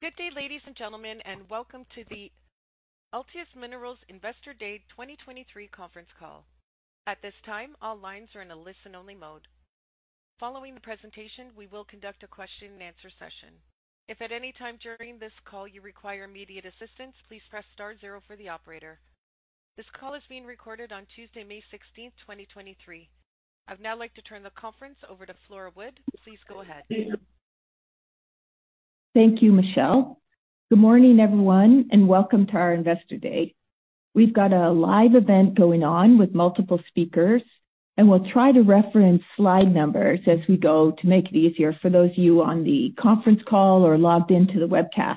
Good day, ladies and gentlemen, and welcome to the Altius Minerals Investor Day 2023 conference call. At this time, all lines are in a listen-only mode. Following the presentation, we will conduct a question-and-answer session. If at any time during this call you require immediate assistance, please press star zero for the operator. This call is being recorded on Tuesday, May 16th, 2023. I'd now like to turn the conference over to Flora Wood. Please go ahead. Thank you, Michelle. Good morning, everyone, and welcome to our Investor Day. We've got a live event going on with multiple speakers, and we'll try to reference slide numbers as we go to make it easier for those of you on the conference call or logged into the webcast.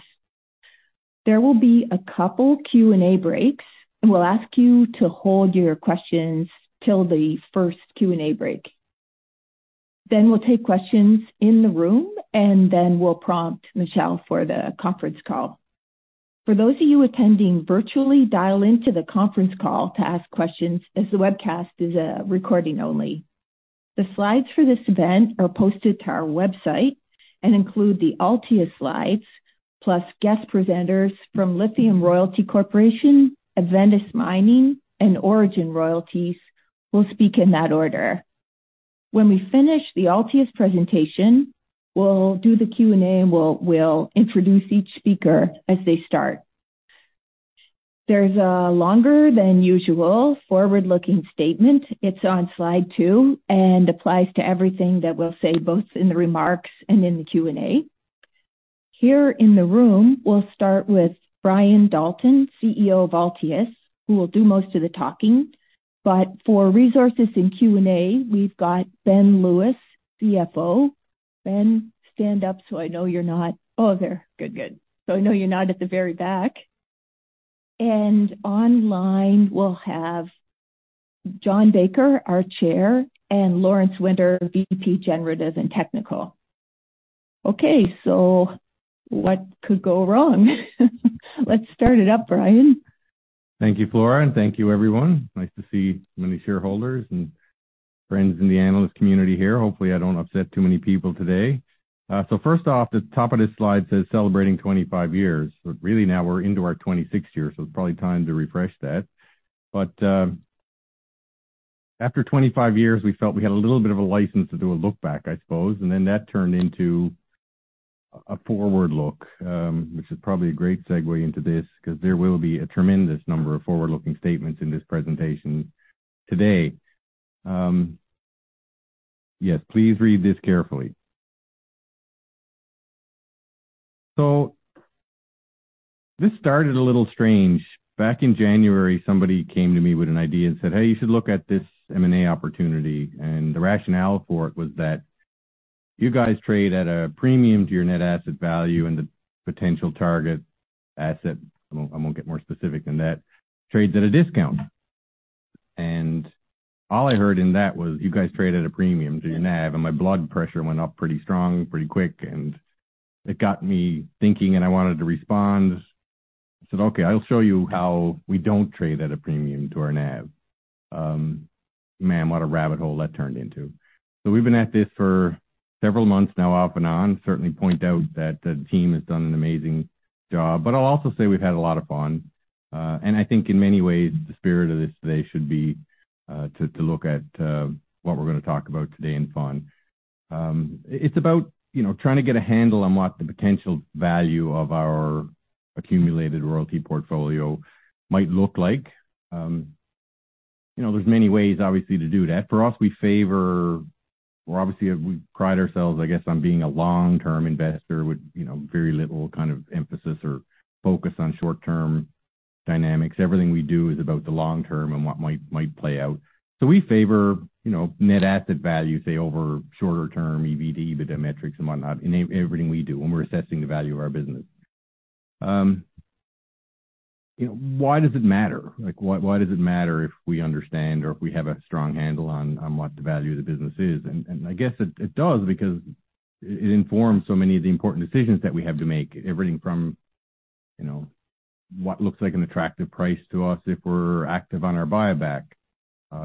There will be a couple Q&A breaks, and we'll ask you to hold your questions till the first Q&A break. We'll take questions in the room, and then we'll prompt Michelle for the conference call. For those of you attending virtually, dial into the conference call to ask questions as the webcast is a recording only. The slides for this event are posted to our website and include the Altius slides, plus guest presenters from Lithium Royalty Corporation, Adventus Mining, and Orogen Royalties will speak in that order. When we finish the Altius presentation, we'll do the Q&A. We'll introduce each speaker as they start. There's a longer than usual forward-looking statement. It's on slide two and applies to everything that we'll say, both in the remarks and in the Q&A. Here in the room, we'll start with Brian Dalton, CEO of Altius, who will do most of the talking. For resources in Q&A, we've got Ben Lewis, CFO. Ben, stand up so I know you're not. Oh, there. Good. I know you're not at the very back. Online, we'll have John Baker, our Chair, and Lawrence Winter, VP Generative and Technical. Okay, what could go wrong? Let's start it up, Brian. Thank you, Flora, and thank you, everyone. Nice to see many shareholders and friends in the analyst community here. Hopefully, I don't upset too many people today. First off, the top of this slide says celebrating 25 years. Really now we're into our 26th year, so it's probably time to refresh that. After 25 years, we felt we had a little bit of a license to do a look back, I suppose. Then that turned into a forward look, which is probably a great segue into this because there will be a tremendous number of forward-looking statements in this presentation today. Yes, please read this carefully. This started a little strange. Back in January, somebody came to me with an idea and said, "Hey, you should look at this M&A opportunity." The rationale for it was that you guys trade at a premium to your net asset value and the potential target asset, I won't get more specific than that, trades at a discount. All I heard in that was, you guys trade at a premium to your NAV, and my blood pressure went up pretty strong, pretty quick, and it got me thinking, and I wanted to respond. I said, "Okay, I'll show you how we don't trade at a premium to our NAV." Man, what a rabbit hole that turned into. We've been at this for several months now off and on. Certainly point out that the team has done an amazing job, but I'll also say we've had a lot of fun. I think in many ways, the spirit of this today should be to look at what we're gonna talk about today in fun. It's about, you know, trying to get a handle on what the potential value of our accumulated royalty portfolio might look like. You know, there's many ways, obviously, to do that. Well, obviously, we pride ourselves, I guess, on being a long-term investor with, you know, very little kind of emphasis or focus on short-term dynamics. Everything we do is about the long term and what might play out. We favor, you know, net asset value, say, over shorter term, EBIT, EBITDA metrics and whatnot in everything we do when we're assessing the value of our business. You know, why does it matter? Like, why does it matter if we understand or if we have a strong handle on what the value of the business is? I guess it does because it informs so many of the important decisions that we have to make. Everything from, you know, what looks like an attractive price to us if we're active on our buyback,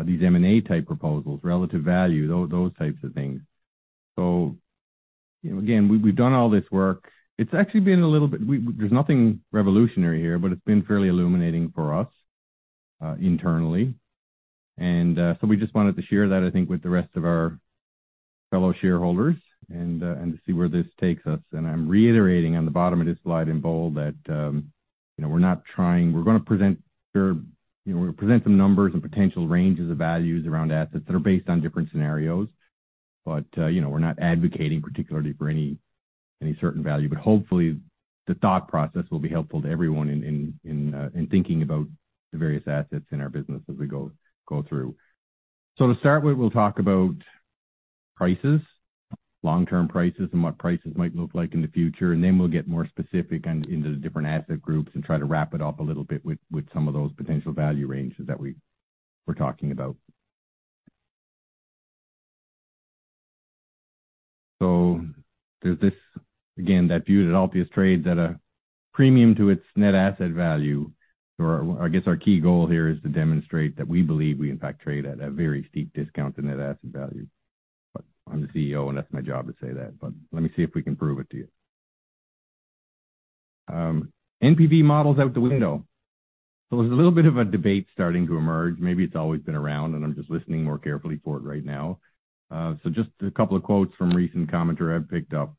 these M&A type proposals, relative value, those types of things. You know, again, we've done all this work. It's actually been a little bit. There's nothing revolutionary here, but it's been fairly illuminating for us internally. We just wanted to share that, I think, with the rest of our fellow shareholders and to see where this takes us. I'm reiterating on the bottom of this slide in bold that, you know, we're not trying... We're gonna present, you know, some numbers and potential ranges of values around assets that are based on different scenarios. You know, we're not advocating particularly for any certain value. Hopefully, the thought process will be helpful to everyone in thinking about the various assets in our business as we go through. To start with, we'll talk about prices, long-term prices and what prices might look like in the future, and then we'll get more specific and into the different asset groups and try to wrap it up a little bit with some of those potential value ranges that we're talking about. There's this, again, that view that Altius trades at a premium to its net asset value. Our, I guess our key goal here is to demonstrate that we believe we in fact trade at a very steep discount to net asset value. I'm the CEO, and that's my job to say that, but let me see if we can prove it to you. NPV models out the window. There's a little bit of a debate starting to emerge. Maybe it's always been around, and I'm just listening more carefully for it right now. Just a couple of quotes from recent commentary I've picked up.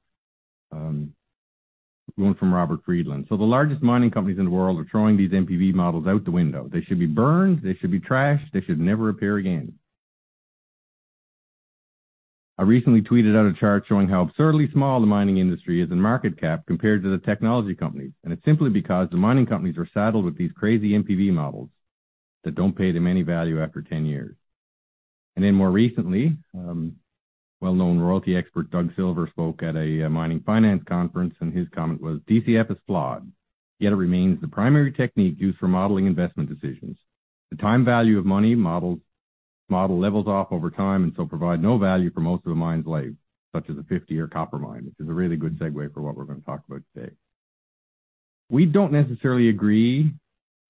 One from Robert Friedland. "The largest mining companies in the world are throwing these NPV models out the window. They should be burned, they should be trashed, they should never appear again." I recently tweeted out a chart showing how absurdly small the mining industry is in market cap compared to the technology companies, and it's simply because the mining companies are saddled with these crazy NPV models that don't pay them any value after 10 years. More recently, well-known royalty expert Doug Silver spoke at a mining finance conference, and his comment was, "DCF is flawed, yet it remains the primary technique used for modeling investment decisions. The time value of money model levels off over time and so provide no value for most of a mine's life, such as a 50-year copper mine," which is a really good segue for what we're gonna talk about today. We don't necessarily agree.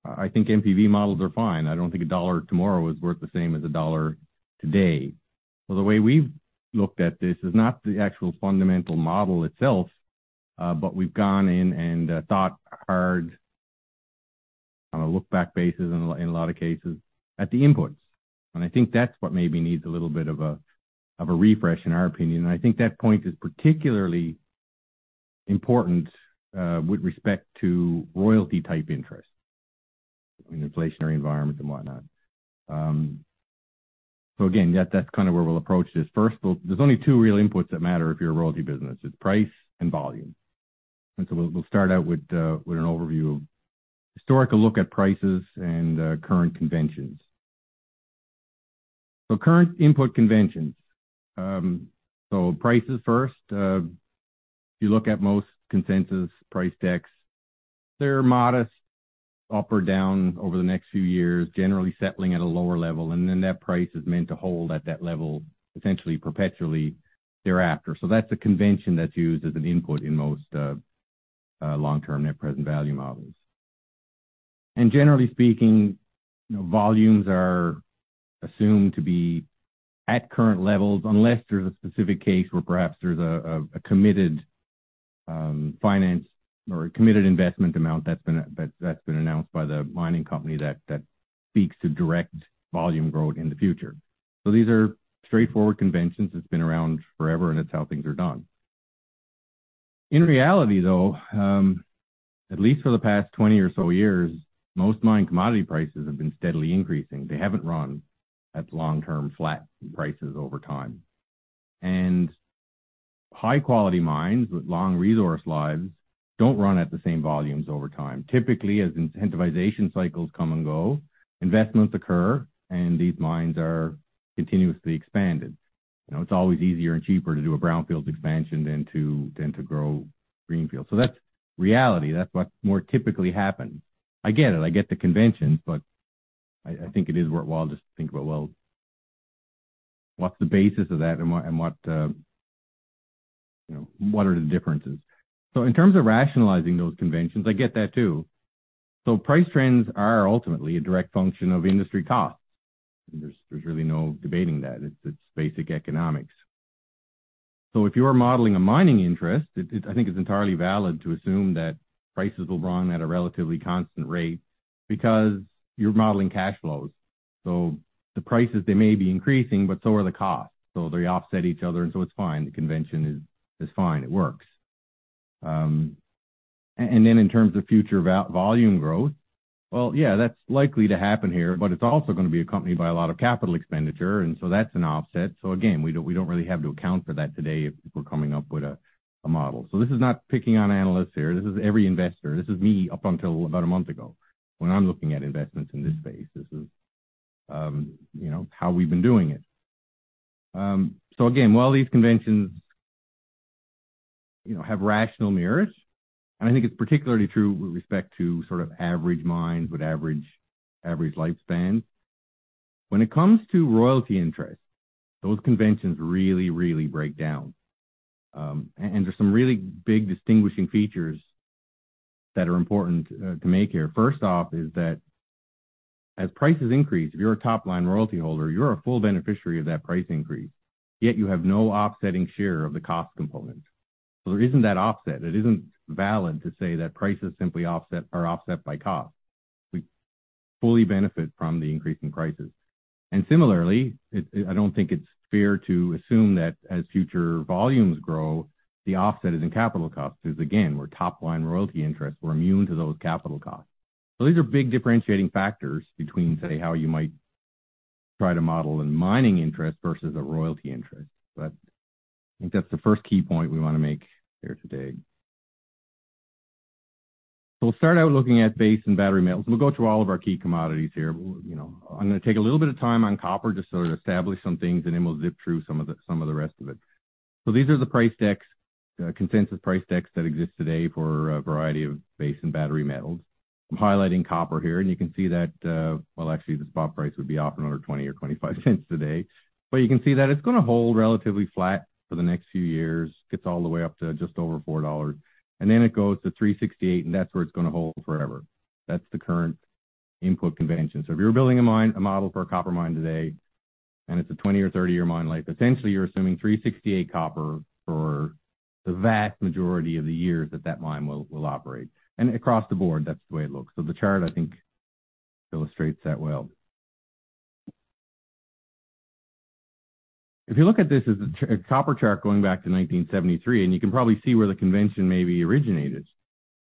I think NPV models are fine. I don't think a dollar tomorrow is worth the same as a dollar today. The way we've looked at this is not the actual fundamental model itself, but we've gone in and thought hard on a look-back basis in a lot of cases at the inputs. I think that's what maybe needs a little bit of a, of a refresh, in our opinion. I think that point is particularly important with respect to royalty-type interest in inflationary environments and whatnot. again, yeah, that's kind of where we'll approach this. First, there's only two real inputs that matter if you're a royalty business. It's price and volume. we'll start out with an overview of historical look at prices and current conventions. current input conventions. prices first. If you look at most consensus price decks, they're modest up or down over the next few years, generally settling at a lower level, and then that price is meant to hold at that level essentially perpetually thereafter. That's a convention that's used as an input in most long-term net present value models. Generally speaking, you know, volumes are assumed to be at current levels unless there's a specific case where perhaps there's a committed finance or a committed investment amount that's been announced by the mining company that speaks to direct volume growth in the future. These are straightforward conventions that's been around forever, and it's how things are done. In reality, though, at least for the past 20 or so years, most mined commodity prices have been steadily increasing. They haven't run at long-term flat prices over time. High-quality mines with long resource lives don't run at the same volumes over time. Typically, as incentivization cycles come and go, investments occur, and these mines are continuously expanded. You know, it's always easier and cheaper to do a brownfields expansion than to grow greenfield. That's reality. That's what more typically happens. I get it. I get the conventions, I think it is worthwhile just to think about, well, what's the basis of that and what, and what, you know, what are the differences? In terms of rationalizing those conventions, I get that too. Price trends are ultimately a direct function of industry costs. There's really no debating that. It's basic economics. If you're modeling a mining interest, I think it's entirely valid to assume that prices will run at a relatively constant rate because you're modeling cash flows. The prices, they may be increasing, but so are the costs. They offset each other, it's fine. The convention is fine. It works. In terms of future volume growth, well, yeah, that's likely to happen here, but it's also gonna be accompanied by a lot of capital expenditure, that's an offset. Again, we don't really have to account for that today if we're coming up with a model. This is not picking on analysts here. This is every investor. This is me up until about a month ago when I'm looking at investments in this space. This is, you know, how we've been doing it. Again, while these conventions, you know, have rational merits, and I think it's particularly true with respect to sort of average mines with average lifespans, when it comes to royalty interests, those conventions really break down. There's some really big distinguishing features that are important to make here. First off is that as prices increase, if you're a top-line royalty holder, you're a full beneficiary of that price increase, yet you have no offsetting share of the cost component. There isn't that offset. It isn't valid to say that prices simply offset or offset by cost. We fully benefit from the increase in prices. Similarly, I don't think it's fair to assume that as future volumes grow, the offset is in capital costs, 'cause again, we're top-line royalty interests. We're immune to those capital costs. These are big differentiating factors between, say, how you might try to model a mining interest versus a royalty interest. I think that's the first key point we wanna make here today. We'll start out looking at base and battery metals. We'll go through all of our key commodities here. You know, I'm gonna take a little bit of time on copper just to sort of establish some things, and then we'll zip through some of the rest of it. These are the price decks, consensus price decks that exist today for a variety of base and battery metals. I'm highlighting copper here, and you can see that, well, actually, the spot price would be up another $0.20 or $0.25 today. You can see that it's gonna hold relatively flat for the next few years, gets all the way up to just over $4, and then it goes to $3.68, and that's where it's gonna hold forever. That's the current convention. If you were building a mine, a model for a copper mine today, and it's a 20 or 30-year mine life, essentially you're assuming $3.68 copper for the vast majority of the years that that mine will operate. Across the board, that's the way it looks. The chart, I think, illustrates that well. If you look at this as a copper chart going back to 1973, you can probably see where the convention maybe originated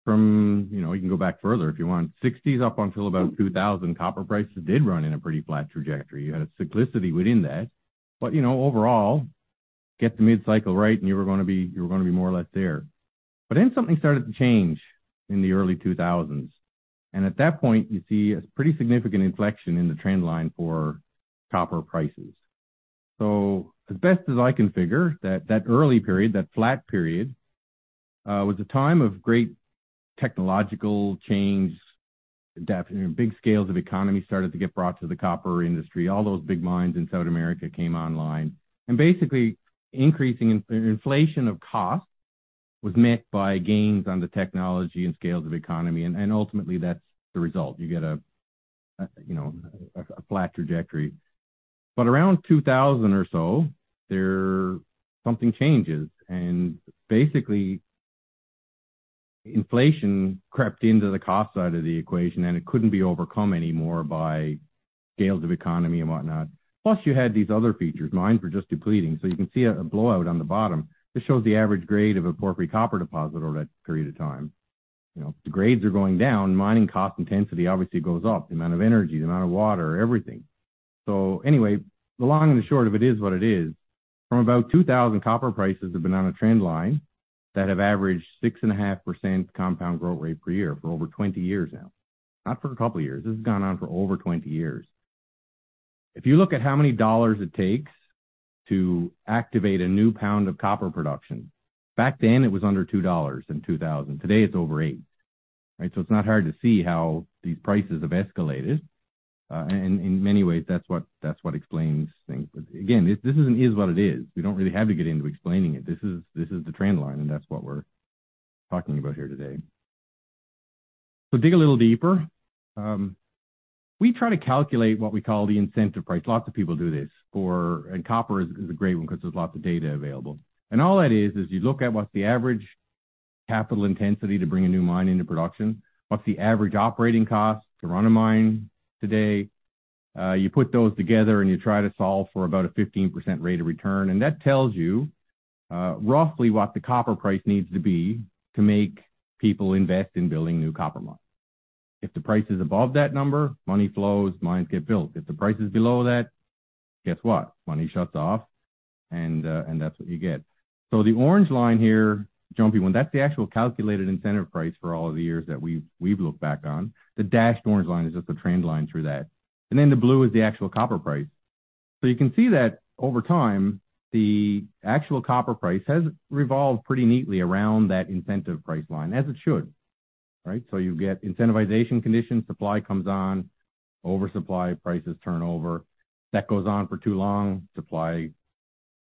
from. You know, you can go back further if you want. 1960s up until about 2000, copper prices did run in a pretty flat trajectory. You had a cyclicity within that. You know, overall, get the mid-cycle right, and you were gonna be more or less there. Something started to change in the early 2000s, and at that point you see a pretty significant inflection in the trend line for copper prices. As best as I can figure, that early period, that flat period, was a time of great technological change. Big scales of economy started to get brought to the copper industry. All those big mines in South America came online. Basically, increasing inflation of cost was met by gains on the technology and scales of economy. Ultimately, that's the result. You get a, you know, a flat trajectory. Around 2000 or so something changes, and basically inflation crept into the cost side of the equation, and it couldn't be overcome anymore by scales of economy and whatnot. You had these other features. Mines were just depleting. You can see a blowout on the bottom. This shows the average grade of a porphyry copper deposit over that period of time. You know, the grades are going down, mining cost intensity obviously goes up, the amount of energy, the amount of water, everything. Anyway, the long and short of it is what it is. From about 2000, copper prices have been on a trend line that have averaged 6.5% compound growth rate per year for over 20 years now. Not for two years. This has gone on for over 20 years. If you look at how many dollars it takes to activate a new pound of copper production, back then it was under $2 in 2000. Today it's over $8, right? It's not hard to see how these prices have escalated. In many ways that's what explains things. Again, this is what it is. We don't really have to get into explaining it. This is the trend line, and that's what we're talking about here today. Dig a little deeper. We try to calculate what we call the incentive price. Lots of people do this for... Copper is a great one 'cause there's lots of data available. All that is you look at what's the average capital intensity to bring a new mine into production. What's the average operating cost to run a mine today? You put those together, and you try to solve for about a 15% rate of return. That tells you roughly what the copper price needs to be to make people invest in building new copper mines. If the price is above that number, money flows, mines get built. If the price is below that, guess what? Money shuts off, and that's what you get. The orange line here, jumpy one, that's the actual calculated incentive price for all of the years that we've looked back on. The dashed orange line is just the trend line through that. The blue is the actual copper price. You can see that over time, the actual copper price has revolved pretty neatly around that incentive price line, as it should, right? You get incentivization conditions, supply comes on, oversupply, prices turn over. That goes on for too long, supply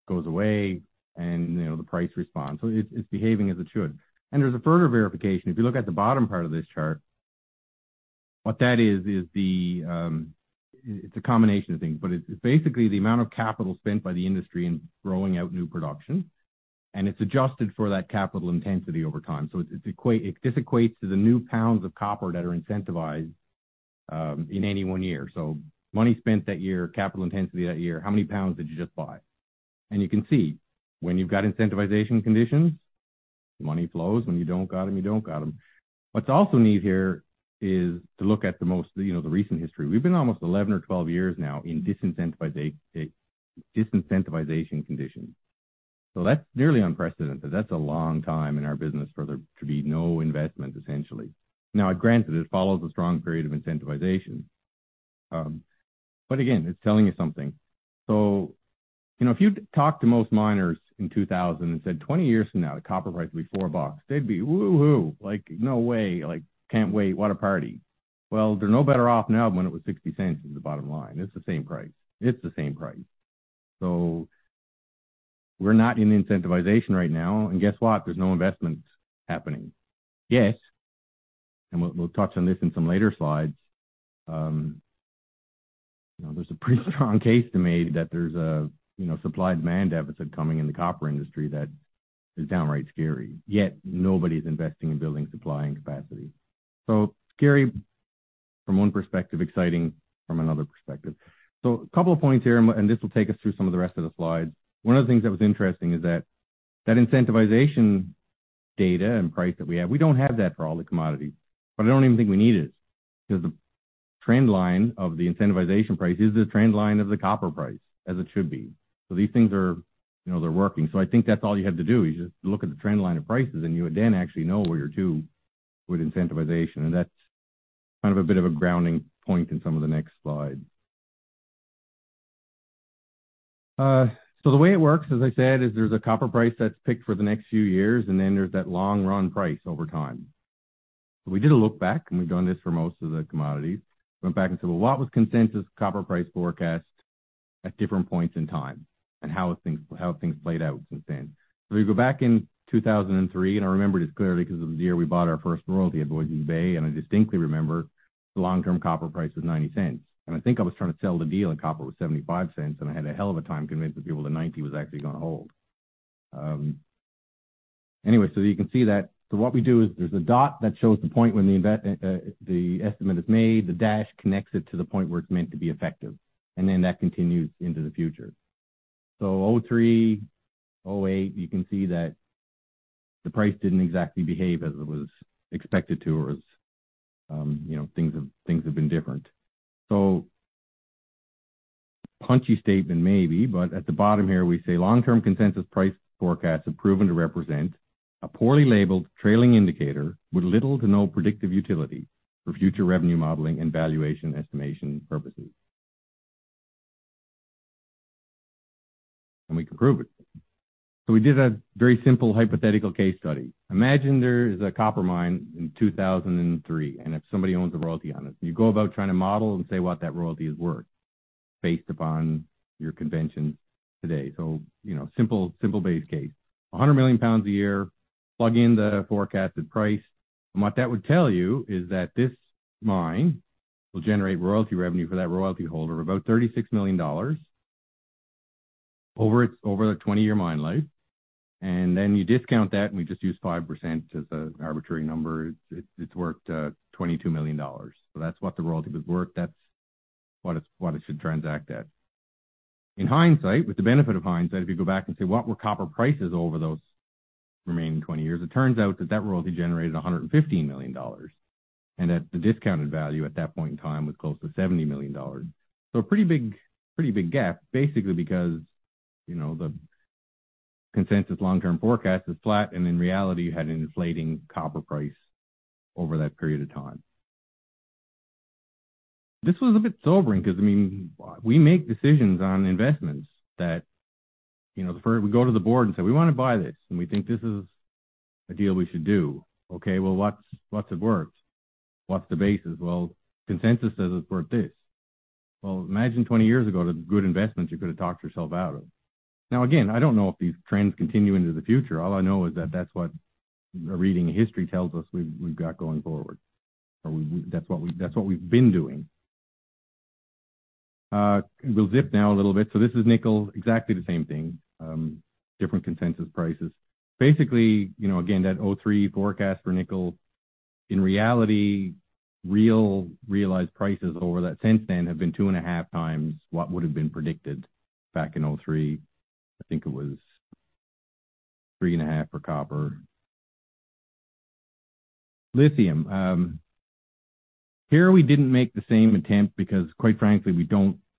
goes away and, you know, the price responds. It's behaving as it should. There's a further verification. If you look at the bottom part of this chart, what that is the. It's a combination of things. It's basically the amount of capital spent by the industry in rolling out new production, and it's adjusted for that capital intensity over time. This equates to the new pounds of copper that are incentivized in any one year. Money spent that year, capital intensity that year, how many pounds did you just buy? You can see when you've got incentivization conditions, money flows. When you don't got them, you don't got them. What's also neat here is to look at the most, you know, the recent history. We've been almost 11 or 12 years now in disincentivization conditions. That's nearly unprecedented. That's a long time in our business for there to be no investment, essentially. Now granted, it follows a strong period of incentivization. But again, it's telling you something. You know, if you talk to most miners in 2000 and said, "20 years from now, the copper price will be $4," they'd be, "Woo-hoo!" Like, "No way!" Like, "Can't wait. What a party!" Well, they're no better off now than when it was $0.60 is the bottom line. It's the same price. It's the same price. We're not in incentivization right now, and guess what? There's no investments happening. Yes, we'll touch on this in some later slides, you know, there's a pretty strong case to be made that there's a, you know, supply and demand deficit coming in the copper industry that is downright scary. Nobody's investing in building supply and capacity. Scary from one perspective, exciting from another perspective. A couple of points here, and this will take us through some of the rest of the slides. One of the things that was interesting is that incentivization data and price that we have, we don't have that for all the commodities, but I don't even think we need it 'cause the trend line of the incentivization price is the trend line of the copper price, as it should be. These things are, you know, they're working. I think that's all you have to do, is just look at the trend line of prices and you would then actually know where you're due with incentivization. That's kind of a bit of a grounding point in some of the next slides. The way it works, as I said, is there's a copper price that's picked for the next few years, and then there's that long run price over time. We did a look back, and we've done this for most of the commodities. Went back and said, "Well, what was consensus copper price forecast?" At different points in time and how things played out since then. If we go back in 2003, I remember this clearly because it was the year we bought our first royalty at Voisey's Bay, I distinctly remember the long-term copper price was $0.90. I think I was trying to sell the deal, copper was $0.75, I had a hell of a time convincing people that $0.90 was actually gonna hold. Anyway, you can see that. What we do is there's a dot that shows the point when the estimate is made. The dash connects it to the point where it's meant to be effective, that continues into the future. 2003, 2008, you can see that the price didn't exactly behave as it was expected to, or as, you know, things have been different. Punchy statement maybe, but at the bottom here we say long-term consensus price forecasts have proven to represent a poorly labeled trailing indicator with little to no predictive utility for future revenue modeling and valuation estimation purposes. We can prove it. We did a very simple hypothetical case study. Imagine there is a copper mine in 2003, and if somebody owns a royalty on it, and you go about trying to model and say what that royalty is worth based upon your convention today. You know, simple base case. 100 million pounds a year, plug in the forecasted price, and what that would tell you is that this mine will generate royalty revenue for that royalty holder of about $36 million over its 20-year mine life. You discount that, we just use 5% as an arbitrary number. It's worth $22 million. That's what the royalty was worth. That's what it should transact at. In hindsight, with the benefit of hindsight, if you go back and say, "What were copper prices over those remaining 20 years?" It turns out that that royalty generated $115 million, and that the discounted value at that point in time was close to $70 million. A pretty big gap, basically, because, you know, the consensus long-term forecast is flat, and in reality, you had an inflating copper price over that period of time. This was a bit sobering because, I mean, we make decisions on investments that, you know, the first... We go to the board and say, "We wanna buy this, and we think this is a deal we should do." "Okay, well, what's it worth? What's the basis?" "Well, consensus says it's worth this." Well, imagine 20 years ago, the good investments you could have talked yourself out of. Now, again, I don't know if these trends continue into the future. All I know is that that's what reading history tells us we've got going forward, or That's what we've been doing. We'll zip now a little bit. This is nickel, exactly the same thing, different consensus prices. Basically, you know, again, that 2003 forecast for nickel, in reality, real realized prices over that since then have been 2.5 times what would have been predicted back in 2003. I think it was three and a half for copper. Lithium. Here we didn't make the same attempt because, quite frankly,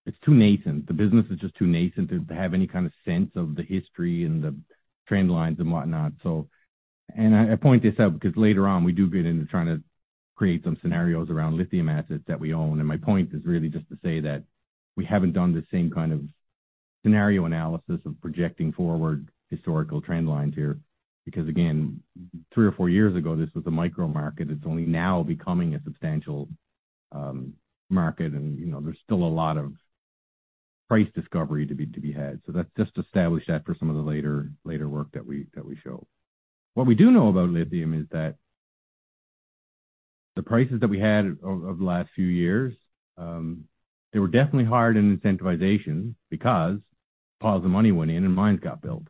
it's too nascent. The business is just too nascent to have any kind of sense of the history and the trend lines and whatnot, so. I point this out because later on, we do get into trying to create some scenarios around lithium assets that we own. My point is really just to say that we haven't done the same kind of scenario analysis of projecting forward historical trend lines here. Because, again, three or four years ago, this was a micro market. It's only now becoming a substantial market. you know, there's still a lot of price discovery to be, to be had. That's just to establish that for some of the later work that we, that we show. What we do know about lithium is that the prices that we had over the last few years, they were definitely hard in incentivization because piles of money went in and mines got built.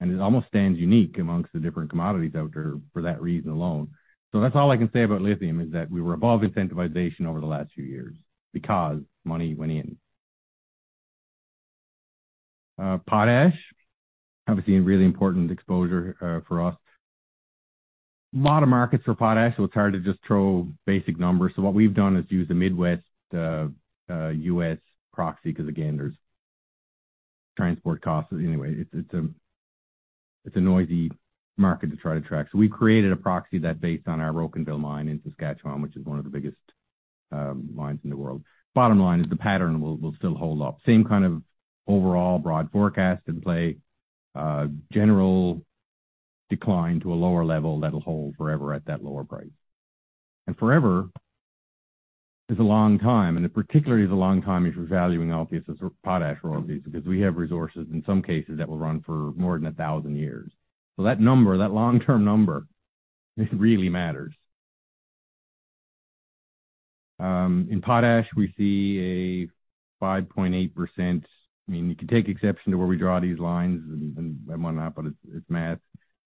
And it almost stands unique amongst the different commodities out there for that reason alone. That's all I can say about lithium, is that we were above incentivization over the last few years because money went in. Potash, obviously a really important exposure for us. A lot of markets for potash, so it's hard to just throw basic numbers. What we've done is use the Midwest U.S. proxy because, again, there's transport costs. Anyway, it's a noisy market to try to track. We created a proxy that's based on our Rocanville mine in Saskatchewan, which is one of the biggest mines in the world. Bottom line is the pattern will still hold up. Same kind of overall broad forecast in play. General decline to a lower level that'll hold forever at that lower price. Forever is a long time, and it particularly is a long time if you're valuing all pieces of potash royalties, because we have resources in some cases that will run for more than 1,000 years. That number, that long-term number, it really matters. In potash, we see a 5.8%... I mean, you can take exception to where we draw these lines and what not, but it's math.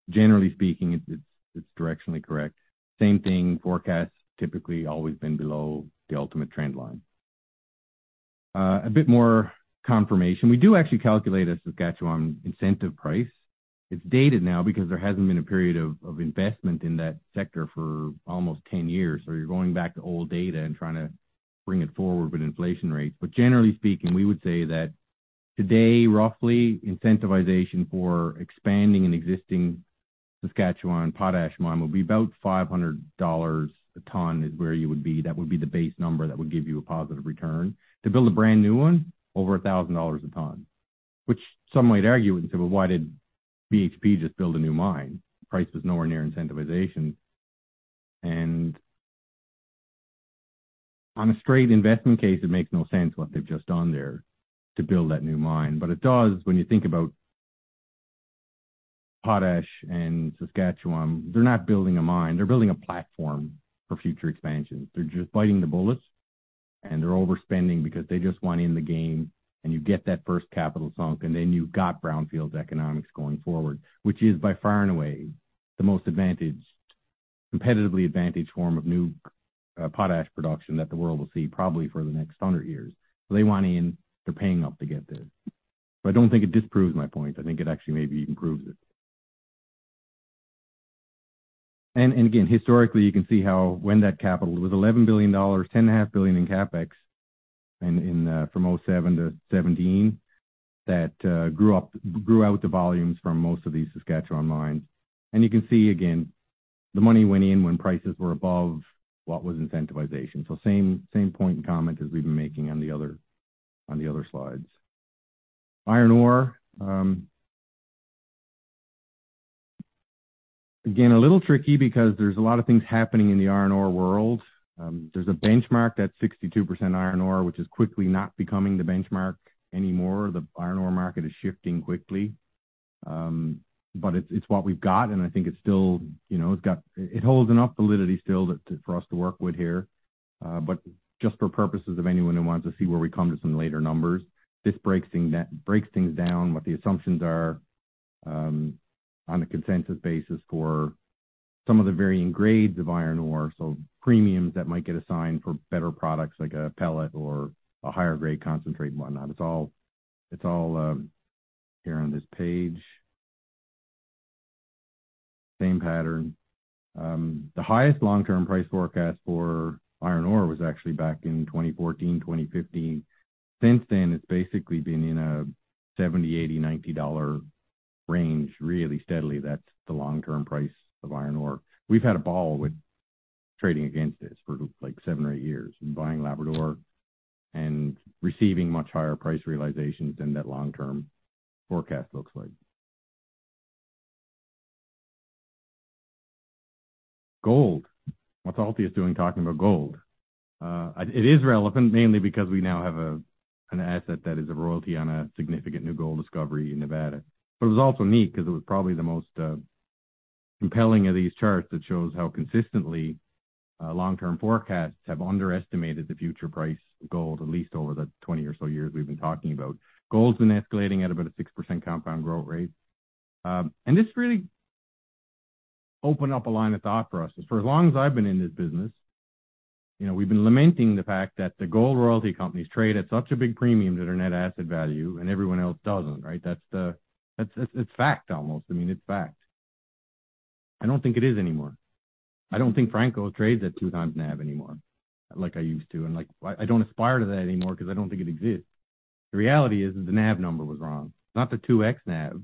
Generally speaking, it's directionally correct. Same thing, forecasts typically always been below the ultimate trend line. A bit more confirmation. We do actually calculate a Saskatchewan incentive price. It's dated now because there hasn't been a period of investment in that sector for almost 10 years, so you're going back to old data and trying to bring it forward with inflation rates. Generally speaking, we would say that today, roughly, incentivization for expanding an existing Saskatchewan potash mine would be about 500 dollars a ton is where you would be. That would be the base number that would give you a positive return. To build a brand-new one, over 1,000 dollars a ton, which some might argue and say, "Well, why did BHP just build a new mine? Price was nowhere near incentivization." On a straight investment case, it makes no sense what they've just done there to build that new mine. It does when you think about potash and Saskatchewan. They're not building a mine, they're building a platform for future expansions. They're just biting the bullets, and they're overspending because they just want in the game, and you get that first capital sunk, and then you've got brownfields economics going forward, which is by far and away the most advantaged, competitively advantaged form of new potash production that the world will see probably for the next 100 years. They want in, they're paying up to get this. I don't think it disproves my point. I think it actually maybe even proves it. And again, historically, you can see how when that capital, it was $11 billion, $10.5 billion in CapEx from 2007 to 2017 that grew out the volumes from most of these Saskatchewan mines. You can see again, the money went in when prices were above what was incentivization. Same point and comment as we've been making on the other, on the other slides. Iron ore, again, a little tricky because there's a lot of things happening in the iron ore world. There's a benchmark that 62% iron ore, which is quickly not becoming the benchmark anymore. The iron ore market is shifting quickly. It's what we've got, and I think it's still, you know, It holds enough validity still for us to work with here. Just for purposes of anyone who wants to see where we come to some later numbers, this breaks things down, what the assumptions are, on a consensus basis for some of the varying grades of iron ore, so premiums that might get assigned for better products like a pellet or a higher grade concentrate and whatnot. It's all here on this page. Same pattern. The highest long-term price forecast for iron ore was actually back in 2014, 2015. Since then, it's basically been in a $70, $80, $90 range really steadily. That's the long-term price of iron ore. We've had a ball with trading against this for like seven or eight years and buying Labrador and receiving much higher price realizations than that long-term forecast looks like. Gold. What's Altius doing talking about gold? It is relevant mainly because we now have an asset that is a royalty on a significant new gold discovery in Nevada. It was also neat because it was probably the most compelling of these charts that shows how consistently long-term forecasts have underestimated the future price of gold, at least over the 20 or so years we've been talking about. Gold's been escalating at about a 6% compound growth rate. This really opened up a line of thought for us. For as long as I've been in this business, you know, we've been lamenting the fact that the gold royalty companies trade at such a big premium to their net asset value, and everyone else doesn't, right? That's, it's fact almost. I mean, it's fact. I don't think it is anymore. I don't think Franco trades at 2x NAV anymore like I used to. Like, I don't aspire to that anymore because I don't think it exists. The reality is the NAV number was wrong. Not the 2x NAV.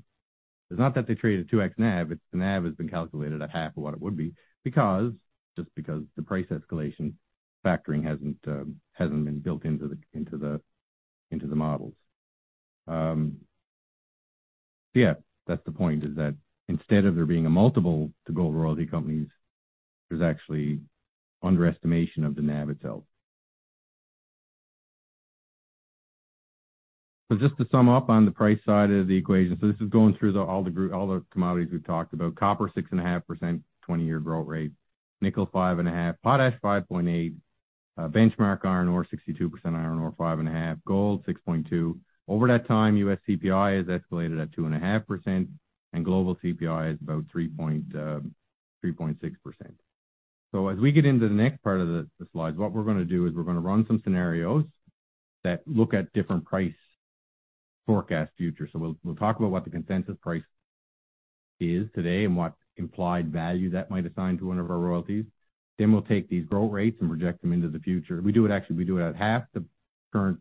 It's not that they traded 2x NAV. It's the NAV has been calculated at half of what it would be because, just because the price escalation factoring hasn't been built into the models. Yeah, that's the point, is that instead of there being a multiple to gold royalty companies, there's actually underestimation of the NAV itself. Just to sum up on the price side of the equation. This is going through all the commodities we've talked about. Copper, 6.5% 20-year growth rate. Nickel, 5.5%. Potash, 5.8%. benchmark iron ore, 62%. Iron ore, 5.5%. Gold, 6.2%. Over that time, US CPI has escalated at 2.5%, and global CPI is about 3.6%. As we get into the next part of the slides, what we're gonna do is we're gonna run some scenarios that look at different price forecast future. We'll talk about what the consensus price is today and what implied value that might assign to one of our royalties. We'll take these growth rates and project them into the future. Actually, we do it at half the current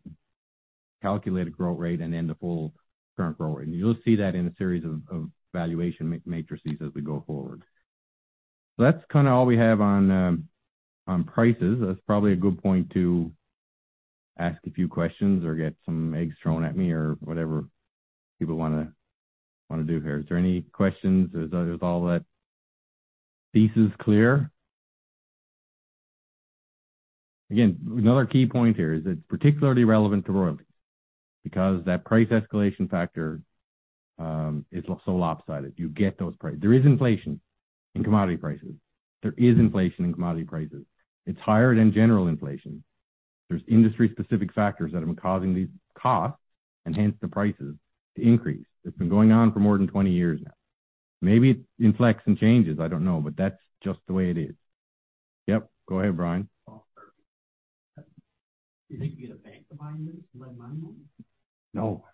calculated growth rate and then the full current growth rate. You'll see that in a series of valuation matrices as we go forward. That's kinda all we have on prices. That's probably a good point to ask a few questions or get some eggs thrown at me or whatever people wanna do here. Is there any questions? Is all that thesis clear? Again, another key point here is it's particularly relevant to royalties because that price escalation factor is so lopsided. You get those. There is inflation in commodity prices. There is inflation in commodity prices. It's higher than general inflation. There's industry-specific factors that have been causing these costs, and hence the prices to increase. It's been going on for more than 20 years now. Maybe it inflects and changes, I don't know. That's just the way it is. Yep. Go ahead, Brian. Do you think you get a bank to buy into this and lend money? No.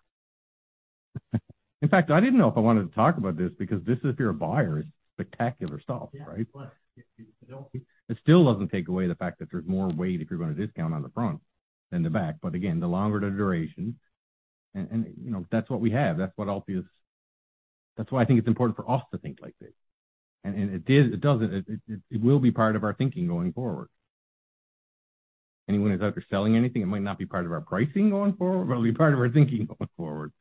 In fact, I didn't know if I wanted to talk about this because this, if you're a buyer, is spectacular stuff, right? Yeah, but if you don't- It still doesn't take away the fact that there's more weight if you're gonna discount on the front than the back. Again, the longer the duration and, you know, that's what we have. That's what Altius. That's why I think it's important for us to think like this. It will be part of our thinking going forward. Anyone who's out there selling anything, it might not be part of our pricing going forward, but it'll be part of our thinking going forward.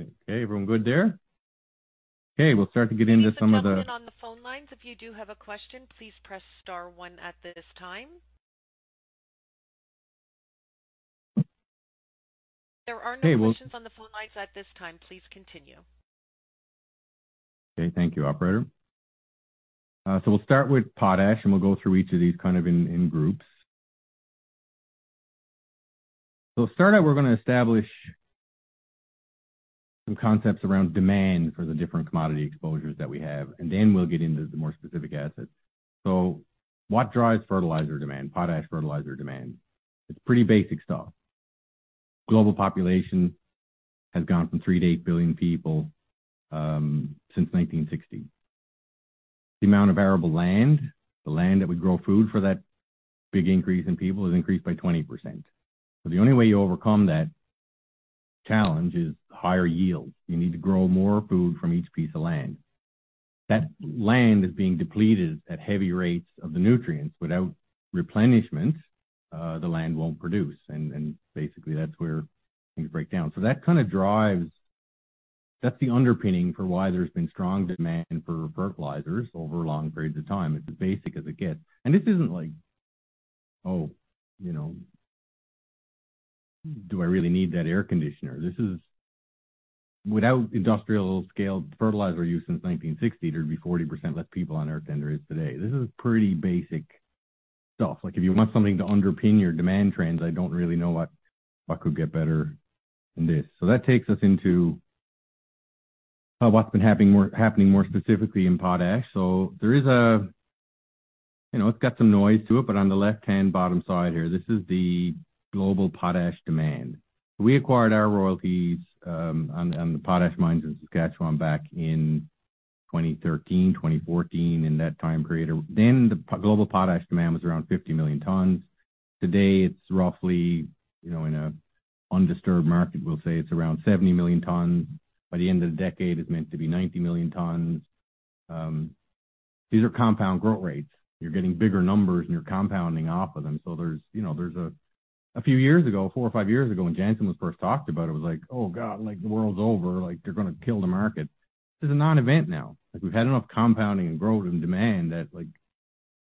Okay, everyone good there? We'll start to get into some of the- Please hold on the phone lines. If you do have a question, please press star one at this time. There are no questions on the phone lines at this time. Please continue. Okay. Thank you, operator. We'll start with potash, we'll go through each of these kind of in groups. To start out, we're gonna establish some concepts around demand for the different commodity exposures that we have, we'll get into the more specific assets. What drives fertilizer demand, potash fertilizer demand? It's pretty basic stuff. Global population has gone from 3 to 8 billion people since 1960. The amount of arable land, the land that would grow food for that big increase in people, has increased by 20%. The only way you overcome that challenge is higher yields. You need to grow more food from each piece of land. That land is being depleted at heavy rates of the nutrients. Without replenishment, the land won't produce. Basically, that's where things break down. That kind of drives. That's the underpinning for why there's been strong demand for fertilizers over long periods of time. It's as basic as it gets. This isn't like, oh, you know, do I really need that air conditioner? This is. Without industrial-scale fertilizer use since 1960, there'd be 40% less people on Earth than there is today. This is pretty basic stuff. Like, if you want something to underpin your demand trends, I don't really know what could get better than this. That takes us into what's been happening more specifically in potash. There is a. You know, it's got some noise to it, but on the left-hand bottom side here, this is the global potash demand. We acquired our royalties on the potash mines in Saskatchewan back in 2013, 2014, in that time period. The global potash demand was around 50 million tons. Today it's roughly, you know, in an undisturbed market, we'll say it's around 70 million tons. By the end of the decade, it's meant to be 90 million tons. These are compound growth rates. You're getting bigger numbers, and you're compounding off of them. There's, you know, there's four or five years ago, when Jansen was first talked about, it was like, oh God, like, the world's over. They're gonna kill the market. This is a non-event now. We've had enough compounding and growth and demand that, like,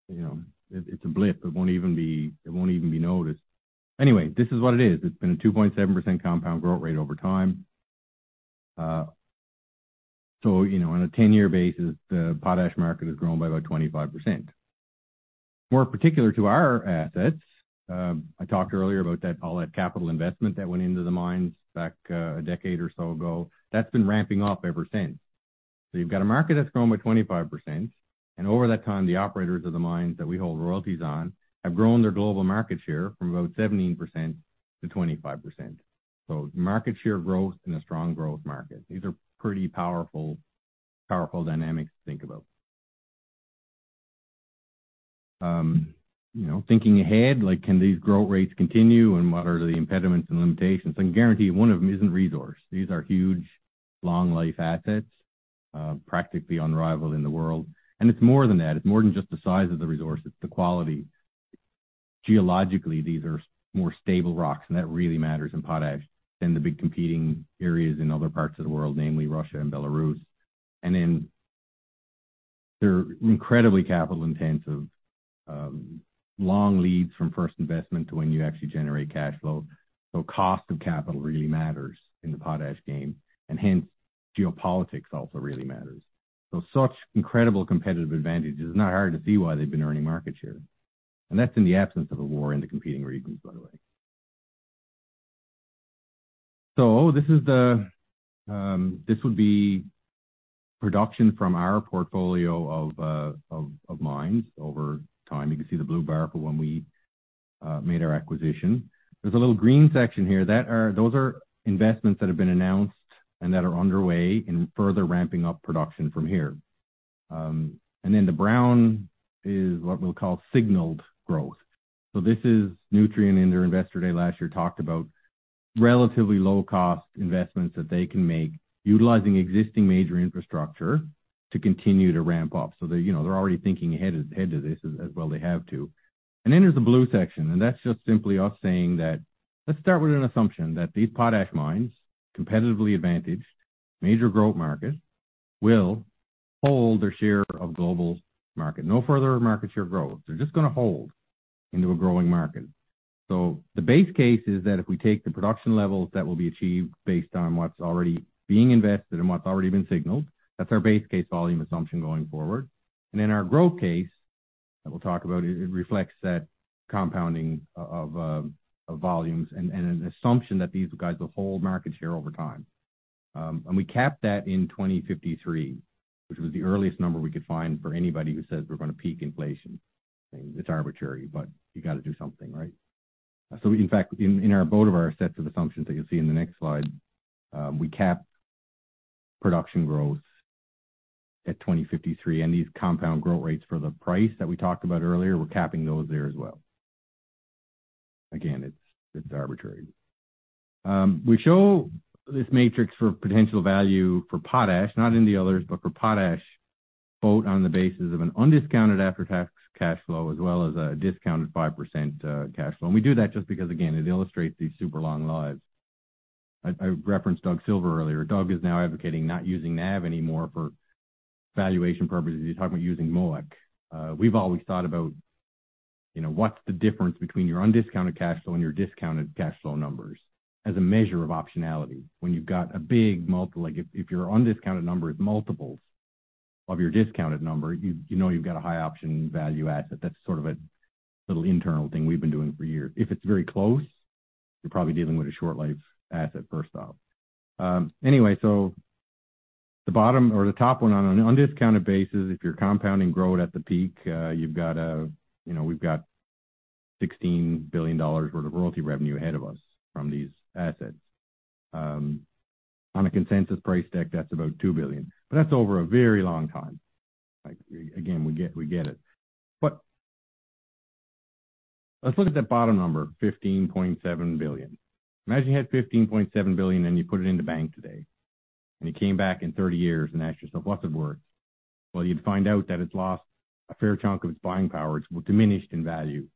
you know, it's a blip. It won't even be noticed. This is what it is. It's been a 2.7% compound growth rate over time. You know, on a 10-year basis, the potash market has grown by about 25%. More particular to our assets, I talked earlier about that all that capital investment that went into the mines back a decade or so ago. That's been ramping up ever since. You've got a market that's grown by 25%, and over that time, the operators of the mines that we hold royalties on have grown their global market share from about 17%-25%. Market share growth in a strong growth market. These are pretty powerful dynamics to think about. You know, thinking ahead, like can these growth rates continue, and what are the impediments and limitations? I can guarantee one of them isn't resource. These are huge long life assets, practically unrivaled in the world. It's more than that. It's more than just the size of the resource, it's the quality. Geologically, these are more stable rocks, that really matters in potash than the big competing areas in other parts of the world, namely Russia and Belarus. They're incredibly capital-intensive, long leads from first investment to when you actually generate cash flow. Cost of capital really matters in the potash game, and hence geopolitics also really matters. Such incredible competitive advantage, it's not hard to see why they've been earning market share. That's in the absence of a war in the competing regions, by the way. This is the, this would be production from our portfolio of mines over time. You can see the blue vertical when we made our acquisition. There's a little green section here. Those are investments that have been announced and that are underway in further ramping up production from here. The brown is what we'll call signaled growth. This is Nutrien in their investor day last year, talked about relatively low cost investments that they can make utilizing existing major infrastructure to continue to ramp up. They, you know, they're already thinking ahead to this, as well they have to. There's the blue section, and that's just simply us saying that, let's start with an assumption that these potash mines, competitively advantaged, major growth market, will hold their share of global market. No further market share growth. They're just gonna hold into a growing market. The base case is that if we take the production levels that will be achieved based on what's already being invested and what's already been signaled, that's our base case volume assumption going forward. Then our growth case that we'll talk about, it reflects that compounding of volumes and an assumption that these guys will hold market share over time. We cap that in 2053, which was the earliest number we could find for anybody who says we're gonna peak inflation. It's arbitrary, but you got to do something, right? In fact, in both of our sets of assumptions that you'll see in the next slide, we cap production growth at 2053. These compound growth rates for the price that we talked about earlier, we're capping those there as well. Again, it's arbitrary. We show this matrix for potential value for potash, not in the others, but for potash. Quote on the basis of an undiscounted after-tax cash flow as well as a discounted 5% cash flow. We do that just because again, it illustrates these super long lives. I referenced Doug Silver earlier. Doug is now advocating not using NAV anymore for valuation purposes. He's talking about using MOIC. We've always thought about, you know, what's the difference between your undiscounted cash flow and your discounted cash flow numbers as a measure of optionality. When you've got a big multiple... Like if your undiscounted number is multiples of your discounted number, you know you've got a high option value asset. That's sort of a little internal thing we've been doing for years. If it's very close, you're probably dealing with a short life asset, first off. Anyway, so the bottom or the top one on an undiscounted basis, if you're compounding growth at the peak, you know, we've got $16 billion worth of royalty revenue ahead of us from these assets. On a consensus price deck, that's about $2 billion. That's over a very long time. Like again, we get it. Let's look at that bottom number, $15.7 billion. Imagine you had $15.7 billion and you put it in the bank today, and you came back in 30 years and asked yourself, "What's it worth?" Well, you'd find out that it's lost a fair chunk of its buying power. It's diminished in value.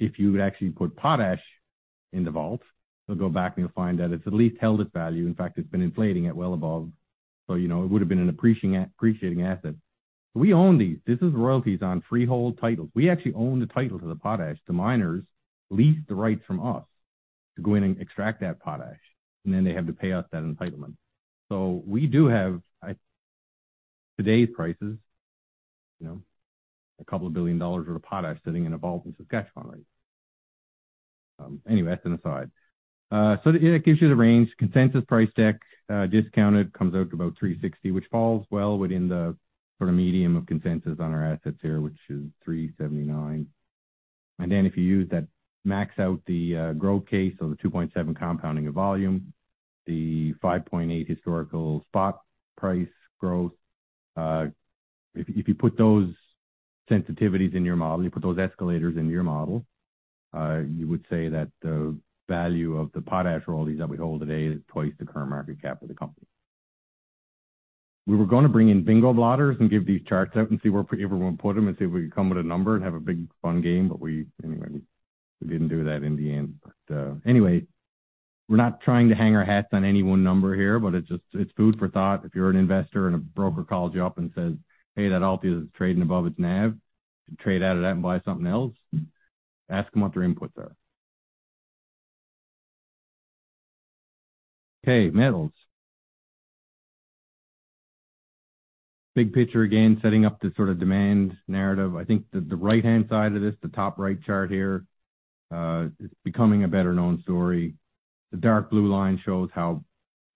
If you actually put potash in the vault, you'll go back and you'll find that it's at least held its value. In fact, it's been inflating at well above, you know, it would have been an appreciating asset. We own these. This is royalties on freehold titles. We actually own the title to the potash. The miners lease the rights from us to go in and extract that potash, and then they have to pay us that entitlement. We do have, at today's prices, you know, 2 billion dollars worth of potash sitting in a vault in Saskatchewan right now. Anyway, that's an aside. Yeah, it gives you the range. Consensus price deck, discounted comes out to about 360, which falls well within the sort of medium of consensus on our assets here, which is 379. If you use that, max out the growth case or the 2.7 compounding of volume, the 5.8 historical spot price growth. If you put those sensitivities in your model, you put those escalators into your model, you would say that the value of the potash royalties that we hold today is twice the current market cap of the company. We were gonna bring in bingo blotters and give these charts out and see where everyone put them and see if we could come with a number and have a big fun game. Anyway, we didn't do that in the end. Anyway, we're not trying to hang our hats on any one number here, but it's just, it's food for thought. If you're an investor and a broker calls you up and says, "Hey, that Altius is trading above its NAV. Trade out of that and buy something else." Ask them what their inputs are. Metals. Big picture, again, setting up the sort of demand narrative. I think the right-hand side of this, the top right chart here, is becoming a better-known story. The dark blue line shows how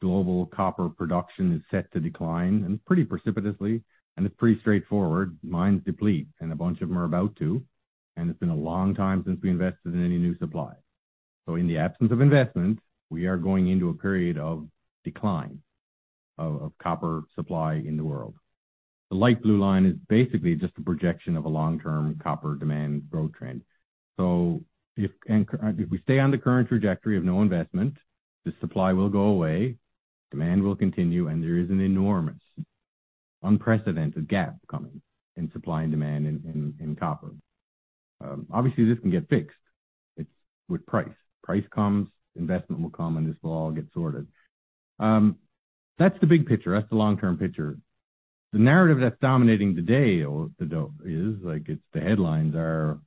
global copper production is set to decline, pretty precipitously, and it's pretty straightforward. Mines deplete, a bunch of them are about to, and it's been a long time since we invested in any new supply. In the absence of investment, we are going into a period of decline of copper supply in the world. The light blue line is basically just a projection of a long-term copper demand growth trend. If... If we stay on the current trajectory of no investment, the supply will go away, demand will continue, and there is an enormous unprecedented gap coming in supply and demand in copper. Obviously, this can get fixed. It's with price. Price comes, investment will come, and this will all get sorted. That's the big picture. That's the long-term picture. The narrative that's dominating today or the headlines are,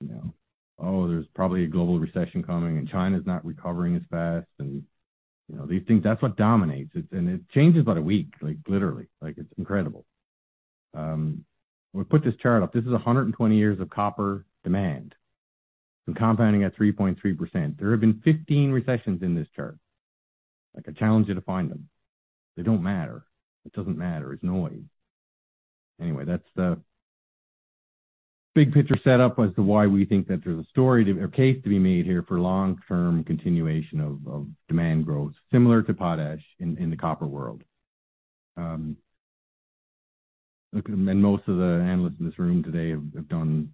you know, oh, there's probably a global recession coming and China's not recovering as fast and, you know, these things. That's what dominates. It changes about a week, like literally. Like it's incredible. We put this chart up. This is 120 years of copper demand. Compounding at 3.3%. There have been 15 recessions in this chart. Like I challenge you to find them. They don't matter. It doesn't matter. It's noise. That's the big picture set up as to why we think that there's a story to or case to be made here for long-term continuation of demand growth, similar to potash in the copper world. Most of the analysts in this room today have done,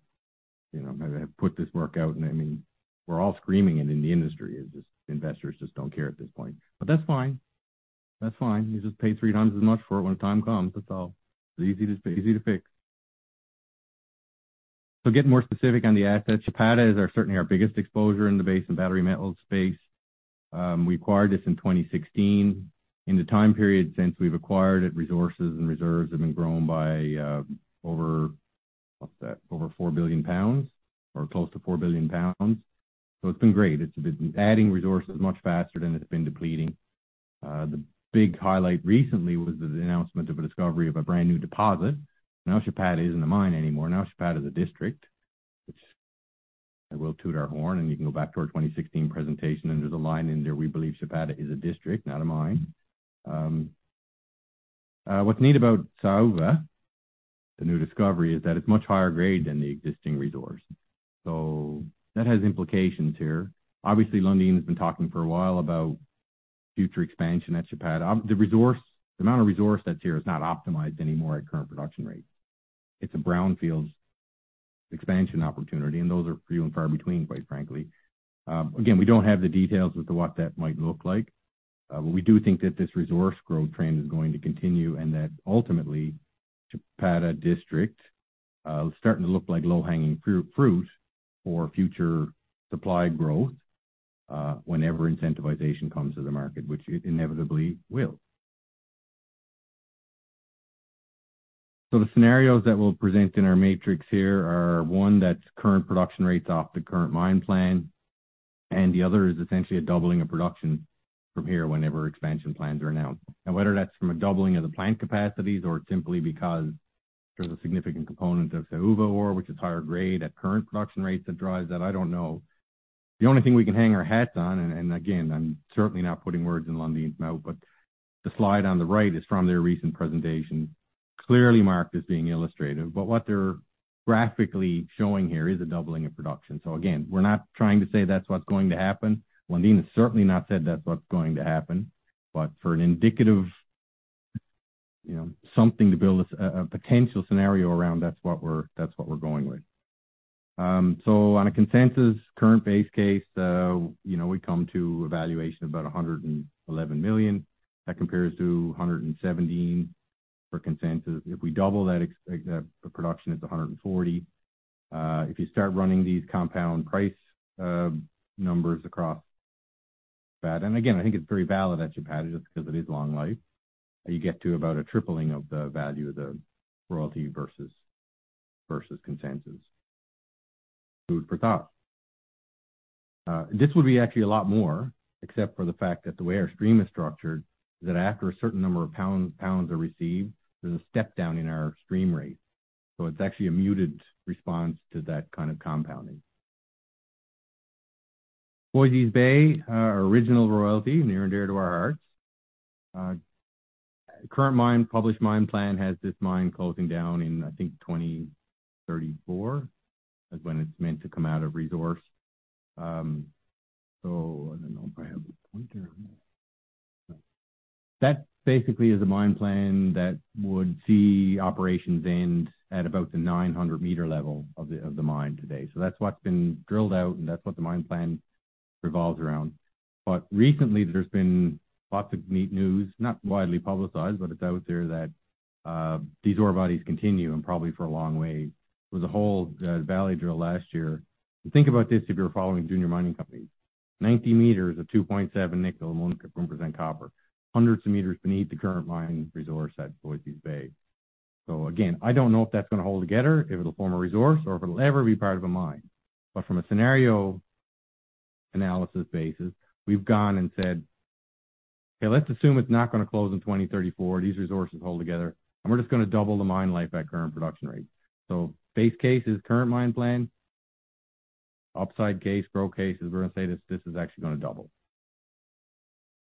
you know, have put this work out and I mean, we're all screaming it in the industry. It's just investors just don't care at this point. That's fine. That's fine. You just pay three times as much for it when time comes. That's all. It's easy to fix. Getting more specific on the assets. Chapada is certainly our biggest exposure in the base and battery metal space. We acquired this in 2016. In the time period since we've acquired it, resources and reserves have been grown by, over, what's that? Over 4 billion pounds or close to 4 billion pounds. It's been great. It's been adding resources much faster than it's been depleting. The big highlight recently was the announcement of a discovery of a brand new deposit. Chapada isn't a mine anymore. Chapada is a district, which I will toot our horn, you can go back to our 2016 presentation, there's a line in there, "We believe Chapada is a district, not a mine." What's neat about Saúva, the new discovery, is that it's much higher grade than the existing resource. That has implications here. Obviously, Lundin has been talking for a while about future expansion at Chapada. The resource, the amount of resource that's here is not optimized anymore at current production rates. It's a brownfield-expansion opportunity, and those are few and far between, quite frankly. Again, we don't have the details as to what that might look like, but we do think that this resource growth trend is going to continue and that ultimately, Chapada district is starting to look like low-hanging fruit for future supply growth, whenever incentivization comes to the market, which it inevitably will. The scenarios that we'll present in our matrix here are, one, that's current production rates off the current mine plan, and the other is essentially a doubling of production from here whenever expansion plans are announced. Whether that's from a doubling of the plant capacities or simply because there's a significant component of Saúva ore, which is higher grade at current production rates that drives that, I don't know. The only thing we can hang our hats on, and again, I'm certainly not putting words in Lundin Mining's mouth, the slide on the right is from their recent presentation, clearly marked as being illustrative. What they're graphically showing here is a doubling of production. Again, we're not trying to say that's what's going to happen. Lundin Mining has certainly not said that's what's going to happen. For an indicative, you know, something to build a potential scenario around, that's what we're going with. On a consensus current base case, you know, we come to a valuation of about 111 million. That compares to 117 for consensus. If we double that, the production is 140. If you start running these compound price numbers across that, and again, I think it's very valid at Chapada just because it is long life, you get to about a tripling of the value of the royalty versus consensus. Food for thought. This would be actually a lot more, except for the fact that the way our stream is structured, is that after a certain number of pounds are received, there's a step down in our stream rate. It's actually a muted response to that kind of compounding. Voisey's Bay, our original royalty, near and dear to our hearts. Current mine, published mine plan has this mine closing down in, I think, 2034. That's when it's meant to come out of resource. I don't know if I have a pointer. That basically is a mine plan that would see operations end at about the 900 meter level of the mine today. That's what's been drilled out, and that's what the mine plan revolves around. Recently, there's been lots of neat news, not widely publicized, but it's out there that these ore bodies continue and probably for a long way. There was a whole valley drill last year. Think about this if you're following junior mining companies. 90 meters of 2.7 nickel, 1% copper, hundreds of meters beneath the current mine resource at Voisey's Bay. Again, I don't know if that's gonna hold together, if it'll form a resource or if it'll ever be part of a mine. From a scenario analysis basis, we've gone and said, "Okay, let's assume it's not gonna close in 2034. These resources hold together, and we're just gonna double the mine life at current production rate." Base case is current mine plan. Upside case, growth case is we're gonna say this is actually gonna double.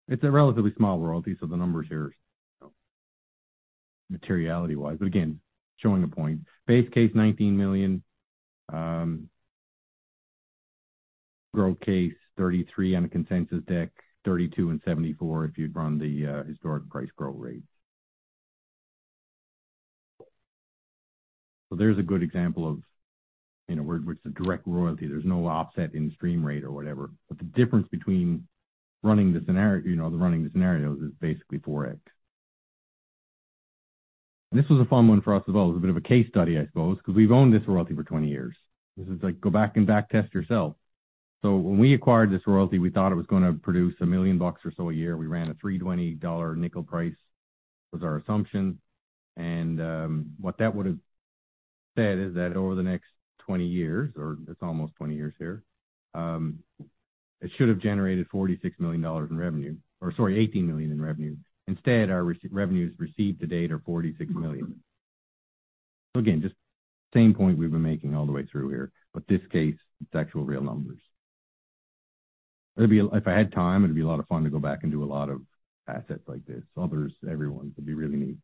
It's a relatively small royalty, so the numbers here is, you know, materiality-wise. Again, showing a point. Base case, 19 million, growth case, 33 on a consensus deck, 32 and 74 if you'd run the historic price growth rate. There's a good example of, you know, where it's a direct royalty. There's no offset in stream rate or whatever. The difference between running the scenario, you know, the running the scenarios is basically 4x. This was a fun one for us as well. It was a bit of a case study, I suppose, because we've owned this royalty for 20 years. This is like, go back and back-test yourself. When we acquired this royalty, we thought it was gonna produce 1 million bucks or so a year. We ran a 3.20 dollar nickel price, was our assumption. What that would've said is that over the next 20 years, or it's almost 20 years here, it should have generated 46 million dollars in revenue. Sorry, 18 million in revenue. Instead, our revenues received to date are 46 million. Again, just same point we've been making all the way through here, but this case, it's actual real numbers. It'd be, if I had time, it'd be a lot of fun to go back and do a lot of assets like this. Others, everyone. It'd be really neat.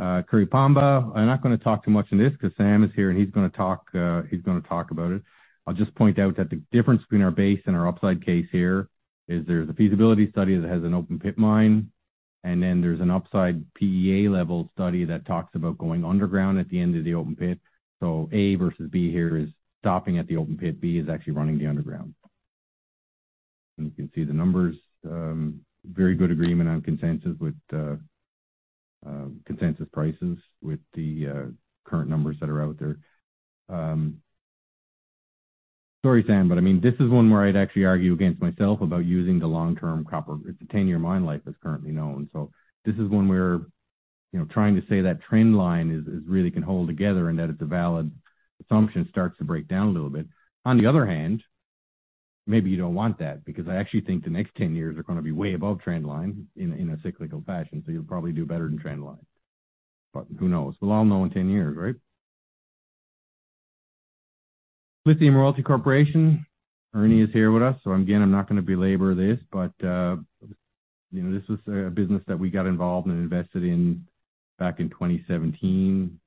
Curipamba, I'm not gonna talk too much on this because Sam is here, and he's gonna talk about it. I'll just point out that the difference between our base and our upside case here is there's a feasibility study that has an open pit mine, and then there's an upside PEA level study that talks about going underground at the end of the open pit. A versus B here is stopping at the open pit. B is actually running the underground. You can see the numbers, very good agreement on consensus with consensus prices with the current numbers that are out there. Sorry Sam, I mean, this is one where I'd actually argue against myself about using the long-term copper. It's a 10-year mine life that's currently known. This is one where, you know, trying to say that trend line is really can hold together and that it's a valid assumption starts to break down a little bit. On the other hand, maybe you don't want that, because I actually think the next 10 years are gonna be way above trend line in a cyclical fashion, so you'll probably do better than trend line. Who knows? We'll all know in 10 years, right? Lithium Royalty Corp., Ernie is here with us, again, I'm not gonna belabor this, but, you know, this was a business that we got involved and invested in back in 2017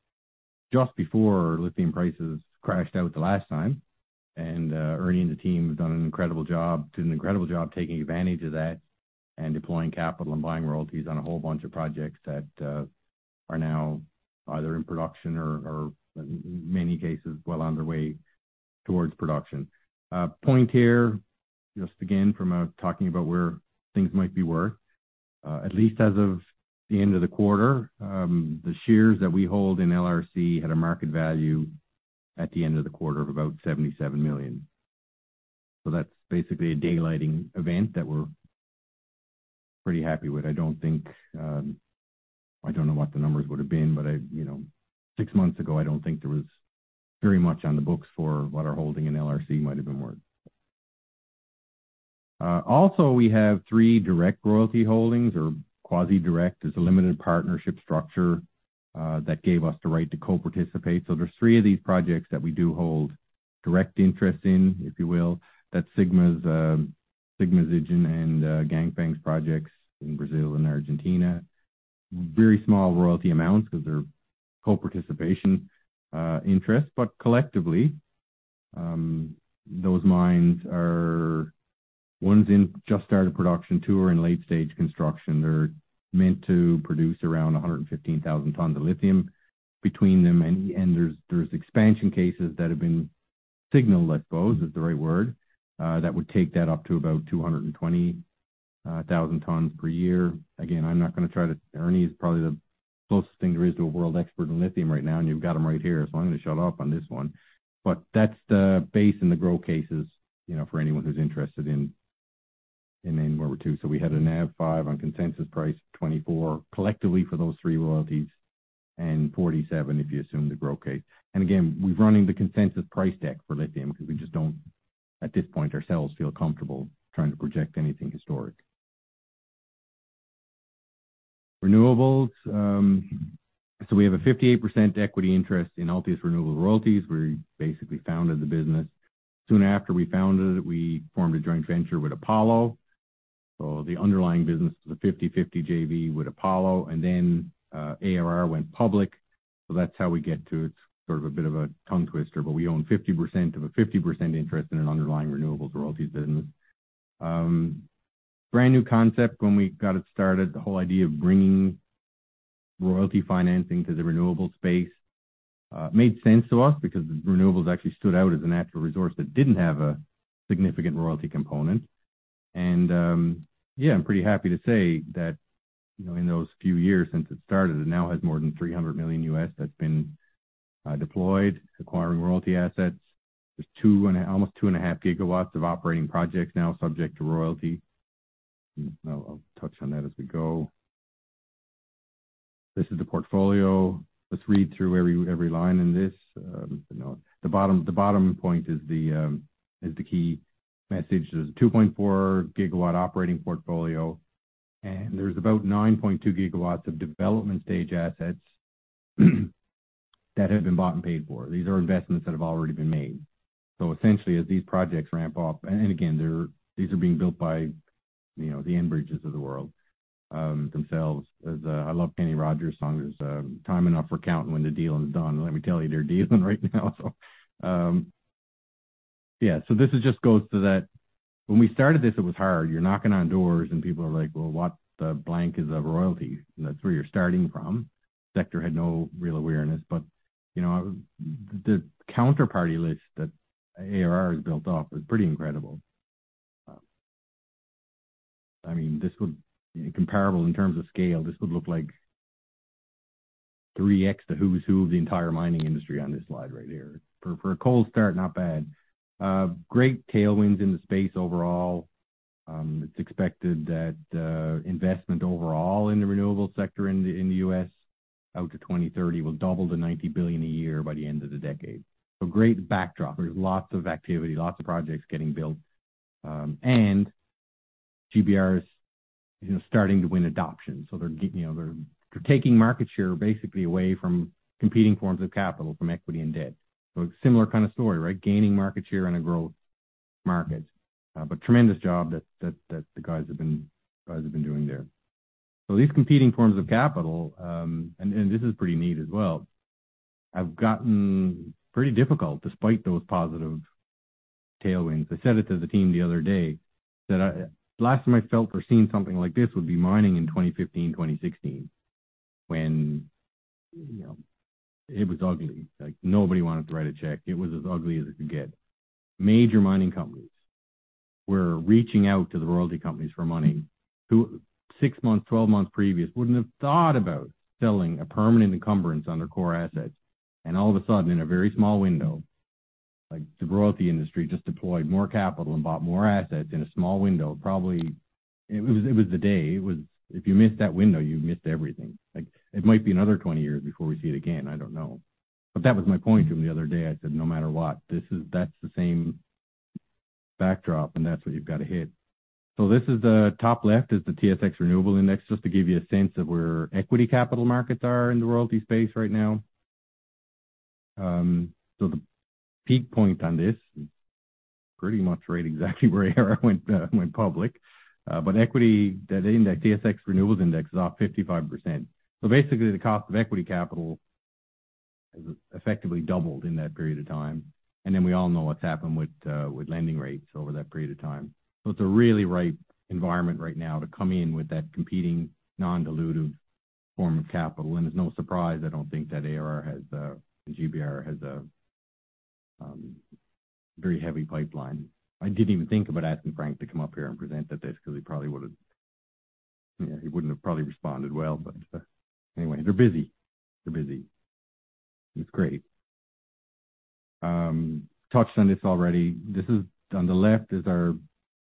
just before lithium prices crashed out the last time. Ernie and the team have done an incredible job taking advantage of that and deploying capital and buying royalties on a whole bunch of projects that are now either in production or in many cases well underway towards production. Point here, just again from talking about where things might be worth, at least as of the end of the quarter, the shares that we hold in LRC had a market value at the end of the quarter of about 77 million. That's basically a daylighting event that we're pretty happy with. I don't think. I don't know what the numbers would have been. I, you know, six months ago, I don't think there was very much on the books for what our holding in LRC might have been worth. Also, we have three direct royalty holdings or quasi-direct. There's a limited partnership structure that gave us the right to co-participate. There's three of these projects that we do hold direct interest in, if you will. That's Sigma's, Zijin and Ganfeng's projects in Brazil and Argentina. Very small royalty amounts because they're co-participation interest. Collectively, those mines are. One's in just started production. Two are in late stage construction. They're meant to produce around 115,000 tons of lithium between them, and there's expansion cases that have been signaled, I suppose, is the right word, that would take that up to about 220,000 tons per year. Again, I'm not gonna try to... Ernie is probably the closest thing there is to a world expert in lithium right now, and you've got him right here, so I'm gonna shut up on this one. That's the base and the grow cases, you know, for anyone who's interested in where we're to. We had a NAV five on consensus price 24 collectively for those three royalties, and 47 if you assume the grow case. Again, we're running the consensus price deck for lithium because we just don't, at this point ourselves, feel comfortable trying to project anything historic. Renewables, we have a 58% equity interest in Altius Renewable Royalties. We basically founded the business. Soon after we founded it, we formed a joint venture with Apollo. The underlying business is a 50/50 JV with Apollo, and then ARR went public. That's how we get to it. It's sort of a bit of a tongue twister, but we own 50% of a 50% interest in an underlying renewables royalties business. Brand new concept when we got it started, the whole idea of bringing royalty financing to the renewables space made sense to us because renewables actually stood out as a natural resource that didn't have a significant royalty component. Yeah, I'm pretty happy to say that, you know, in those few years since it started, it now has more than $300 million U.S. that's been deployed acquiring royalty assets. There's almost 2.5 GW of operating projects now subject to royalty. I'll touch on that as we go. This is the portfolio. Let's read through every line in this. You know, the bottom point is the key message. There's a 2.4 GW operating portfolio, and there's about 9.2 GW of development stage assets that have been bought and paid for. These are investments that have already been made. Essentially, as these projects ramp up, again, these are being built by, you know, the Enbridges of the world themselves. I love Kenny Rogers' song. There's time enough for countin' when the dealin' is done. Let me tell you, they're dealin' right now. Yeah. This is just goes to that when we started this, it was hard. You're knocking on doors, and people are like, "Well, what the blank is a royalty?" And that's where you're starting from. Sector had no real awareness, but, you know, the counterparty list that ARR has built up is pretty incredible. I mean, Comparable in terms of scale, this would look like 3x the who's who of the entire mining industry on this slide right here. For a cold start, not bad. Great tailwinds in the space overall. It's expected that investment overall in the renewable sector in the U.S. out to 2030 will double to $90 billion a year by the end of the decade. Great backdrop. There's lots of activity, lots of projects getting built. GBR is, you know, starting to win adoption. They're, you know, they're taking market share basically away from competing forms of capital from equity and debt. Similar kind of story, right? Gaining market share in a growth market. Tremendous job that the guys have been doing there. These competing forms of capital, and this is pretty neat as well, have gotten pretty difficult despite those positive tailwinds. I said it to the team the other day that I last time I felt we're seeing something like this would be mining in 2015, 2016 when, you know, it was ugly. Like, nobody wanted to write a check. It was as ugly as it could get. Major mining companies were reaching out to the royalty companies for money who six months, 12 months previous wouldn't have thought about selling a permanent encumbrance on their core assets. All of a sudden, in a very small window, like, the royalty industry just deployed more capital and bought more assets in a small window, probably. It was, it was the day. It was. If you missed that window, you missed everything. Like, it might be another 20 years before we see it again. I don't know. That was my point to them the other day. I said, "No matter what, that's the same backdrop, that's what you've got to hit." This is the top left is the TSX Renewable Index, just to give you a sense of where equity capital markets are in the royalty space right now. The peak point on Pretty much right exactly where ARR went public. Equity, that index, TSX Renewables Index is up 55%. Basically, the cost of equity capital has effectively doubled in that period of time. We all know what's happened with lending rates over that period of time. It's a really ripe environment right now to come in with that competing non-dilutive form of capital. It's no surprise, I don't think, that GBR has a very heavy pipeline. I didn't even think about asking Frank to come up here and present at this because he probably would've. He wouldn't have probably responded well. Anyway, they're busy. They're busy. It's great. Touched on this already. This is. On the left is our.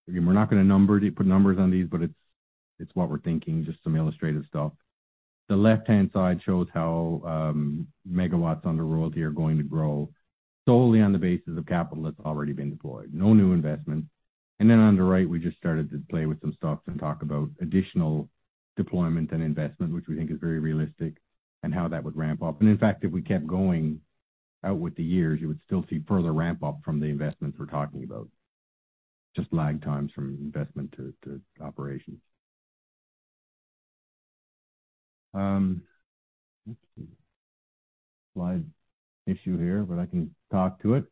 Again, we're not gonna number, put numbers on these, but it's what we're thinking, just some illustrative stuff. The left-hand side shows how megawatts under royalty are going to grow solely on the basis of capital that's already been deployed. No new investment. On the right, we just started to play with some stuff and talk about additional deployment and investment, which we think is very realistic, and how that would ramp up. In fact, if we kept going out with the years, you would still see further ramp-up from the investments we're talking about. Just lag times from investment to operations. Oops. Slide issue here, but I can talk to it.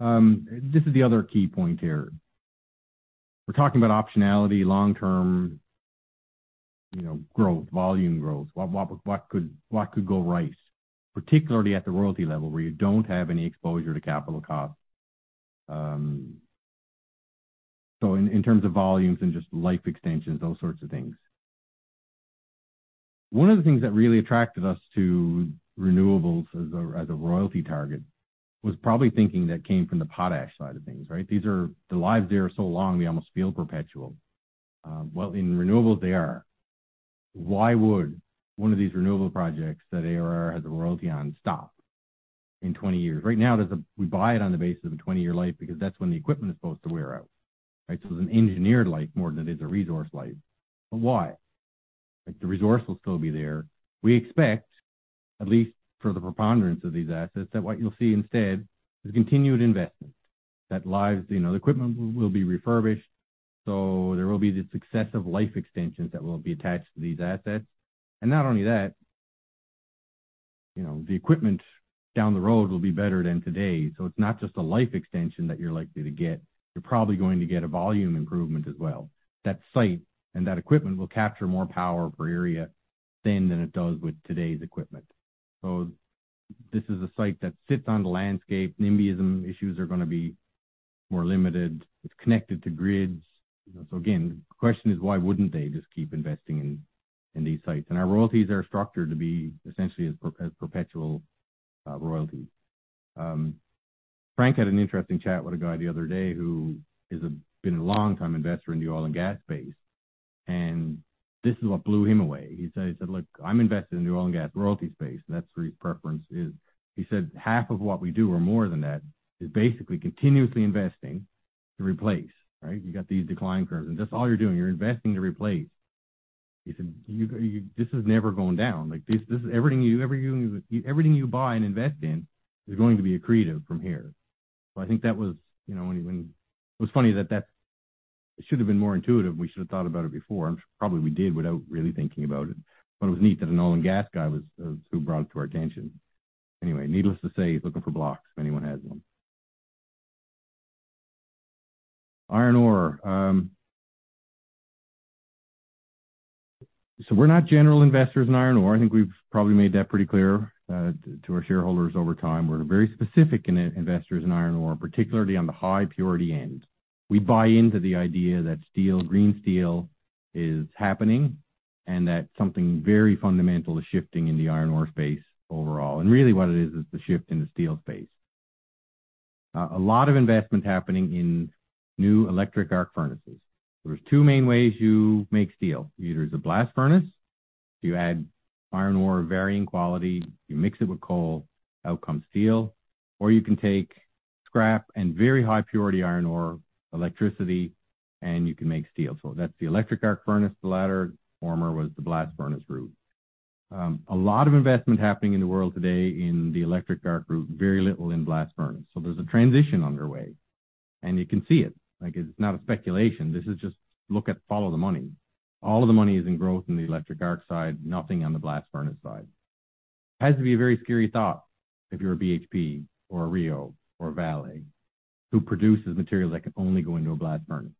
This is the other key point here. We're talking about optionality long-term, you know, growth, volume growth. What, what could, what could go right, particularly at the royalty level where you don't have any exposure to capital costs? So in terms of volumes and just life extensions, those sorts of things. One of the things that really attracted us to renewables as a, as a royalty target was probably thinking that came from the potash side of things, right? The lives there are so long, they almost feel perpetual. In renewables, they are. Why would one of these renewable projects that ARR has a royalty on stop in 20 years? Right now, there's a... We buy it on the basis of a 20-year life because that's when the equipment is supposed to wear out, right? It's an engineered life more than it is a resource life. Why? Like, the resource will still be there. We expect, at least for the preponderance of these assets, that what you'll see instead is continued investment. You know, the equipment will be refurbished, so there will be the successive life extensions that will be attached to these assets. Not only that, you know, the equipment down the road will be better than today. It's not just a life extension that you're likely to get. You're probably going to get a volume improvement as well. That site and that equipment will capture more power per area then than it does with today's equipment. This is a site that sits on the landscape. NIMBYism issues are gonna be more limited. It's connected to grids. Again, the question is why wouldn't they just keep investing in these sites? Our royalties are structured to be essentially as perpetual royalties. Frank had an interesting chat with a guy the other day who is been a long-time investor in the oil and gas space, and this is what blew him away. He said, "Look, I'm invested in the oil and gas royalty space. That's where his preference is." He said, "Half of what we do, or more than that, is basically continuously investing to replace." Right? You got these decline curves, and that's all you're doing. You're investing to replace. He said, "You... This is never going down. Like this is everything you ever. Everything you buy and invest in is going to be accretive from here. I think that was, you know, when. It was funny that it should have been more intuitive, and we should have thought about it before. I'm sure probably we did without really thinking about it. It was neat that an oil and gas guy was who brought it to our attention. Needless to say, he's looking for blocks if anyone has them. Iron ore. We're not general investors in iron ore. I think we've probably made that pretty clear to our shareholders over time. We're very specific investors in iron ore, particularly on the high purity end. We buy into the idea that steel, green steel is happening and that something very fundamental is shifting in the iron ore space overall. Really what it is the shift in the steel space. A lot of investment happening in new electric arc furnaces. There's two main ways you make steel. Either as a blast furnace, you add iron ore of varying quality, you mix it with coal, out comes steel. Or you can take scrap and very high purity iron ore, electricity, and you can make steel. That's the electric arc furnace, the latter. Former was the blast furnace route. A lot of investment happening in the world today in the electric arc route, very little in blast furnace. There's a transition underway, and you can see it. Like, it's not a speculation. This is just look at, follow the money. All of the money is in growth in the electric arc side, nothing on the blast furnace side. It has to be a very scary thought if you're a BHP or a Rio or Vale who produces material that can only go into a blast furnace.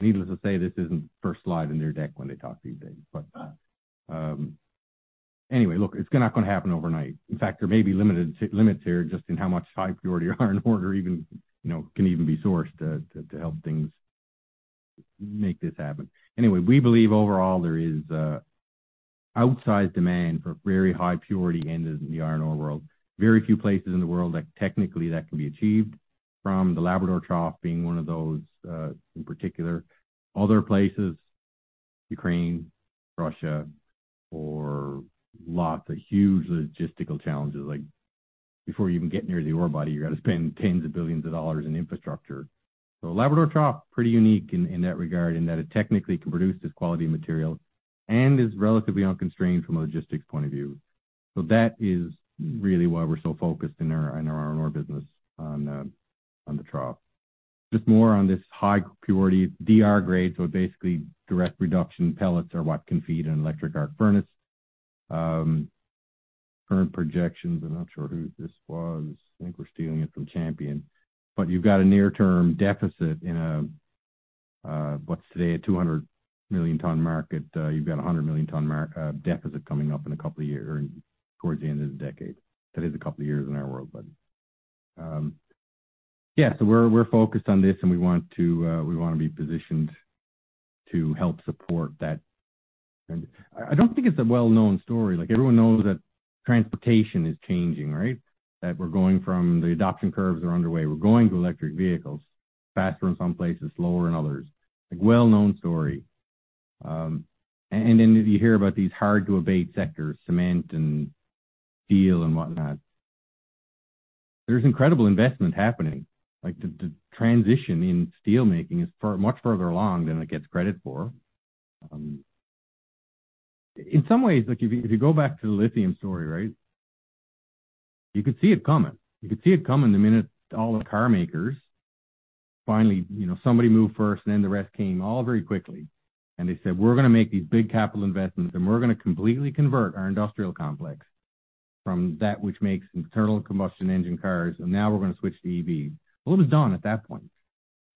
Needless to say, this isn't the first slide in their deck when they talk these days. Look, it's not gonna happen overnight. In fact, there may be limits here just in how much high purity iron ore even, you know, can even be sourced to help things make this happen. We believe overall there is an outsized demand for very high purity end of the iron ore world. Very few places in the world that technically that can be achieved from the Labrador Trough being one of those, in particular. Other places, Ukraine, Russia, or lots of huge logistical challenges like before you even get near the ore body, you've got to spend tens of billions of U.S. dollars in infrastructure. Labrador Trough, pretty unique in that regard, in that it technically can produce this quality material and is relatively unconstrained from a logistics point of view. That is really why we're so focused in our, in our own ore business on the trough. Just more on this high purity DR grade, so basically direct reduction pellets are what can feed an electric arc furnace. current projections, I'm not sure who this was. I think we're stealing it from Champion. You've got a near-term deficit in a what's today a 200 million ton market. You've got a 100 million ton deficit coming up in a couple of years or towards the end of the decade. That is a couple of years in our world. Yeah, we're focused on this, and we want to be positioned to help support that. I don't think it's a well-known story. Everyone knows that transportation is changing, right? We're going from the adoption curves are underway. We're going to electric vehicles, faster in some places, slower in others, a well-known story. You hear about these hard to abate sectors, cement and steel and whatnot. There's incredible investment happening. The transition in steelmaking is much further along than it gets credit for. In some ways, like if you go back to the lithium story, right, you could see it coming. You could see it coming the minute all the car makers finally, you know, somebody moved first, then the rest came all very quickly. They said, "We're gonna make these big capital investments, and we're gonna completely convert our industrial complex from that which makes internal combustion engine cars, and now we're gonna switch to EV." It was done at that point.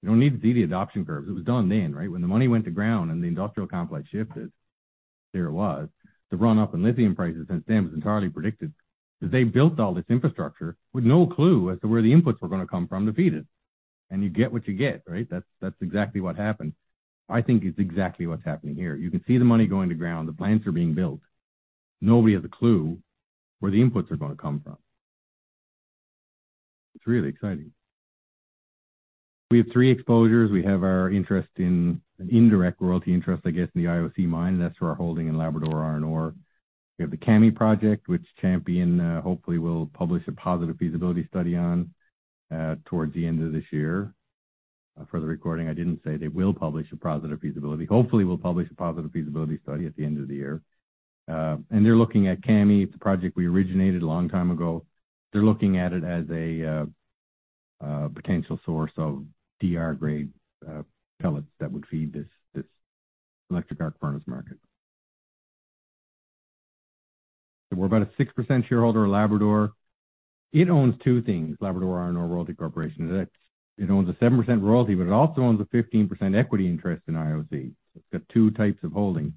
You don't need to see the adoption curves. It was done then, right? When the money went to ground and the industrial complex shifted, there it was. The run-up in lithium prices since then was entirely predicted because they built all this infrastructure with no clue as to where the inputs were gonna come from to feed it. You get what you get, right? That's exactly what happened. I think it's exactly what's happening here. You can see the money going to ground. The plants are being built. Nobody has a clue where the inputs are gonna come from. It's really exciting. We have three exposures. We have our interest in an indirect royalty interest, I guess, in the IOC mine. That's for our holding in Labrador Iron Ore. We have the Kami project, which Champion hopefully will publish a positive feasibility study on towards the end of this year. For the recording, I didn't say they will publish a positive feasibility. Hopefully, we'll publish a positive feasibility study at the end of the year. They're looking at Kami. It's a project we originated a long time ago. They're looking at it as a potential source of DR grade pellets that would feed this electric arc furnace market. We're about a 6% shareholder of Labrador. It owns two things, Labrador Iron Ore Royalty Corporation. That's, it owns a 7% royalty, but it also owns a 15% equity interest in IOC. It's got two types of holdings,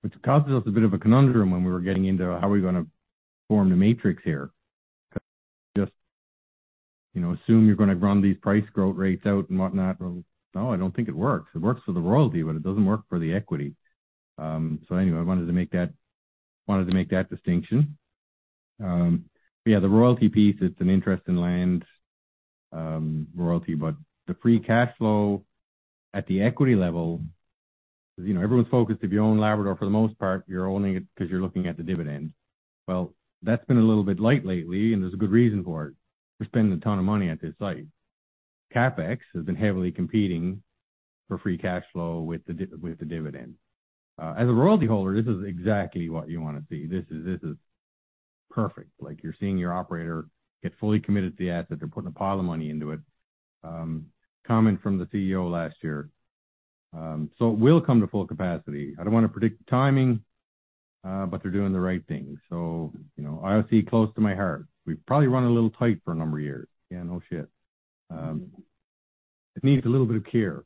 which causes us a bit of a conundrum when we were getting into how are we gonna form the matrix here, 'cause you just, you know, assume you're gonna run these price growth rates out and whatnot. No, I don't think it works. It works for the royalty, but it doesn't work for the equity. Anyway, I wanted to make that distinction. But yeah, the royalty piece, it's an interest in land, royalty. The free cash flow at the equity level is, you know, everyone's focused if you own Labrador for the most part, you're owning it because you're looking at the dividend. That's been a little bit light lately, and there's a good reason for it. We're spending a ton of money at this site. CapEx has been heavily competing for free cash flow with the dividend. As a royalty holder, this is exactly what you wanna see. This is, this is perfect. Like, you're seeing your operator get fully committed to the asset. They're putting a pile of money into it. Comment from the CEO last year. It will come to full capacity. I don't want to predict the timing, but they're doing the right thing. You know, IOC close to my heart. We've probably run a little tight for a number of years. Yeah, no. It needs a little bit of care.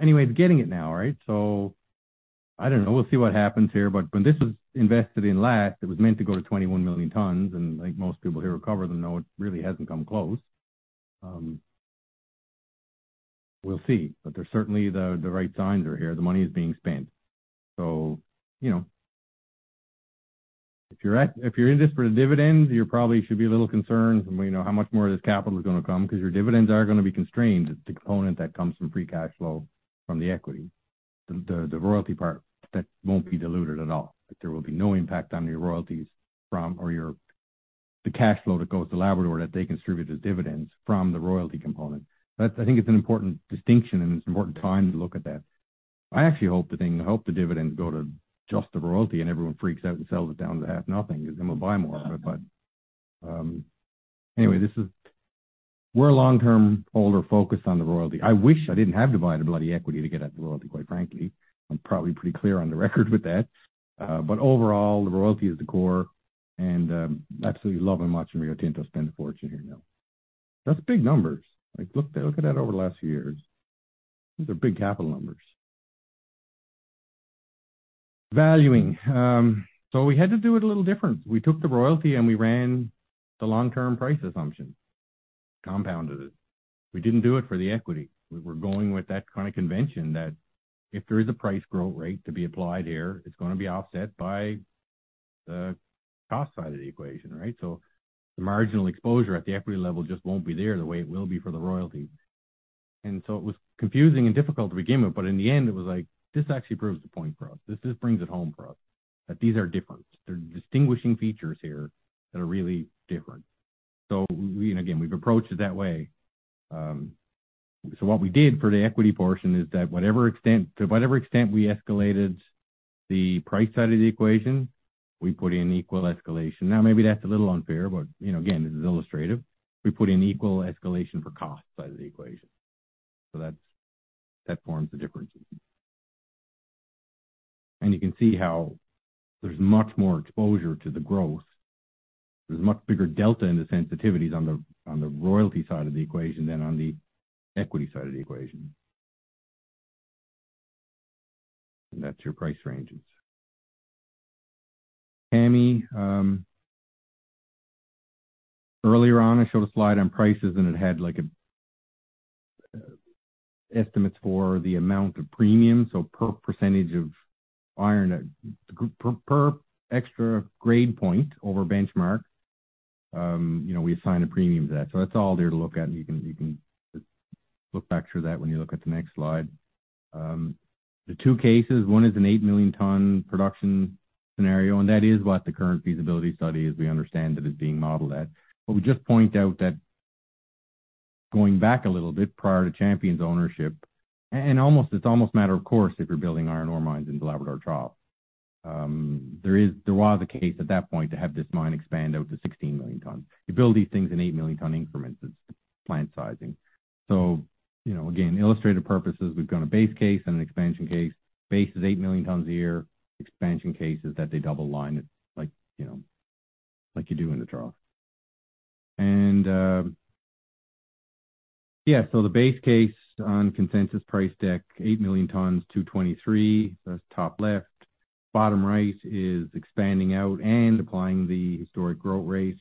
Anyway, it's getting it now, right? I don't know. We'll see what happens here. When this was invested in LIORC, it was meant to go to 21 million tons, and like most people here who cover them know, it really hasn't come close. We'll see. There's certainly the right signs are here. The money is being spent. You know, if you're in this for the dividends, you probably should be a little concerned, you know, how much more of this capital is gonna come because your dividends are gonna be constrained. It's the component that comes from free cash flow from the equity, the royalty part that won't be diluted at all. There will be no impact on your royalties from the cash flow that goes to Labrador that they distribute as dividends from the royalty component. That's I think it's an important distinction, it's an important time to look at that. I actually hope the dividends go to just the royalty everyone freaks out and sells it down to half nothing we'll buy more of it. Anyway, we're a long-term holder focused on the royalty. I wish I didn't have to buy the bloody equity to get at the royalty, quite frankly. I'm probably pretty clear on the record with that. Overall, the royalty is the core, absolutely loving watching Rio Tinto spend a fortune here now. That's big numbers. Look at that over the last few years. Those are big capital numbers. Valuing. We had to do it a little different. We took the royalty, and we ran the long-term price assumption, compounded it. We didn't do it for the equity. We were going with that kind of convention that if there is a price growth rate to be applied here, it's gonna be offset by the cost side of the equation, right? The marginal exposure at the equity level just won't be there the way it will be for the royalty. It was confusing and difficult to begin with, but in the end, it was like, this actually proves the point for us. This brings it home for us, that these are different. There are distinguishing features here that are really different. We, and again, we've approached it that way. What we did for the equity portion is that whatever extent, to whatever extent we escalated the price side of the equation, we put in equal escalation. Maybe that's a little unfair, but you know, again, this is illustrative. We put in equal escalation for cost side of the equation. That forms the difference. You can see how there's much more exposure to the growth. There's a much bigger delta in the sensitivities on the royalty side of the equation than on the equity side of the equation. That's your price ranges. Kami, earlier on, I showed a slide on prices, and it had like estimates for the amount of premium, so per percentage of iron, per extra grade point over benchmark, you know, we assign a premium to that. That's all there to look at, and you can, you can just look back through that when you look at the next slide. The two cases, one is an 8 million ton production scenario, and that is what the current feasibility study, as we understand it, is being modeled at. We just point out that going back a little bit prior to Champion's ownership, and almost, it's almost a matter of course if you're building iron ore mines in the Labrador Trough, there was a case at that point to have this mine expand out to 16 million tons. You build these things in 8 million ton increments. It's plant sizing. You know, again, illustrative purposes, we've done a base case and an expansion case. Base is 8 million tons a year. Expansion case is that they double line it like, you know, like you do in the Trough. The base case on consensus price deck, 8 million tons, 223, that's top left. Bottom right is expanding out and applying the historic growth rate,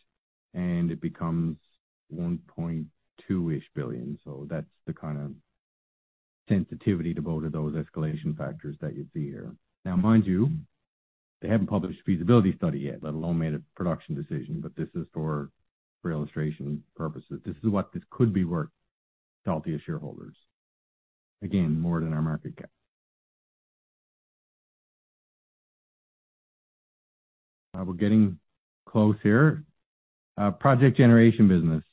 and it becomes 1.2-ish billion. That's the kind of sensitivity to both of those escalation factors that you'd see here. Now mind you, they haven't published a feasibility study yet, let alone made a production decision, but this is for illustration purposes. This is what this could be worth to Altius shareholders. Again, more than our market cap. We're getting close here. Project generation business,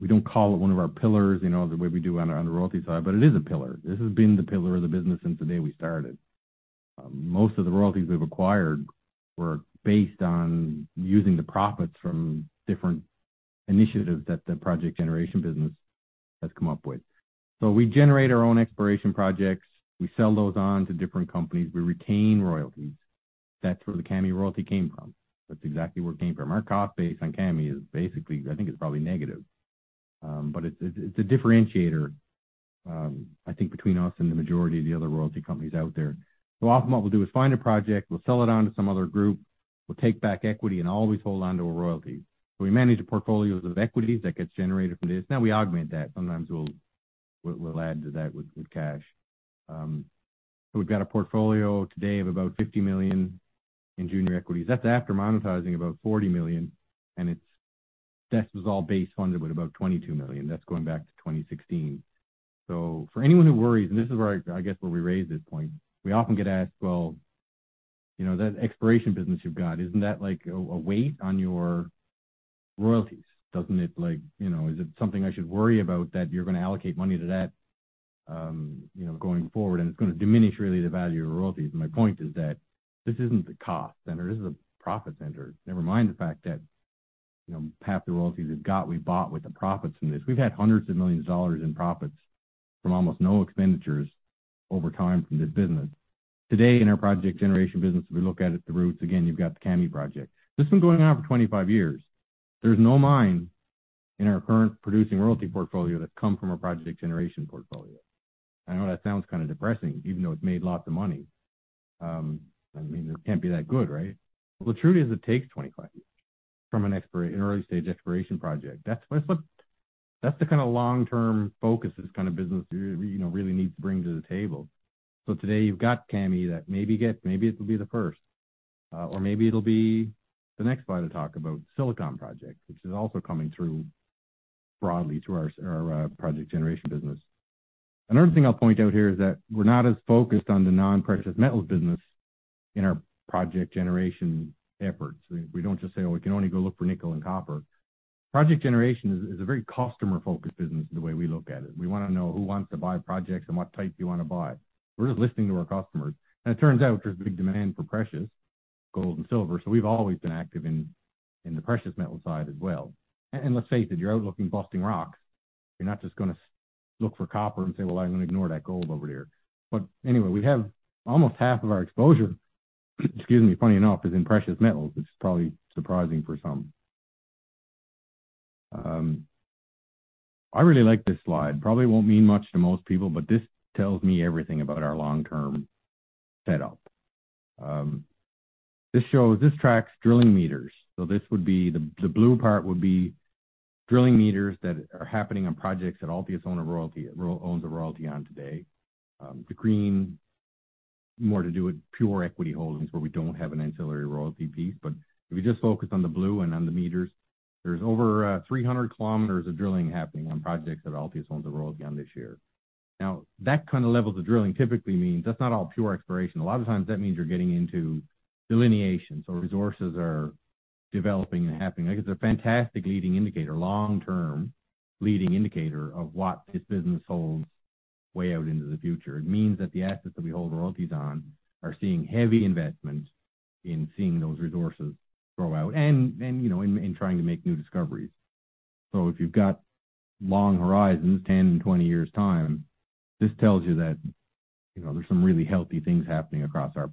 we don't call it one of our pillars, you know, the way we do on the royalty side, but it is a pillar. This has been the pillar of the business since the day we started. Most of the royalties we've acquired were based on using the profits from different initiatives that the project generation business has come up with. We generate our own exploration projects, we sell those on to different companies, we retain royalties. That's where the Kami Royalty came from. That's exactly where it came from. Our cost base on Kami is basically, I think it's probably negative, but it's a differentiator, I think between us and the majority of the other royalty companies out there. Often what we'll do is find a project, we'll sell it on to some other group, we'll take back equity and always hold on to a royalty. We manage the portfolios of equities that gets generated from this. Now we augment that. Sometimes we'll add to that with cash. We've got a portfolio today of about $50 million in junior equities. That's after monetizing about $40 million, and that was all base funded with about $22 million. That's going back to 2016. For anyone who worries, and this is where I guess where we raise this point, we often get asked, "Well, you know, that exploration business you've got, isn't that like a weight on your royalties? Doesn't it like, you know, is it something I should worry about that you're gonna allocate money to that, you know, going forward, and it's gonna diminish really the value of your royalties?" My point is that this isn't a cost center, this is a profit center. Never mind the fact that, you know, half the royalties we've got, we bought with the profits from this. We've had hundreds of millions of dollars in profits from almost no expenditures over time from this business. Today, in our project generation business, if we look at it, the roots, again, you've got the Kami project. This has been going on for 25 years. There's no mine in our current producing royalty portfolio that's come from a project generation portfolio. I know that sounds kind of depressing, even though it's made lots of money. I mean, it can't be that good, right? Well, the truth is it takes 25 years from an early-stage exploration project. That's, that's what, that's the kind of long-term focus this kind of business you know, really needs to bring to the table. Today you've got Kami that maybe it'll be the first, or maybe it'll be the next guy to talk about Silicon Project, which is also coming through broadly to our project generation business. Another thing I'll point out here is that we're not as focused on the non-precious metals business in our project generation efforts. We don't just say, "Oh, we can only go look for nickel and copper." Project generation is a very customer-focused business in the way we look at it. We wanna know who wants to buy projects and what type you wanna buy. We're just listening to our customers. It turns out there's big demand for precious, gold and silver, so we've always been active in the precious metal side as well. Let's face it, you're out looking, busting rock. You're not just gonna look for copper and say, "Well, I'm gonna ignore that gold over there." Anyway, we have almost half of our exposure, excuse me, funny enough, is in precious metals, which is probably surprising for some. I really like this slide. Probably won't mean much to most people, but this tells me everything about our long-term setup. This shows, this tracks drilling meters. This would be, the blue part would be drilling meters that are happening on projects that Altius owns a royalty on today. The green, more to do with pure equity holdings where we don't have an ancillary royalty piece. If we just focus on the blue and on the meters, there's over 300 kilometers of drilling happening on projects that Altius owns a royalty on this year. That kind of levels of drilling typically means that's not all pure exploration. A lot of times that means you're getting into delineation, so resources are developing and happening. Like it's a fantastic leading indicator, long-term leading indicator of what this business holds way out into the future. It means that the assets that we hold royalties on are seeing heavy investment in seeing those resources grow out and, you know, in trying to make new discoveries. If you've got long horizons, 10, 20 years time, this tells you that, you know, there's some really healthy things happening across our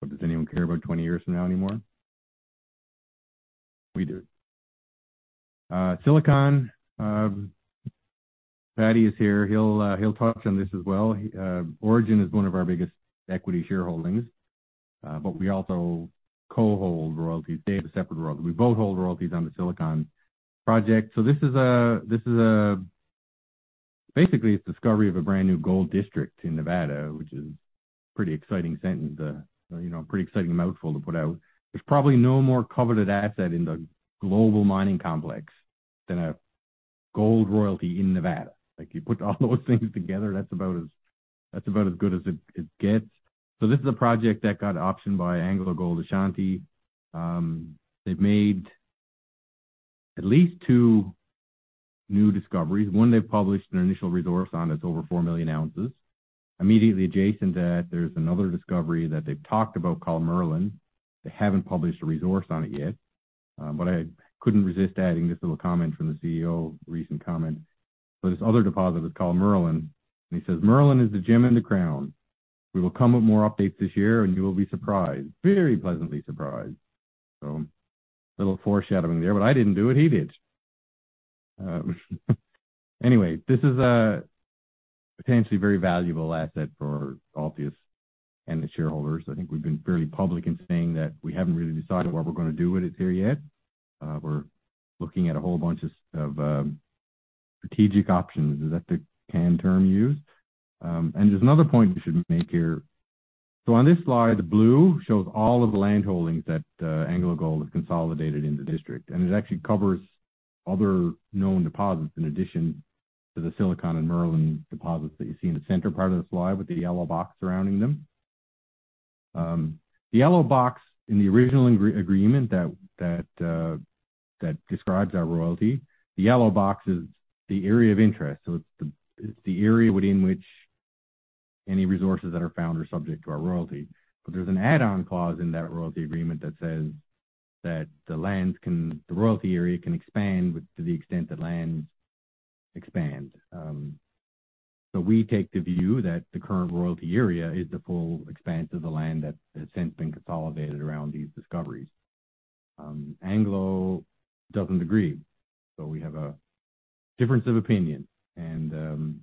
portfolio. Does anyone care about 20 years from now anymore? We do. Silicon, Paddy is here. He'll talk on this as well. He, Orogen is one of our biggest equity shareholdings, but we also co-hold royalties, they have a separate royalty. We both hold royalties on the Silicon project. Basically, it's discovery of a brand-new gold district in Nevada, which is pretty exciting sentence, you know, pretty exciting mouthful to put out. There's probably no more coveted asset in the global mining complex than a gold royalty in Nevada. Like, you put all those things together, that's about as good as it gets. This is a project that got optioned by AngloGold Ashanti. They've made at least two new discoveries. One, they've published an initial resource on, it's over 4 million ounces. Immediately adjacent to that, there's another discovery that they've talked about called Merlin. They haven't published a resource on it yet. I couldn't resist adding this little comment from the CEO, recent comment. This other deposit is called Merlin, and he says, "Merlin is the gem in the crown. We will come with more updates this year, and you will be surprised, very pleasantly surprised." A little foreshadowing there. I didn't do it, he did. Anyway, this is a potentially very valuable asset for Altius and the shareholders. I think we've been fairly public in saying that we haven't really decided what we're gonna do with it here yet. We're looking at a whole bunch of strategic options. Is that the canned term used? There's another point we should make here. On this slide, the blue shows all of the land holdings that AngloGold has consolidated in the district, and it actually covers other known deposits in addition to the Silicon and Merlin deposits that you see in the center part of the slide with the yellow box surrounding them. The yellow box in the original agreement that describes our royalty, the yellow box is the area of interest. It's the area within which any resources that are found are subject to our royalty. There's an add-on clause in that royalty agreement that says that the royalty area can expand with, to the extent that lands expand. We take the view that the current royalty area is the full expanse of the land that has since been consolidated around these discoveries. Anglo doesn't agree. We have a difference of opinion. Under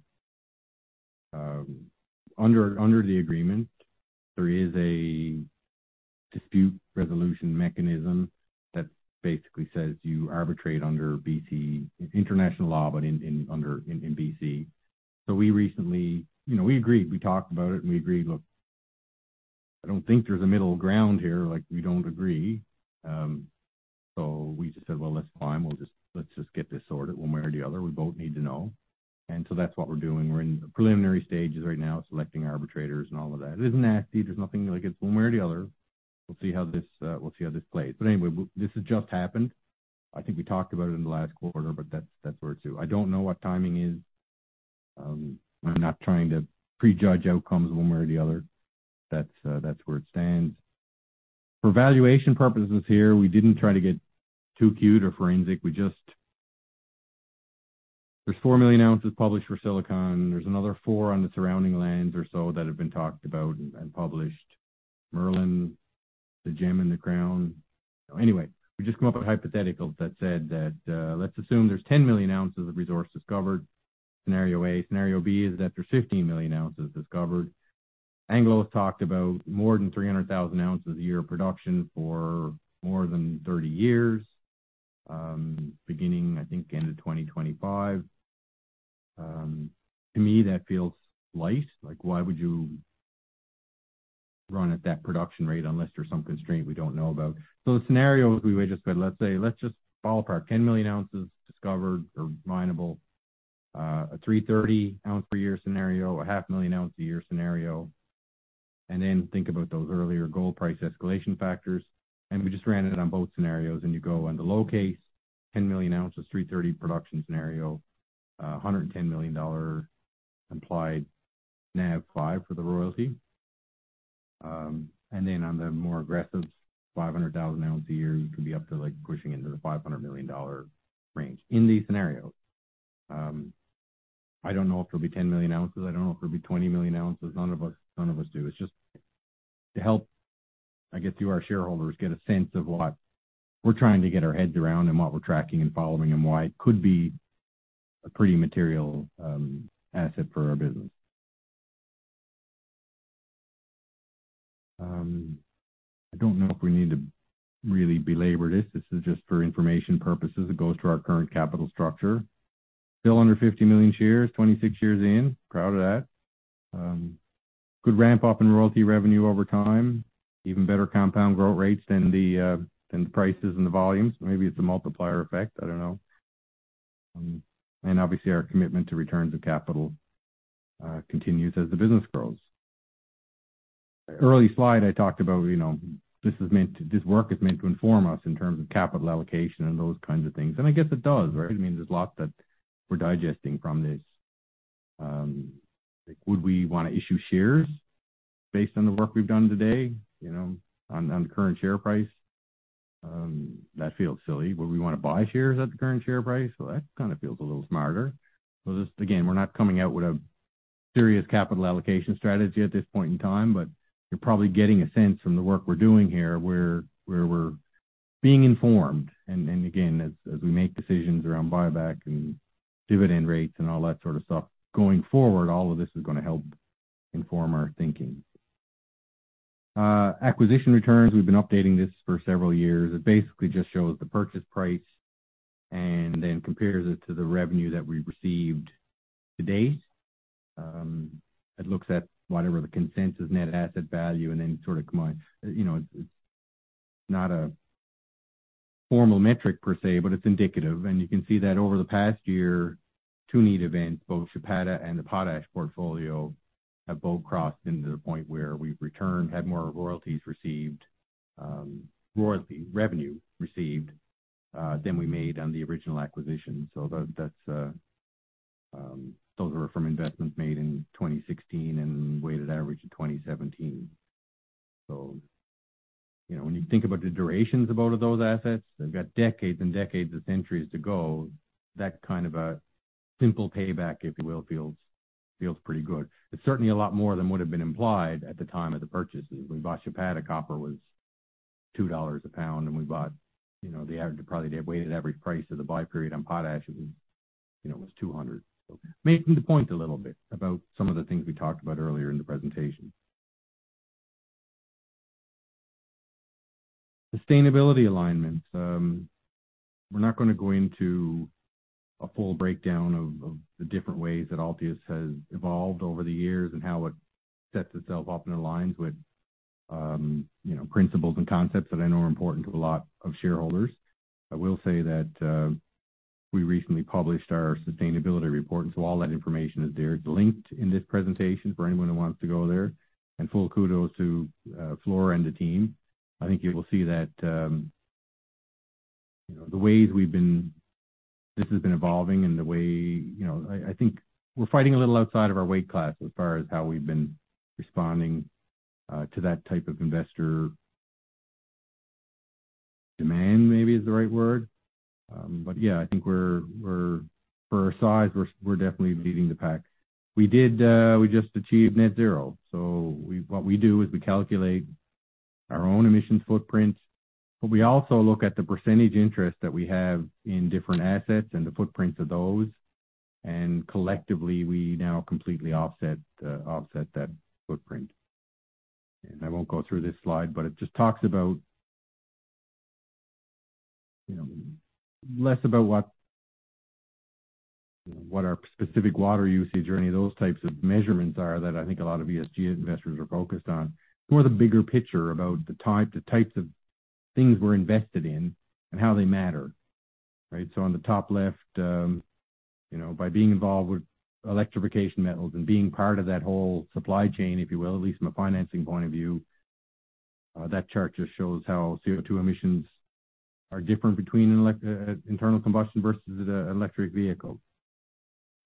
the agreement, there is a dispute resolution mechanism that basically says you arbitrate under BC, international law, but in BC. We recently, you know, we agreed, we talked about it, and we agreed, 'Look, I don't think there's a middle ground here, like we don't agree.' We just said, 'Well, that's fine. We'll just, let's just get this sorted one way or the other. We both need to know.' That's what we're doing. We're in the preliminary stages right now, selecting arbitrators and all of that. It isn't nasty. There's nothing like it's one way or the other. We'll see how this plays. Anyway, this has just happened. I think we talked about it in the last quarter, that's where it's due. I don't know what timing is. I'm not trying to prejudge outcomes one way or the other. That's where it stands. For valuation purposes here, we didn't try to get too cute or forensic. There's 4 million ounces published for Silicon. There's another four on the surrounding lands or so that have been talked about and published. Merlin, the gem in the crown. We just come up with a hypothetical that said that, let's assume there's 10 million ounces of resource discovered, scenario A. Scenario B is that there's 15 million ounces discovered. AngloGold Ashanti has talked about more than 300,000 ounces a year of production for more than 30 years, beginning, I think end of 2025. To me, that feels light. Why would you run at that production rate unless there's some constraint we don't know about? The scenario we would just say, let's say, let's just ballpark 10 million ounces discovered or minable, a 330 ounce per year scenario, a half million ounce a year scenario, and then think about those earlier gold price escalation factors. We just ran it on both scenarios, and you go on the low case, 10 million ounces, 330 production scenario, a $110 million implied NAV 5 for the royalty. On the more aggressive 500,000 ounce a year, you could be up to, like, pushing into the $500 million range in these scenarios. I don't know if it'll be 10 million ounces. I don't know if it'll be 20 million ounces. None of us do. It's just to help, I guess, you, our shareholders, get a sense of what we're trying to get our heads around and what we're tracking and following and why it could be a pretty material asset for our business. I don't know if we need to really belabor this. This is just for information purposes. It goes to our current capital structure. Still under 50 million shares, 26 years in. Proud of that. Good ramp-up in royalty revenue over time. Even better compound growth rates than the prices and the volumes. Maybe it's a multiplier effect. I don't know. Obviously our commitment to returns of capital continues as the business grows. Early slide I talked about, you know, this work is meant to inform us in terms of capital allocation and those kinds of things, I guess it does, right? I mean, there's a lot that we're digesting from this. Like, would we wanna issue shares based on the work we've done today, you know, on the current share price? That feels silly. Would we wanna buy shares at the current share price? That kind of feels a little smarter. Just again, we're not coming out with a serious capital allocation strategy at this point in time, but you're probably getting a sense from the work we're doing here where we're being informed and again, as we make decisions around buyback and dividend rates and all that sort of stuff going forward, all of this is gonna help inform our thinking. Acquisition returns, we've been updating this for several years. It basically just shows the purchase price and then compares it to the revenue that we received to date. It looks at whatever the consensus net asset value. You know, it's not a formal metric per se, but it's indicative. You can see that over the past year, two neat events, both Chapada and the Potash portfolio have both crossed into the point where we've returned, had more royalties received, royalty revenue received, than we made on the original acquisition. Those were from investments made in 2016 and weighted average in 2017. You know, when you think about the durations about of those assets, they've got decades and decades of centuries to go. That kind of a simple payback, if you will, feels pretty good. It's certainly a lot more than would've been implied at the time of the purchases. We bought Chapada, copper was $2 a pound, and we bought, you know, the average, probably the weighted average price of the buy period on Potash is, you know, was $200. Making the point a little bit about some of the things we talked about earlier in the presentation. Sustainability alignment. We're not gonna go into a full breakdown of the different ways that Altius has evolved over the years and how it sets itself up and aligns with, you know, principles and concepts that I know are important to a lot of shareholders. I will say that, we recently published our sustainability report, and so all that information is there. It's linked in this presentation for anyone who wants to go there. Full kudos to Flora and the team. I think you will see that, you know, this has been evolving and the way. I think we're fighting a little outside of our weight class as far as how we've been responding to that type of investor demand, maybe is the right word. Yeah, I think we're for our size, we're definitely leading the pack. We just achieved net zero. What we do is we calculate our own emissions footprint, but we also look at the percentage interest that we have in different assets and the footprints of those, and collectively, we now completely offset that footprint. I won't go through this slide, but it just talks about, you know, less about what our specific water usage or any of those types of measurements are that I think a lot of ESG investors are focused on. More the bigger picture about the type, the types of things we're invested in and how they matter, right? On the top left, you know, by being involved with electrification metals and being part of that whole supply chain, if you will, at least from a financing point of view, that chart just shows how CO2 emissions are different between an internal combustion versus the electric vehicle.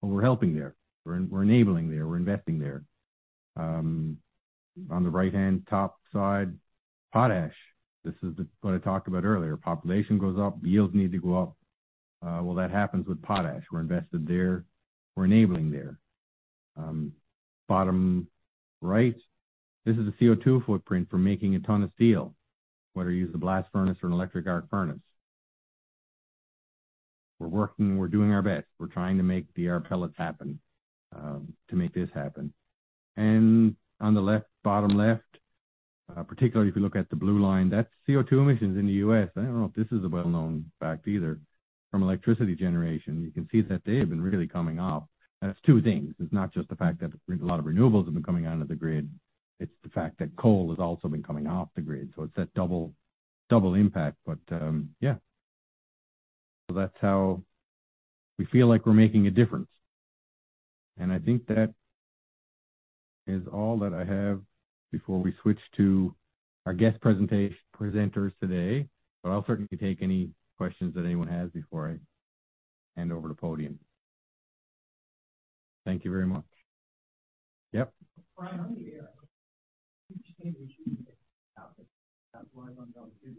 We're helping there. We're enabling there. We're investing there. On the right-hand top side, Potash. This is the, what I talked about earlier. Population goes up, yields need to go up. Well, that happens with Potash. We're invested there. We're enabling there. Bottom right, this is a CO2 footprint for making a ton of steel, whether you use a blast furnace or an electric arc furnace. We're working, we're doing our best. We're trying to make the AR pellets happen to make this happen. On the left, bottom left, particularly if you look at the blue line, that's CO2 emissions in the U.S. I don't know if this is a well-known fact either. From electricity generation, you can see that they have been really coming up. That's two things. It's not just the fact that a lot of renewables have been coming onto the grid, it's the fact that coal has also been coming off the grid. It's that double impact. Yeah. That's how we feel like we're making a difference. I think that is all that I have before we switch to our guest presenters today. I'll certainly take any questions that anyone has before I hand over the podium. Thank you very much. Yep. Brian, how are you? Do you understand the issue with the output? That's why I'm down too.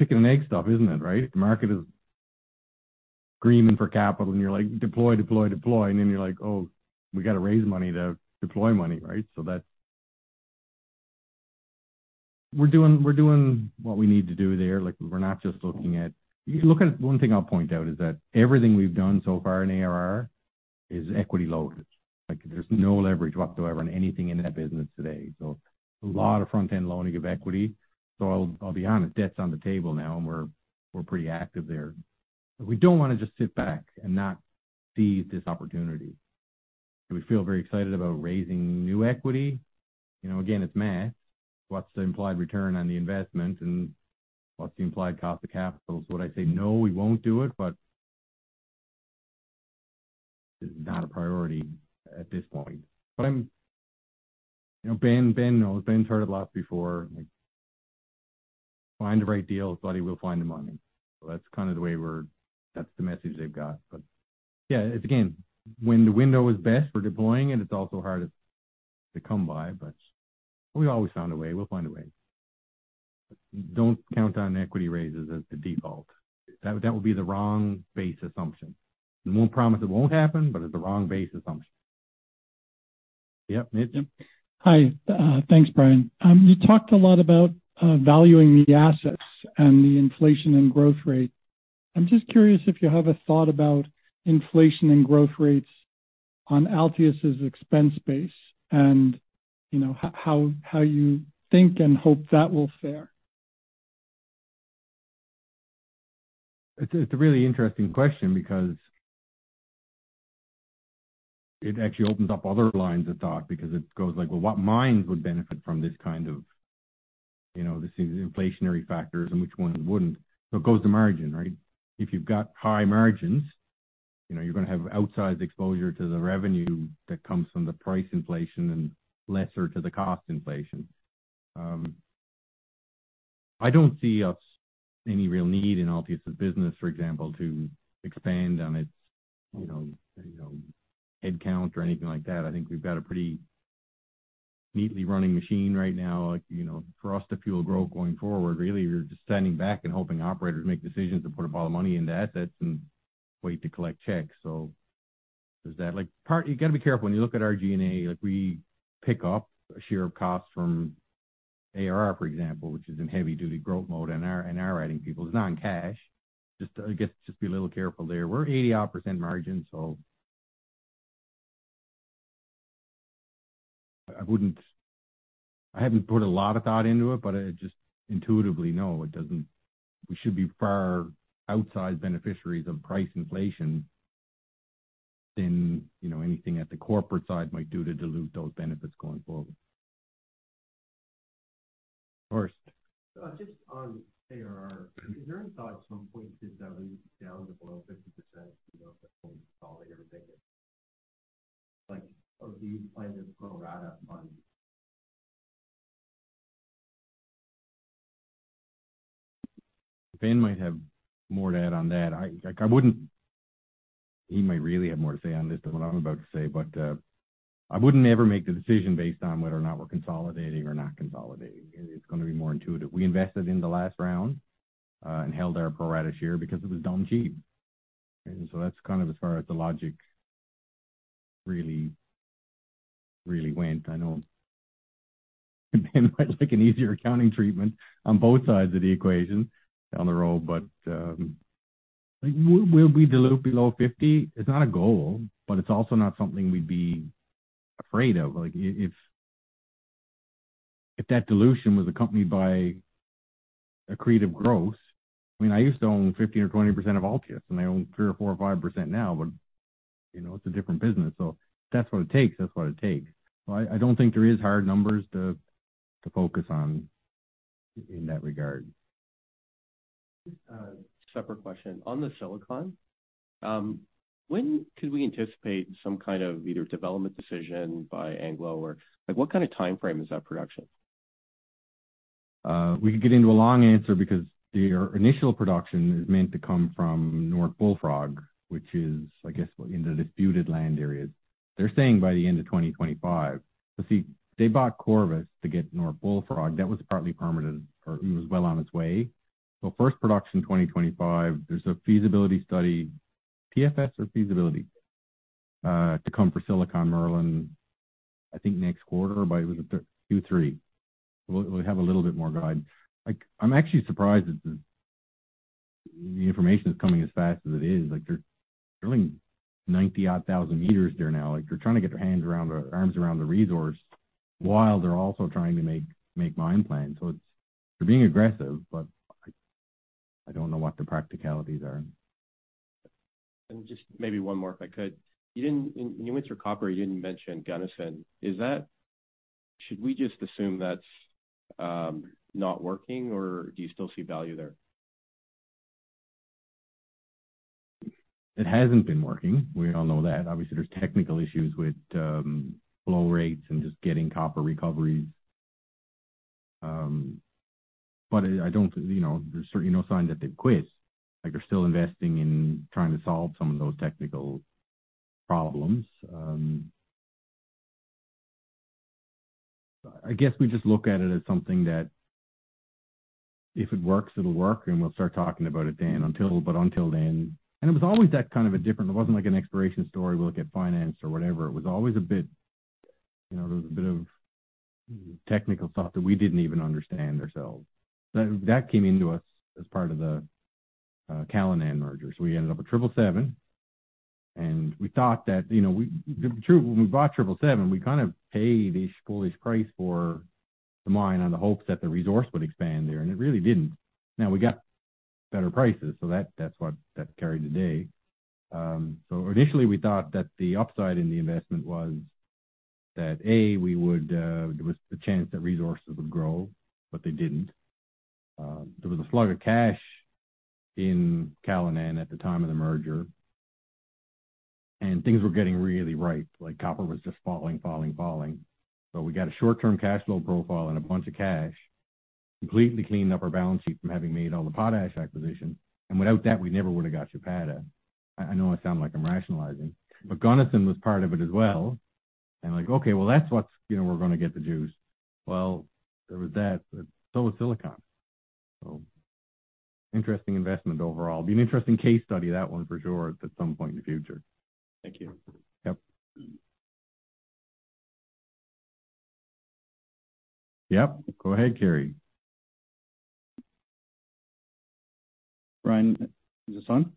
Chicken and egg stuff, isn't it, right? The market is screaming for capital, you're like, "Deploy, deploy." Then you're like, "Oh, we gotta raise money to deploy money," right? That. We're doing what we need to do there. Like, we're not just looking at. If you look at. One thing I'll point out is that everything we've done so far in ARR is equity loaded. Like, there's no leverage whatsoever in anything in that business today. A lot of front-end loading of equity. I'll be honest, debt's on the table now, and we're pretty active there. We don't wanna just sit back and not seize this opportunity. Do we feel very excited about raising new equity? You know, again, it's math. What's the implied return on the investment and what's the implied cost of capital? Would I say, "No, we won't do it," but it's not a priority at this point. You know, Ben, you know, Ben's heard a lot before, like, find the right deal, buddy, we'll find the money. That's kind of the way That's the message they've got. Yeah, it's again, when the window is best for deploying it's also hard to come by, but we always found a way. We'll find a way. Don't count on equity raises as the default. That would be the wrong base assumption. We won't promise it won't happen, but it's the wrong base assumption. Yep, Mitch. Hi. Thanks, Brian. You talked a lot about valuing the assets and the inflation and growth rate. I'm just curious if you have a thought about inflation and growth rates on Altius' expense base and, you know, how you think and hope that will fare. It's a really interesting question because it actually opens up other lines of thought because it goes like, well, what mines would benefit from this kind of, you know, these inflationary factors and which ones wouldn't. It goes to margin, right? If you've got high margins, you know you're gonna have outsized exposure to the revenue that comes from the price inflation and lesser to the cost inflation. I don't see us any real need in Altius' business, for example, to expand on its, you know, you know, headcount or anything like that. I think we've got a pretty neatly running machine right now. Like, you know, for us to fuel growth going forward, really, we're just standing back and helping operators make decisions to put a pile of money into assets and wait to collect checks. Does that. Like, you got to be careful. When you look at our G&A, like, we pick up a share of costs from ARR, for example, which is in heavy duty growth mode and our writing people. It's non-cash. Just, I guess, just be a little careful there. We're 80 odd % margin. I haven't put a lot of thought into it, but I just intuitively know it doesn't. We should be far outside beneficiaries of price inflation than, you know, anything at the corporate side might do to dilute those benefits going forward. Horst. Just on ARR, is there any thought at some point to dilute down to below 50%, you know, the whole solid or ticket? Like, are we planning to put a lot of money? Ben might have more to add on that. He might really have more to say on this than what I'm about to say, but, I wouldn't ever make the decision based on whether or not we're consolidating or not consolidating. It's gonna be more intuitive. We invested in the last round, and held our pro rata share because it was damn cheap. That's kind of as far as the logic really went. I know it might take an easier accounting treatment on both sides of the equation down the road, but, will we dilute below 50? It's not a goal, but it's also not something we'd be afraid of. Like if that dilution was accompanied by accretive growth, I mean, I used to own 15% or 20% of Altius, and I own 3% or 4% or 5% now, but, you know, it's a different business. If that's what it takes, that's what it takes. I don't think there is hard numbers to focus on in that regard. Just a separate question. On the silicon, when could we anticipate some kind of either development decision by Anglo or like what kind of timeframe is that production? We could get into a long answer because their initial production is meant to come from North Bullfrog, which is, I guess, in the disputed land areas. They're saying by the end of 2025. See, they bought Corvus to get North Bullfrog. That was partly permitted or it was well on its way. First production, 2025. There's a feasibility study, PFS or feasibility, to come for Silicon Merlin, I think next quarter, but it was a Q3. We'll have a little bit more guide. I'm actually surprised that the information is coming as fast as it is. They're drilling 90 odd thousand meters there now. They're trying to get their hands around or arms around the resource while they're also trying to make mine plans. It's... They're being aggressive, but I don't know what the practicalities are. Just maybe one more, if I could. In your roster of copper, you didn't mention Gunnison. Should we just assume that's not working or do you still see value there? It hasn't been working. We all know that. Obviously, there's technical issues with flow rates and just getting copper recoveries. I don't, you know, there's certainly no sign that they've quit. Like, they're still investing in trying to solve some of those technical problems. I guess we just look at it as something that if it works, it'll work, and we'll start talking about it then. Until then. It was always that kind of a different. It wasn't like an exploration story we'll get financed or whatever. It was always a bit, you know, there was a bit of technical stuff that we didn't even understand ourselves. That came into us as part of the Callinan merger. We ended up with Triple 777. We thought that, you know, the truth, when we bought Triple 777, we kind of paid a schoolish price for the mine on the hopes that the resource would expand there, and it really didn't. We got better prices. That, that's what that carried the day. Initially we thought that the upside in the investment was that, A, we would. There was the chance that resources would grow, but they didn't. There was a flood of cash in Callanan at the time of the merger, and things were getting really ripe, like copper was just falling, falling. We got a short-term cash flow profile and a bunch of cash, completely cleaned up our balance sheet from having made all the potash acquisition. Without that, we never would've got Chapada. I know I sound like I'm rationalizing, but Gunnison was part of it as well. Like, okay, well, that's what's, you know, we're gonna get the juice. There was that, but so was Silicon. Interesting investment overall. It'd be an interesting case study, that one for sure, at some point in the future. Thank you. Yep. Yep, go ahead, Kerry. Brian, is this on?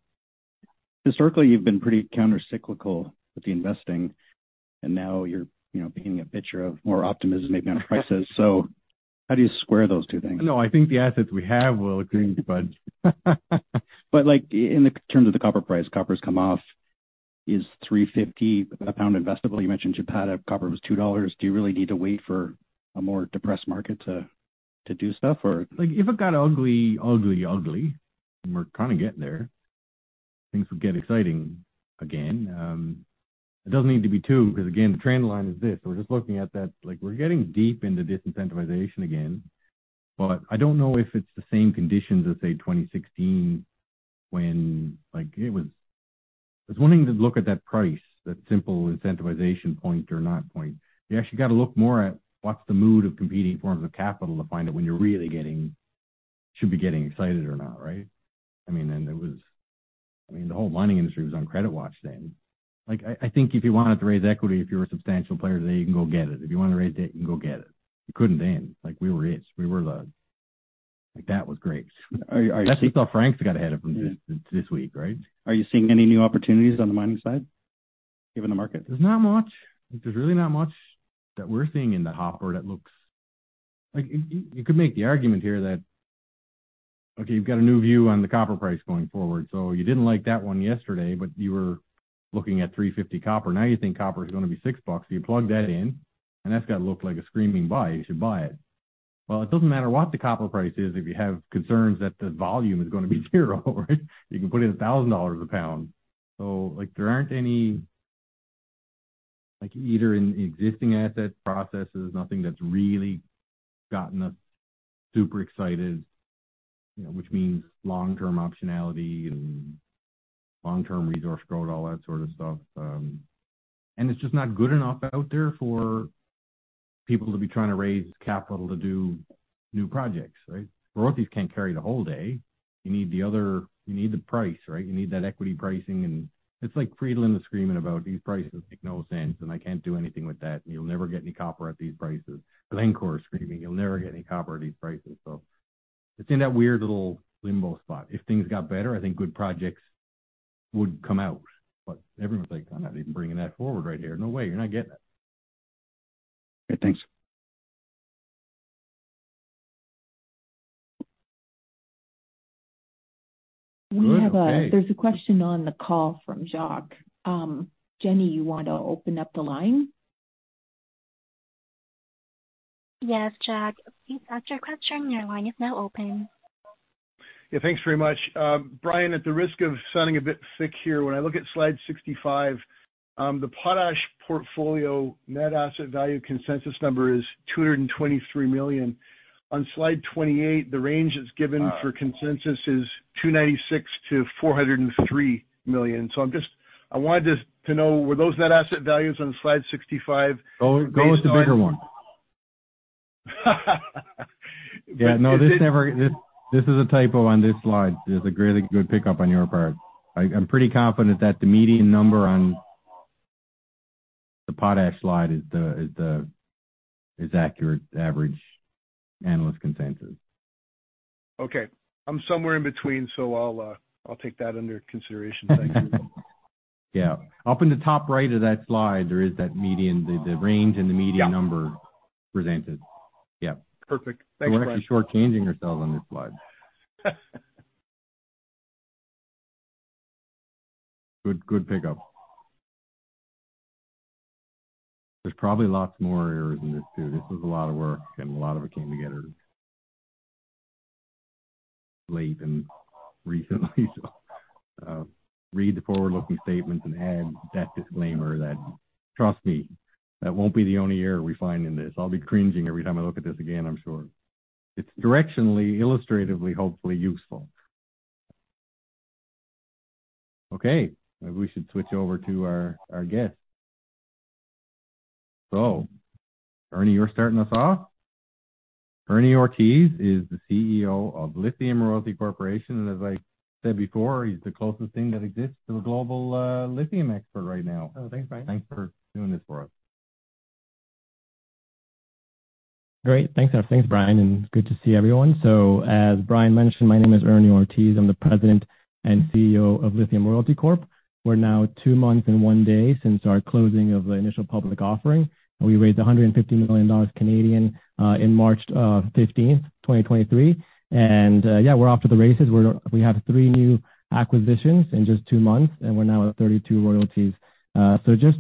Historically, you've been pretty countercyclical with the investing, and now you're, you know, painting a picture of more optimism maybe on prices. How do you square those two things? No, I think the assets we have will agree with you, bud. Like, in the terms of the copper price, copper's come off. Is $3.50 a pound investable? You mentioned Chapada, copper was $2. Do you really need to wait for a more depressed market to do stuff or? Like, if it got ugly, ugly, and we're kinda getting there, things will get exciting again. It doesn't need to be two because again, the trend line is this. We're just looking at that. Like, we're getting deep into disincentivization again. I don't know if it's the same conditions as, say, 2016 when, like, it was. There's one thing to look at that price, that simple incentivization point or not point. You actually gotta look more at what's the mood of competing forms of capital to find out when you're really getting, should be getting excited or not, right? I mean, it was. I mean, the whole mining industry was on credit watch then. Like, I think if you wanted to raise equity, if you're a substantial player today, you can go get it. If you wanna raise debt, you can go get it. You couldn't then. Like, we were it. Like, that was great. Are? That's what the Franks got ahead of them this week, right? Are you seeing any new opportunities on the mining side, given the market? There's not much. There's really not much that we're seeing in the hopper that looks. Like, you could make the argument here that, okay, you've got a new view on the copper price going forward. You didn't like that one yesterday, but you were looking at $3.50 copper. Now you think copper is gonna be $6. You plug that in, that's gotta look like a screaming buy. You should buy it. Well, it doesn't matter what the copper price is if you have concerns that the volume is gonna be 0, right? You can put in $1,000 a pound. Like, there aren't any, like, either in existing asset processes, nothing that's really gotten us super excited, you know, which means long-term optionality and long-term resource growth, all that sort of stuff. It's just not good enough out there for people to be trying to raise capital to do new projects, right? Royalties can't carry the whole day. You need the price, right? You need that equity pricing, it's like Friedland is screaming about these prices make no sense, and I can't do anything with that, and you'll never get any copper at these prices. Glencore is screaming, "You'll never get any copper at these prices." It's in that weird little limbo spot. If things got better, I think good projects would come out, but everyone's like, "I'm not even bringing that forward right here. No way. You're not getting it. Okay, thanks. Good. Okay. There's a question on the call from Jacques. Jenny, you want to open up the line? Yes, Jacques. Please state your question. Your line is now open. Yeah, thanks very much. Brian, at the risk of sounding a bit thick here, when I look at slide 65, the potash portfolio net asset value consensus number is 223 million. On slide 28, the range that's given for consensus is 296 million-403 million. I wanted just to know, were those net asset values on slide 65 based on? Go with the bigger one. Yeah, no, this is a typo on this slide. It's a really good pickup on your part. I'm pretty confident that the median number on the potash slide is the accurate average analyst consensus. Okay. I'm somewhere in between. I'll take that under consideration. Thank you. Yeah. Up in the top right of that slide, there is that median, the range and the median number presented. Yep. Perfect. Thanks, Brian. We're actually shortchanging ourselves on this slide. Good, good pickup. There's probably lots more errors in this, too. This was a lot of work, and a lot of it came together late and recently. Read the forward-looking statements and add that disclaimer that... Trust me, that won't be the only error we find in this. I'll be cringing every time I look at this again, I'm sure. It's directionally, illustratively, hopefully useful. Okay. Maybe we should switch over to our guest. Ernie, you're starting us off. Ernie Ortiz is the CEO of Lithium Royalty Corporation, and as I said before, he's the closest thing that exists to a global, lithium expert right now. Oh, thanks, Brian. Thanks for doing this for us. Great. Thanks, thanks, Brian, good to see everyone. As Brian mentioned, my name is Ernie Ortiz. I'm the President and CEO of Lithium Royalty Corp. We're now two months and one day since our closing of the initial public offering. We raised 150 million Canadian dollars in March 15th, 2023. Yeah, we're off to the races. We have three new acquisitions in just two months, and we're now at 32 royalties. Just,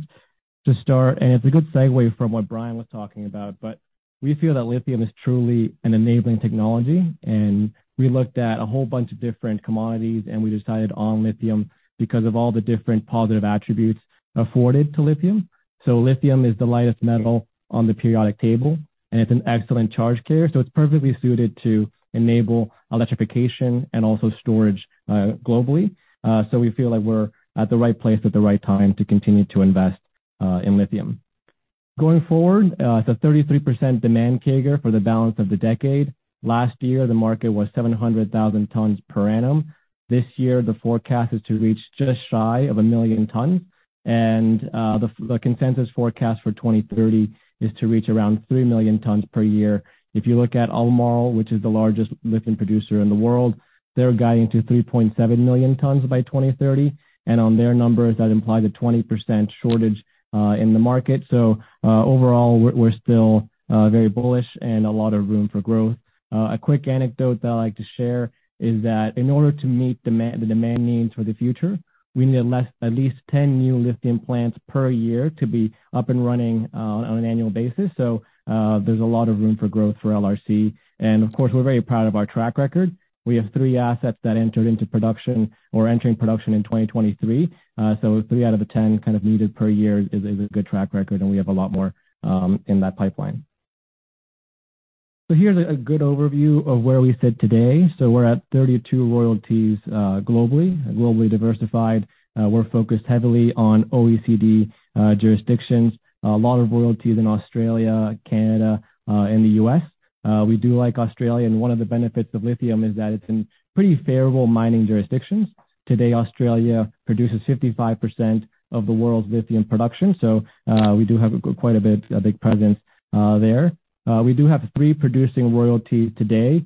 to start, and it's a good segue from what Brian was talking about, but we feel that lithium is truly an enabling technology, and we looked at a whole bunch of different commodities, and we decided on lithium because of all the different positive attributes afforded to lithium. Lithium is the lightest metal on the periodic table, and it's an excellent charge carrier, so it's perfectly suited to enable electrification and also storage globally. We feel like we're at the right place at the right time to continue to invest in lithium. Going forward, it's a 33% demand CAGR for the balance of the decade. Last year, the market was 700,000 tons per annum. This year, the forecast is to reach just shy of 1 million tons. The consensus forecast for 2030 is to reach around 3 million tons per year. If you look at Albemarle, which is the largest lithium producer in the world, they're guiding to 3.7 million tons by 2030. On their numbers, that implies a 20% shortage in the market. Overall, we're still very bullish and a lot of room for growth. A quick anecdote that I like to share is that in order to meet demand, the demand needs for the future, we need at least 10 new lithium plants per year to be up and running on an annual basis. There's a lot of room for growth for LRC. Of course, we're very proud of our track record. We have three assets that entered into production or entering production in 2023. So three out of the 10 kind of needed per year is a good track record, and we have a lot more in that pipeline. Here's a good overview of where we sit today. We're at 32 royalties globally. Globally diversified. We're focused heavily on OECD jurisdictions. A lot of royalties in Australia, Canada, and the U.S. We do like Australia, one of the benefits of lithium is that it's in pretty favorable mining jurisdictions. Today, Australia produces 55% of the world's lithium production. We do have a big presence there. We do have three producing royalties today.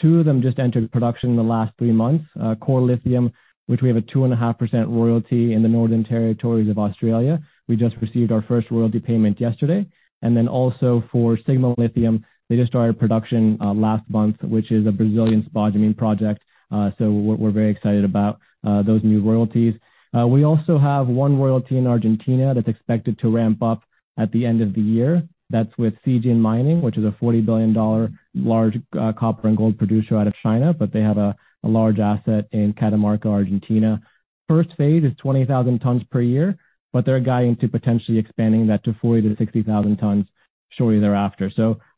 Two of them just entered production in the last three months. Core Lithium, which we have a 2.5% royalty in the Northern Territory of Australia. We just received our first royalty payment yesterday. Also for Sigma Lithium, they just started production last month, which is a Brazilian spodumene project. We're very excited about those new royalties. We also have one royalty in Argentina that's expected to ramp up at the end of the year. That's with Zijin Mining, which is a $40 billion large copper and gold producer out of China. They have a large asset in Catamarca, Argentina. First phase is 20,000 tons per year. They're guiding to potentially expanding that to 40,000-60,000 tons shortly thereafter.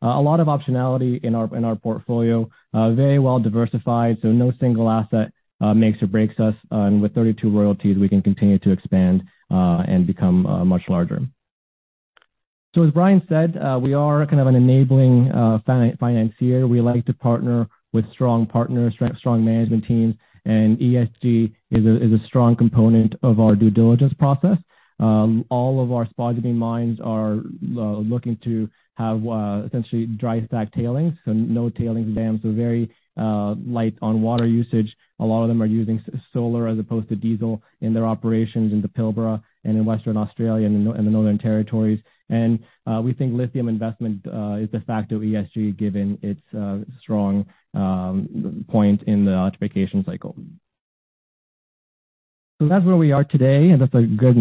A lot of optionality in our portfolio. Very well diversified, no single asset makes or breaks us. With 32 royalties, we can continue to expand and become much larger. As Brian said, we are kind of an enabling financier. We like to partner with strong partners, strong management teams, and ESG is a strong component of our due diligence process. All of our spodumene mines are looking to have essentially dry stack tailings, so no tailings dams, so very light on water usage. A lot of them are using solar as opposed to diesel in their operations in the Pilbara and in Western Australia and in the Northern Territories. We think lithium investment is the fact of ESG given its strong point in the electrification cycle. That's where we are today, and that's a good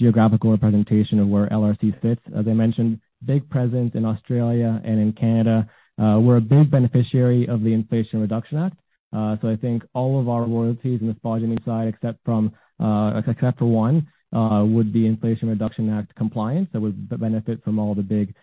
geographical representation of where LRC fits. As I mentioned, big presence in Australia and in Canada. We're a big beneficiary of the Inflation Reduction Act. I think all of our royalties in the spodumene side, except from except for one, would be Inflation Reduction Act compliance. That would benefit from all the big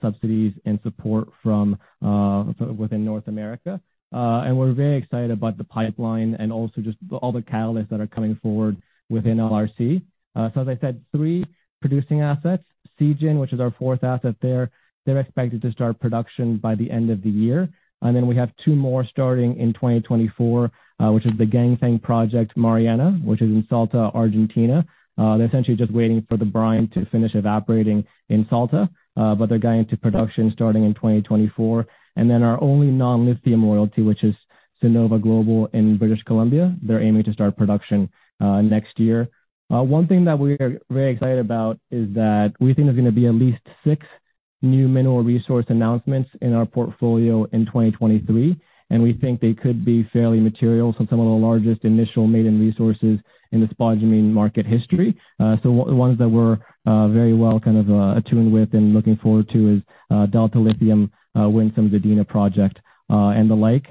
subsidies and support from sort of within North America. We're very excited about the pipeline and also just all the catalysts that are coming forward within LRC. As I said, three producing assets. Zijin, which is our 4th asset there, they're expected to start production by the end of the year. We have two more starting in 2024, which is the Ganfeng project, Mariana, which is in Salta, Argentina. They're essentially just waiting for the brine to finish evaporating in Salta, they're going into production starting in 2024. Our only non-lithium royalty, which is Sonova Global in British Columbia. They're aiming to start production next year. One thing that we're very excited about is that we think there's gonna be at least six new mineral resource announcements in our portfolio in 2023, and we think they could be fairly material. Some of the largest initial maiden resources in the spodumene market history. The ones that we're very well kind of attuned with and looking forward to is Delta Lithium, Winsome's Adina project, and the like.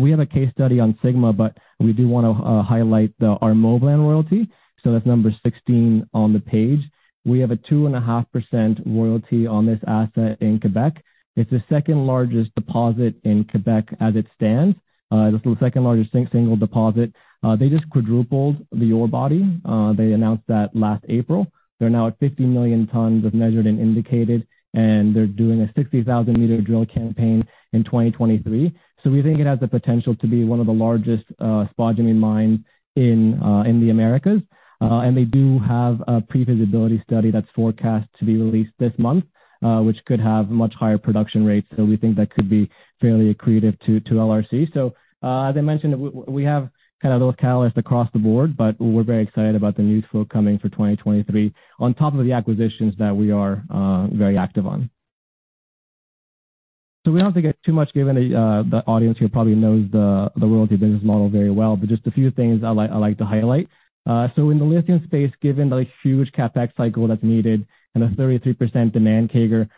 We have a case study on Sigma, but we do wanna highlight our Moblan royalty. That's number 16 on the page. We have a 2.5% royalty on this asset in Québec. It's the second largest deposit in Québec as it stands. It's the second largest single deposit. They just quadrupled the ore body. They announced that last April. They're now at 50 million tons of measured and indicated, they're doing a 60,000 meter drill campaign in 2023. We think it has the potential to be one of the largest spodumene mine in the Americas. They do have a pre-feasibility study that's forecast to be released this month, which could have much higher production rates. We think that could be fairly accretive to LRC. As I mentioned, we have kind of those catalysts across the board, but we're very excited about the news flow coming for 2023 on top of the acquisitions that we are very active on. We don't have to get too much given the audience here probably knows the Royalty business model very well. Just a few things I like to highlight. In the lithium space, given the huge CapEx cycle that's needed and a 33% demand CAGR,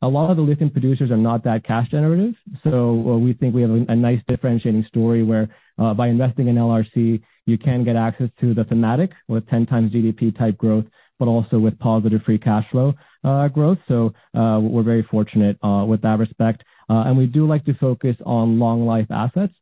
a lot of the lithium producers are not that cash generative. We think we have a nice differentiating story where by investing in LRC, you can get access to the thematic with 10 times GDP type growth, but also with positive free cash flow growth. We're very fortunate with that respect. We do like to focus on long life assets.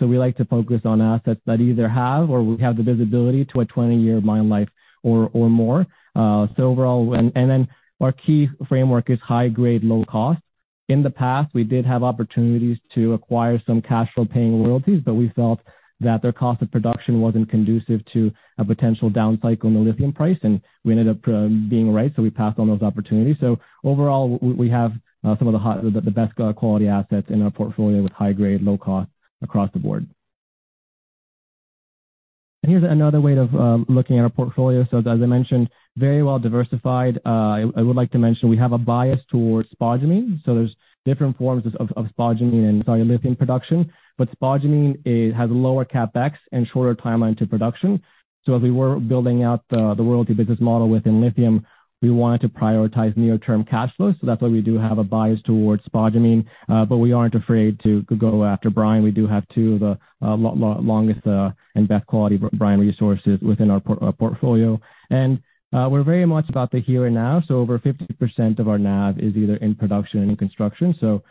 We like to focus on assets that either have, or we have the visibility to a 20-year mine life or more. Overall. Our key framework is high grade, low cost. In the past, we did have opportunities to acquire some cash flow paying royalties, but we felt that their cost of production wasn't conducive to a potential down cycle in the lithium price, and we ended up being right, so we passed on those opportunities. Overall, we have some of the best quality assets in our portfolio with high grade, low cost across the board. Here's another way of looking at our portfolio. As I mentioned, very well diversified. I would like to mention we have a bias towards spodumene. There's different forms of spodumene in lithium production. Spodumene, it has lower CapEx and shorter timeline to production. As we were building out the Royalty business model within lithium, we wanted to prioritize near term cash flows. That's why we do have a bias towards spodumene, but we aren't afraid to go after brine. We do have two of the longest and best quality brine resources within our portfolio. We're very much about the here and now. Over 50% of our NAV is either in production and in construction. What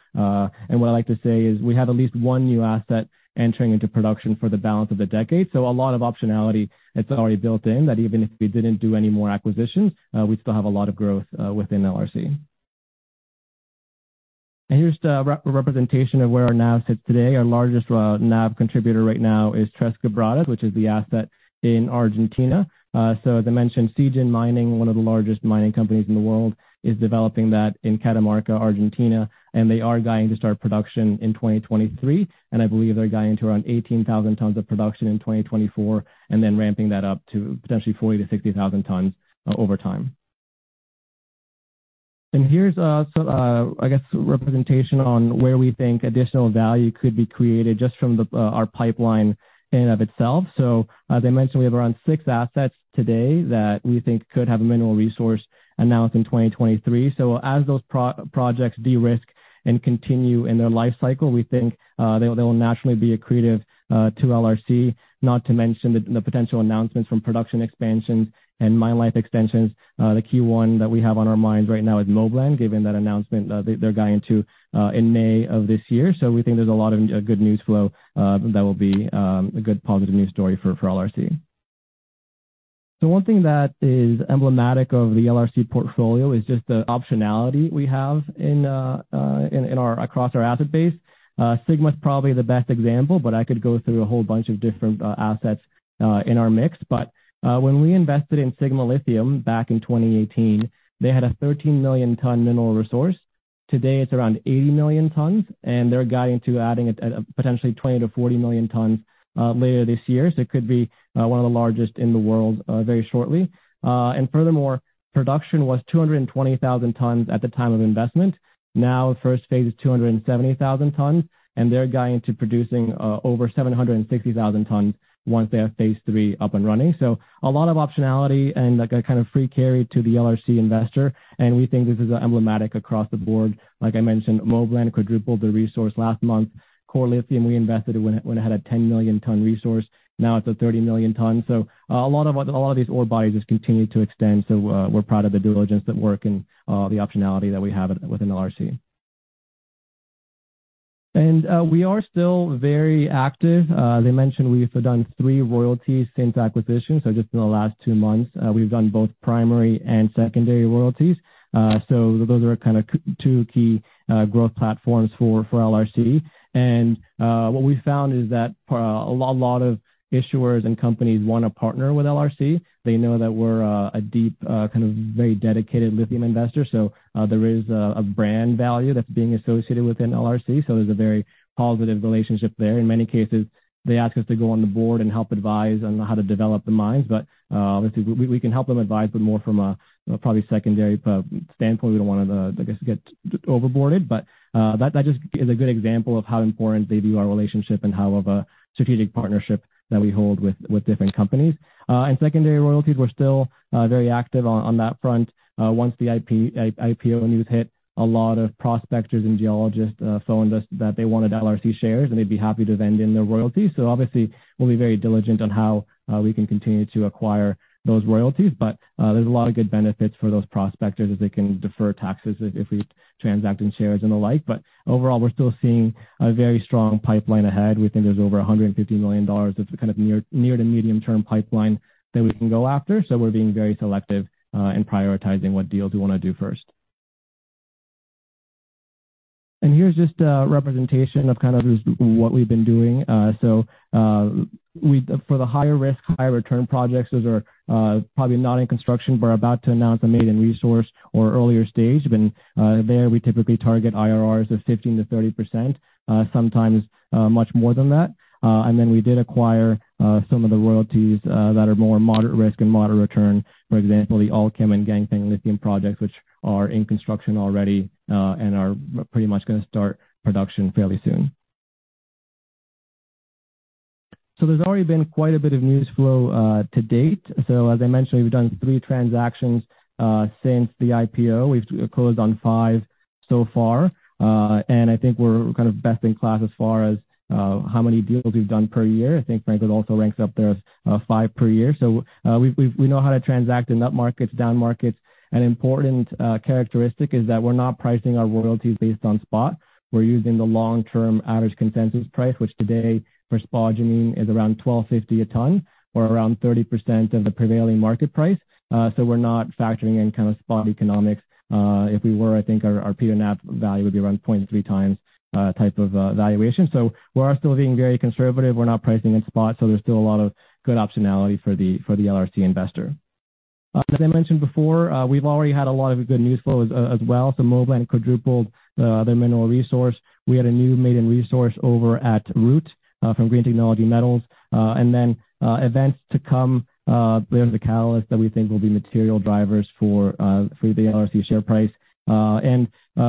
I like to say is we have at least one new asset entering into production for the balance of the decade. A lot of optionality that's already built in, that even if we didn't do any more acquisitions, we'd still have a lot of growth within LRC. Here's the representation of where our NAV sits today. Our largest NAV contributor right now is Tres Quebradas, which is the asset in Argentina. As I mentioned, Zijin Mining, one of the largest mining companies in the world, is developing that in Catamarca, Argentina, and they are guiding to start production in 2023. I believe they're guiding to around 18,000 tons of production in 2024, and then ramping that up to potentially 40,000-60,000 tons over time. Here's some, I guess representation on where we think additional value could be created just from the our pipeline in and of itself. As I mentioned, we have around six assets today that we think could have a mineral resource announced in 2023. As those projects de-risk and continue in their life cycle, we think they will naturally be accretive to LRC, not to mention the potential announcements from production expansions and mine life extensions. The key one that we have on our minds right now is Moblan, given that announcement, they're guiding to in May of this year. We think there's a lot of good news flow that will be a good positive news story for LRC. The one thing that is emblematic of the LRC portfolio is just the optionality we have across our asset base. Sigma is probably the best example, but I could go through a whole bunch of different assets in our mix. When we invested in Sigma Lithium back in 2018, they had a 13 million ton mineral resource. Today, it's around 80 million tons, and they're guiding to adding a potentially 20 million-40 million tons later this year. It could be one of the largest in the world very shortly. Furthermore, production was 220,000 tons at the time of investment. First phase is 270,000 tons, and they're guiding to producing over 760,000 tons once they have phase three up and running. A lot of optionality and, like, a kind of free carry to the LRC investor. We think this is emblematic across the board. Like I mentioned, Moblan quadrupled their resource last month. Core Lithium, we invested when it had a 10 million ton resource. Now it's a 30 million ton. A lot of these ore bodies just continue to extend. We're proud of the due diligence that work and the optionality that we have within LRC. We are still very active. As I mentioned, we've done three royalties since acquisition. Just in the last two months, we've done both primary and secondary royalties. Those are kind of two key growth platforms for LRC. What we found is that a lot of issuers and companies wanna partner with LRC. They know that we're a deep, kind of very dedicated lithium investor. There is a brand value that's being associated within LRC. There's a very positive relationship there. In many cases, they ask us to go on the board and help advise on how to develop the mines. Obviously, we can help them advise, but more from a probably secondary standpoint. We don't wanna, I guess, get over-boarded. That just is a good example of how important they view our relationship and how of a strategic partnership that we hold with different companies. Secondary royalties, we're still very active on that front. Once the IPO news hit, a lot of prospectors and geologists phoned us that they wanted LRC shares, and they'd be happy to vend in their royalties. Obviously, we'll be very diligent on how we can continue to acquire those royalties. There's a lot of good benefits for those prospectors as they can defer taxes if we transact in shares and the like. Overall, we're still seeing a very strong pipeline ahead. We think there's over 150 million dollars of kind of near to medium-term pipeline that we can go after. We're being very selective in prioritizing what deals we wanna do first. Here's just a representation of kind of just what we've been doing. For the higher risk, higher return projects, those are probably not in construction, but are about to announce a maiden resource or earlier stage. There, we typically target IRRs of 15%-30%, sometimes much more than that. We did acquire some of the royalties that are more moderate risk and moderate return. For example, the Allkem and Ganfeng Lithium projects, which are in construction already, and are pretty much gonna start production fairly soon. There's already been quite a bit of news flow to date. As I mentioned, we've done three transactions since the IPO. We've closed on five so far. I think we're kind of best in class as far as how many deals we've done per year. I think Franklin also ranks up there of five per year. We know how to transact in up markets, down markets. An important characteristic is that we're not pricing our royalties based on spot. We're using the long-term average consensus price, which today for spodumene is around $1,250 a ton or around 30% of the prevailing market price. We're not factoring any kind of spot economics. If we were, I think our P/NAV value would be around 0.3 times, type of, valuation. We are still being very conservative. We're not pricing in spot, so there's still a lot of good optionality for the, for the LRC investor. As I mentioned before, we've already had a lot of good news flow as well. Moblan quadrupled their mineral resource. We had a new maiden resource over at Root from Green Technology Metals. Events to come, there's the catalyst that we think will be material drivers for the LRC share price.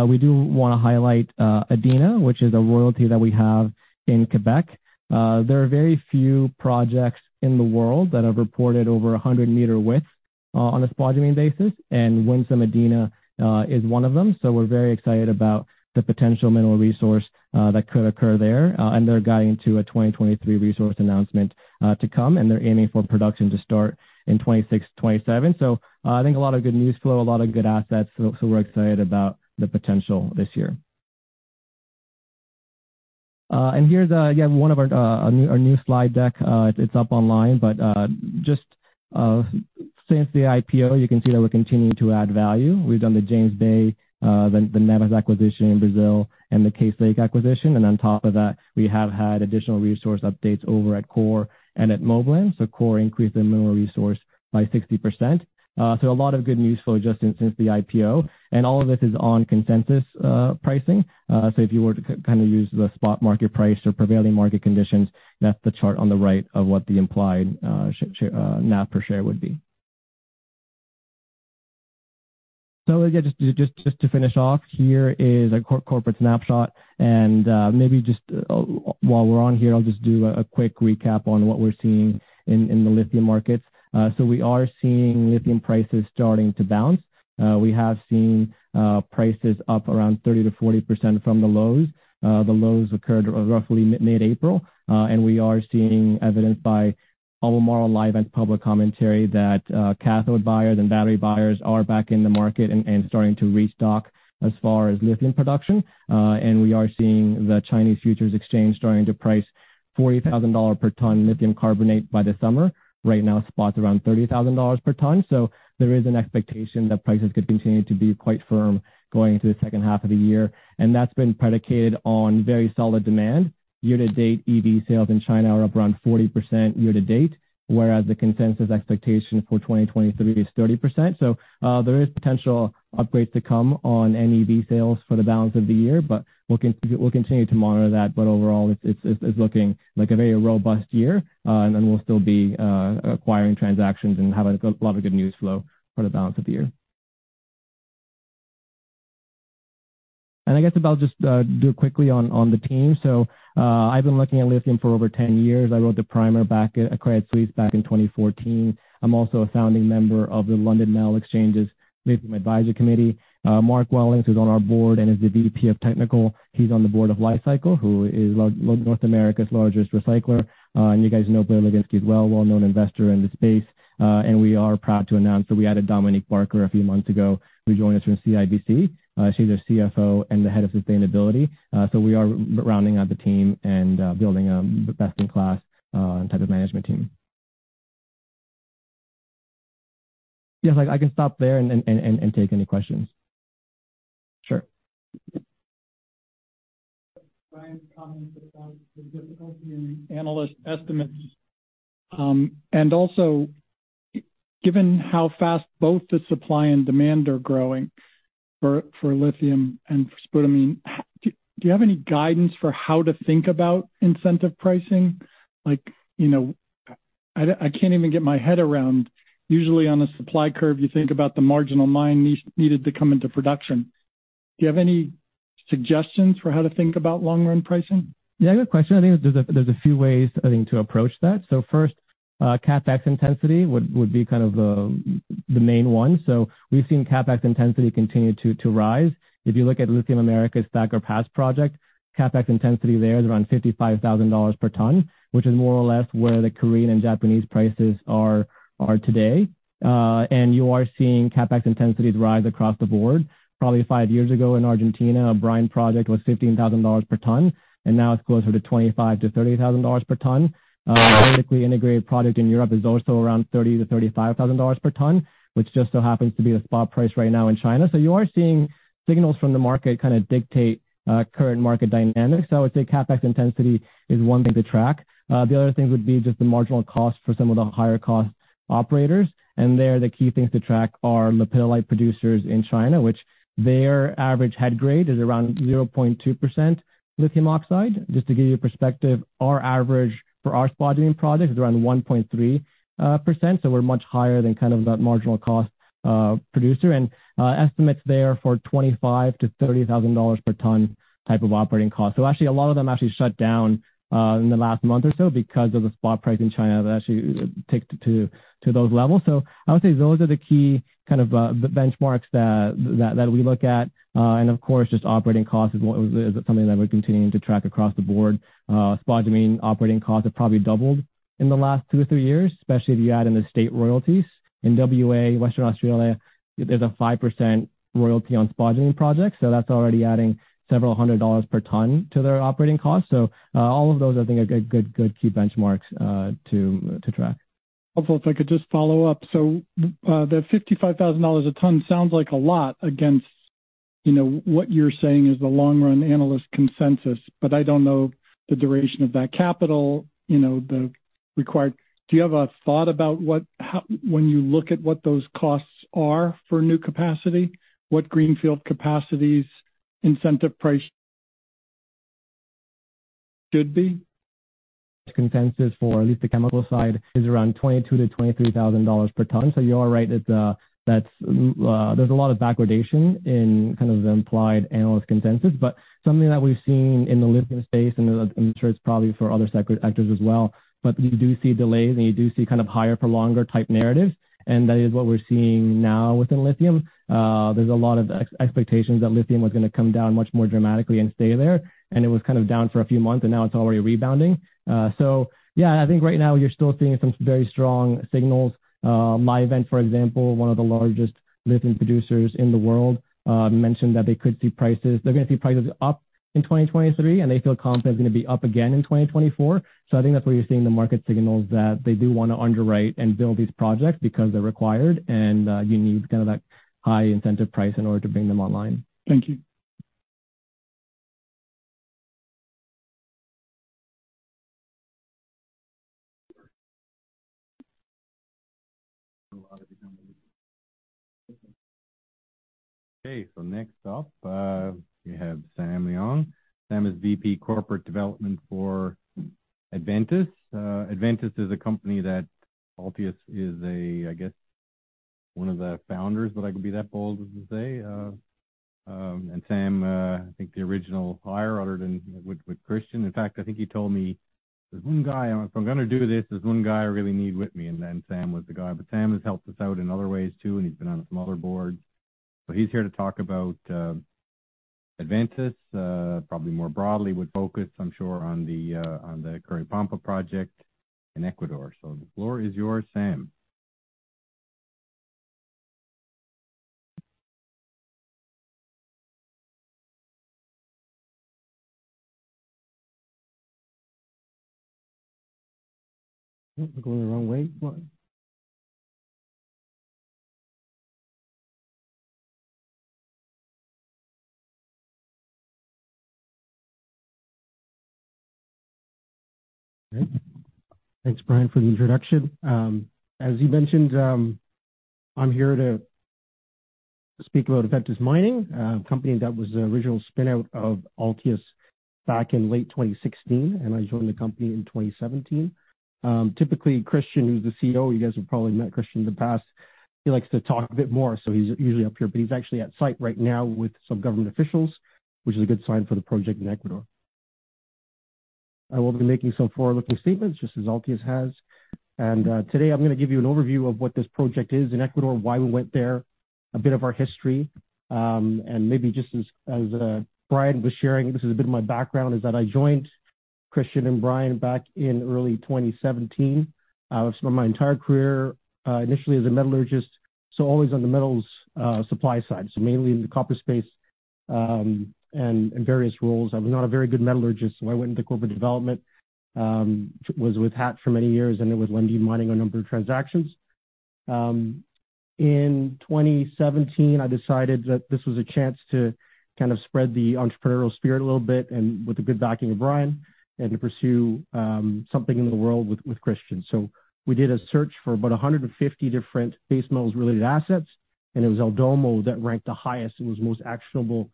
We do wanna highlight Adina, which is a royalty that we have in Quebec. There are very few projects in the world that have reported over a 100 meter width on a spodumene basis, and Winsome Adina is one of them. We're very excited about the potential mineral resource that could occur there. They're guiding to a 2023 resource announcement to come, and they're aiming for production to start in 2026, 2027. I think a lot of good news flow, a lot of good assets, we're excited about the potential this year. Here's, again, one of our new slide deck. It's up online. Just, since the IPO, you can see that we're continuing to add value. We've done the James Bay, the Nemus acquisition in Brazil and the Case Lake acquisition, and on top of that, we have had additional resource updates over at Core and at Moblan. Core increased their mineral resource by 60%. A lot of good news flow just in since the IPO and all of this is on consensus pricing. If you were to use the spot market price or prevailing market conditions, that's the chart on the right of what the implied NAV per share would be. Again, just to finish off, here is a corporate snapshot and maybe just while we're on here, I'll just do a quick recap on what we're seeing in the lithium markets. We are seeing lithium prices starting to bounce. We have seen prices up around 30% to 40% from the lows. The lows occurred roughly mid-April. We are seeing evidence by Albemarle and public commentary that cathode buyers and battery buyers are back in the market and starting to restock as far as lithium production. We are seeing the Guangzhou Futures Exchange starting to price $40,000 per ton lithium carbonate by the summer. Right now, spot's around $30,000 per ton. There is an expectation that prices could continue to be quite firm going into the second half of the year. That's been predicated on very solid demand. Year to date, EV sales in China are up around 40% year to date, whereas the consensus expectation for 2023 is 30%. There is potential upgrades to come on NEV sales for the balance of the year, but we'll continue to monitor that. Overall, it's looking like a very robust year. We'll still be acquiring transactions and have a lot of good news flow for the balance of the year. I guess I'll just do quickly on the team. I've been looking at lithium for over 10 years. I wrote the primer back at Credit Suisse back in 2014. I'm also a founding member of the London Metal Exchange's Lithium Advisory Committee. Mark Wellings, who's on our board and is the VP of Technical, he's on the board of Li-Cycle, who is North America's largest recycler. You guys know Blair Legresley as well, well-known investor in the space. We are proud to announce that we added Dominique Barker a few months ago, who joined us from CIBC. She's our CFO and the Head of Sustainability. We are rounding out the team and building the best in class type of management team. Yes, I can stop there and take any questions. Sure. Brian's comment about the difficulty in analyst estimates, and also given how fast both the supply and demand are growing for lithium and spodumene, do you have any guidance for how to think about incentive pricing? Like, you know, I can't even get my head around. Usually, on a supply curve, you think about the marginal mine needed to come into production. Do you have any suggestions for how to think about long run pricing? Yeah, good question. I think there's a few ways, I think, to approach that. First, CapEx intensity would be kind of the main one. We've seen CapEx intensity continue to rise. If you look at Lithium Americas Thacker Pass project, CapEx intensity there is around $55,000 per ton, which is more or less where the Korean and Japanese prices are today. You are seeing CapEx intensities rise across the board. Probably five years ago in Argentina, a brine project was $15,000 per ton, and now it's closer to $25,000-$30,000 per ton. Typically integrated product in Europe is also around $30,000-$35,000 per ton, which just so happens to be the spot price right now in China. You are seeing signals from the market kinda dictate current market dynamics. I would say CapEx intensity is one thing to track. The other thing would be just the marginal cost for some of the higher cost operators. There, the key things to track are Masteel producers in China, which their average head grade is around 0.2% lithium oxide. Just to give you a perspective, our average for our spodumene project is around 1.3%, so we're much higher than kind of that marginal cost producer. Estimates there for $25,000-$30,000 per ton type of operating costs. Actually a lot of them actually shut down in the last month or so because of the spot price in China that actually ticked to those levels. I would say those are the key kind of benchmarks that we look at. And of course, just operating costs is something that we're continuing to track across the board. Spodumene operating costs have probably doubled in the last 2-3 years, especially if you add in the state royalties. In WA, Western Australia, there's a 5% royalty on spodumene projects, that's already adding several hundred $ per ton to their operating costs. All of those, I think are good key benchmarks to track. Hopefully, if I could just follow up. The 55,000 dollars a ton sounds like a lot against, you know, what you're saying is the long run analyst consensus, but I don't know the duration of that capital, you know, the required... Do you have a thought about How when you look at what those costs are for new capacity, what greenfield capacities incentive price should be? Consensus for at least the chemical side is around $22,000-$23,000 per ton. You are right that, there's a lot of backwardation in kind of the implied analyst consensus. Something that we've seen in the lithium space, and I'm sure it's probably for other sector actors as well. You do see delays, and you do see kind of higher for longer type narratives, and that is what we're seeing now within lithium. There's a lot of expectations that lithium was gonna come down much more dramatically and stay there, and it was kind of down for a few months, and now it's already rebounding. Yeah, I think right now you're still seeing some very strong signals. Livent, for example, one of the largest lithium producers in the world, mentioned that they could see prices up in 2023, and they feel confident is gonna be up again in 2024. I think that's where you're seeing the market signals that they do wanna underwrite and build these projects because they're required and, you need kind of that high incentive price in order to bring them online. Thank you. Okay, next up, we have Sam Leung. Sam is VP corporate development for Adventus. Adventus is a company that Altius is, I guess one of the founders, if I could be that bold to say. Sam, I think the original hire other than with Christian. In fact, I think he told me, "There's one guy, if I'm gonna do this, there's one guy I really need with me." Sam was the guy. Sam has helped us out in other ways too, and he's been on some other boards. He's here to talk about Adventus, probably more broadly with focus, I'm sure on the Curipamba project in Ecuador. The floor is yours, Sam. We're going the wrong way. What? Thanks, Brian, for the introduction. As you mentioned, I'm here to speak about Adventus Mining, a company that was the original spin-out of Altius back in late 2016. I joined the company in 2017. Typically, Christian, who's the CEO, you guys have probably met Christian in the past. He likes to talk a bit more. He's usually up here. He's actually at site right now with some government officials, which is a good sign for the project in Ecuador. I will be making some forward-looking statements, just as Altius has. Today I'm gonna give you an overview of what this project is in Ecuador, why we went there, a bit of our history, and maybe just as Brian was sharing, this is a bit of my background, is that I joined Christian and Brian back in early 2017. Spent my entire career, initially as a metallurgist, so always on the metals supply side, so mainly in the copper space, and in various roles. I'm not a very good metallurgist, so I went into corporate development, was with Hatch for many years and then with Lundin Mining, a number of transactions. In 2017, I decided that this was a chance to kind of spread the entrepreneurial spirit a little bit and with the good backing of Brian, and to pursue something in the world with Christian. We did a search for about 150 different base metals related assets, it was El Domo that ranked the highest and was most actionable in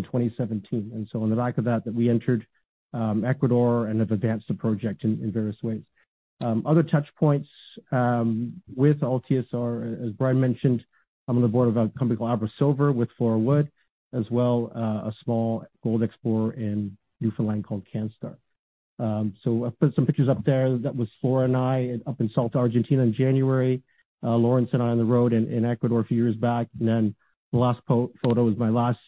2017. On the back of that we entered Ecuador and have advanced the project in various ways. Other touch points with Altius are, as Brian mentioned, I'm on the board of a company called AbraSilver with Flora Wood, as well, a small gold explorer in Newfoundland called Canstar. I've put some pictures up there. That was Flora and I up in Salta, Argentina in January. Lawrence and I on the road in Ecuador a few years back. The last photo is my last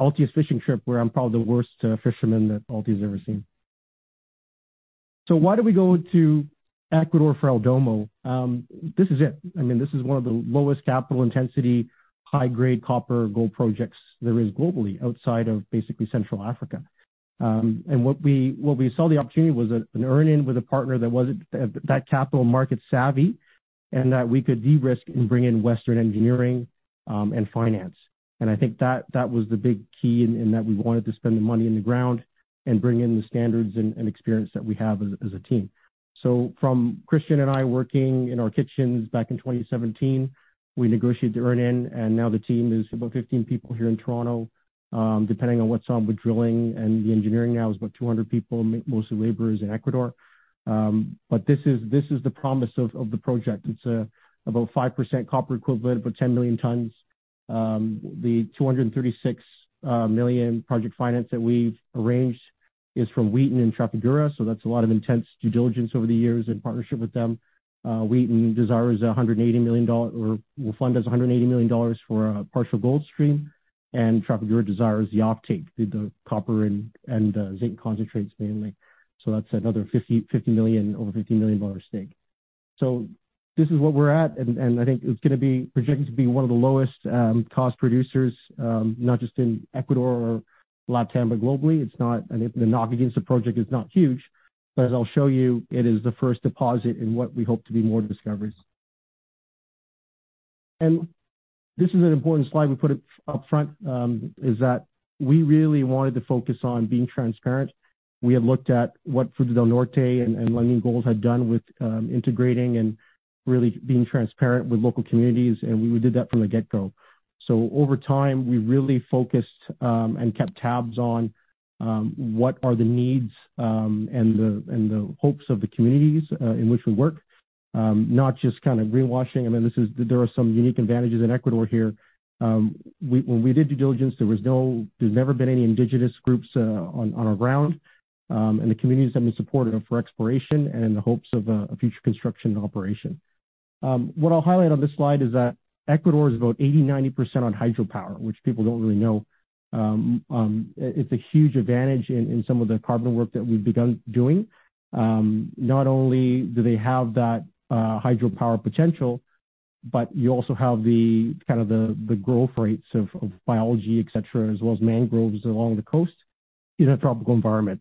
Altius fishing trip, where I'm probably the worst fisherman that Altius has ever seen. Why do we go to Ecuador for El Domo? This is it. I mean, this is one of the lowest capital intensity, high grade copper gold projects there is globally outside of basically Central Africa. What we saw the opportunity was an earn-in with a partner that wasn't that capital market savvy, and that we could de-risk and bring in Western engineering and finance. I think that was the big key in that we wanted to spend the money in the ground and bring in the standards and experience that we have as a team. From Christian and I working in our kitchens back in 2017, we negotiated the earn-in, and now the team is about 15 people here in Toronto. Depending on what's on with drilling and the engineering now is about 200 people, most of the laborers in Ecuador. This is the promise of the project. It's about 5% copper equivalent, about 10 million tons. The $236 million project finance that we've arranged is from Wheaton and Trafigura, that's a lot of intense due diligence over the years in partnership with them. Wheaton desires $180 million or will fund us $180 million for a partial gold stream. Trafigura desires the offtake, the copper and zinc concentrates mainly. That's another over $50 million stake. This is what we're at, and I think it's gonna be projected to be one of the lowest cost producers, not just in Ecuador or LatAm, but globally. The knock against the project is not huge, but as I'll show you, it is the first deposit in what we hope to be more discoveries. This is an important slide, we put it up front, is that we really wanted to focus on being transparent. We had looked at what Fruta del Norte and Lundin Gold had done with integrating and really being transparent with local communities, and we did that from the get-go. Over time, we really focused and kept tabs on what are the needs and the hopes of the communities in which we work. Not just kind of greenwashing. I mean, there are some unique advantages in Ecuador here. We, when we did due diligence, there's never been any indigenous groups on our ground. And the communities have been supportive for exploration and in the hopes of a future construction and operation. What I'll highlight on this slide is that Ecuador is about 80%, 90% on hydropower, which people don't really know. It's a huge advantage in some of the carbon work that we've begun doing. Not only do they have that hydropower potential, but you also have the kind of the growth rates of biology, et cetera, as well as mangroves along the coast in a tropical environment.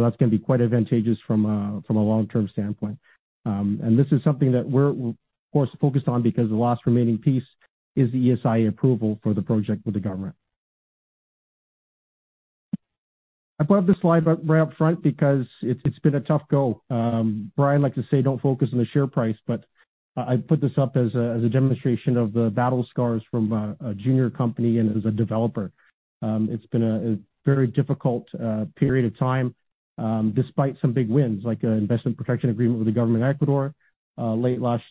That's gonna be quite advantageous from a long-term standpoint. This is something that we're of course focused on because the last remaining piece is the ESIA approval for the project with the government. I brought up this slide up, right up front because it's been a tough go. Brian liked to say, "Don't focus on the share price," but I put this up as a demonstration of the battle scars from a junior company and as a developer. It's been a very difficult period of time despite some big wins, like an Investment Protection Agreement with the government of Ecuador late last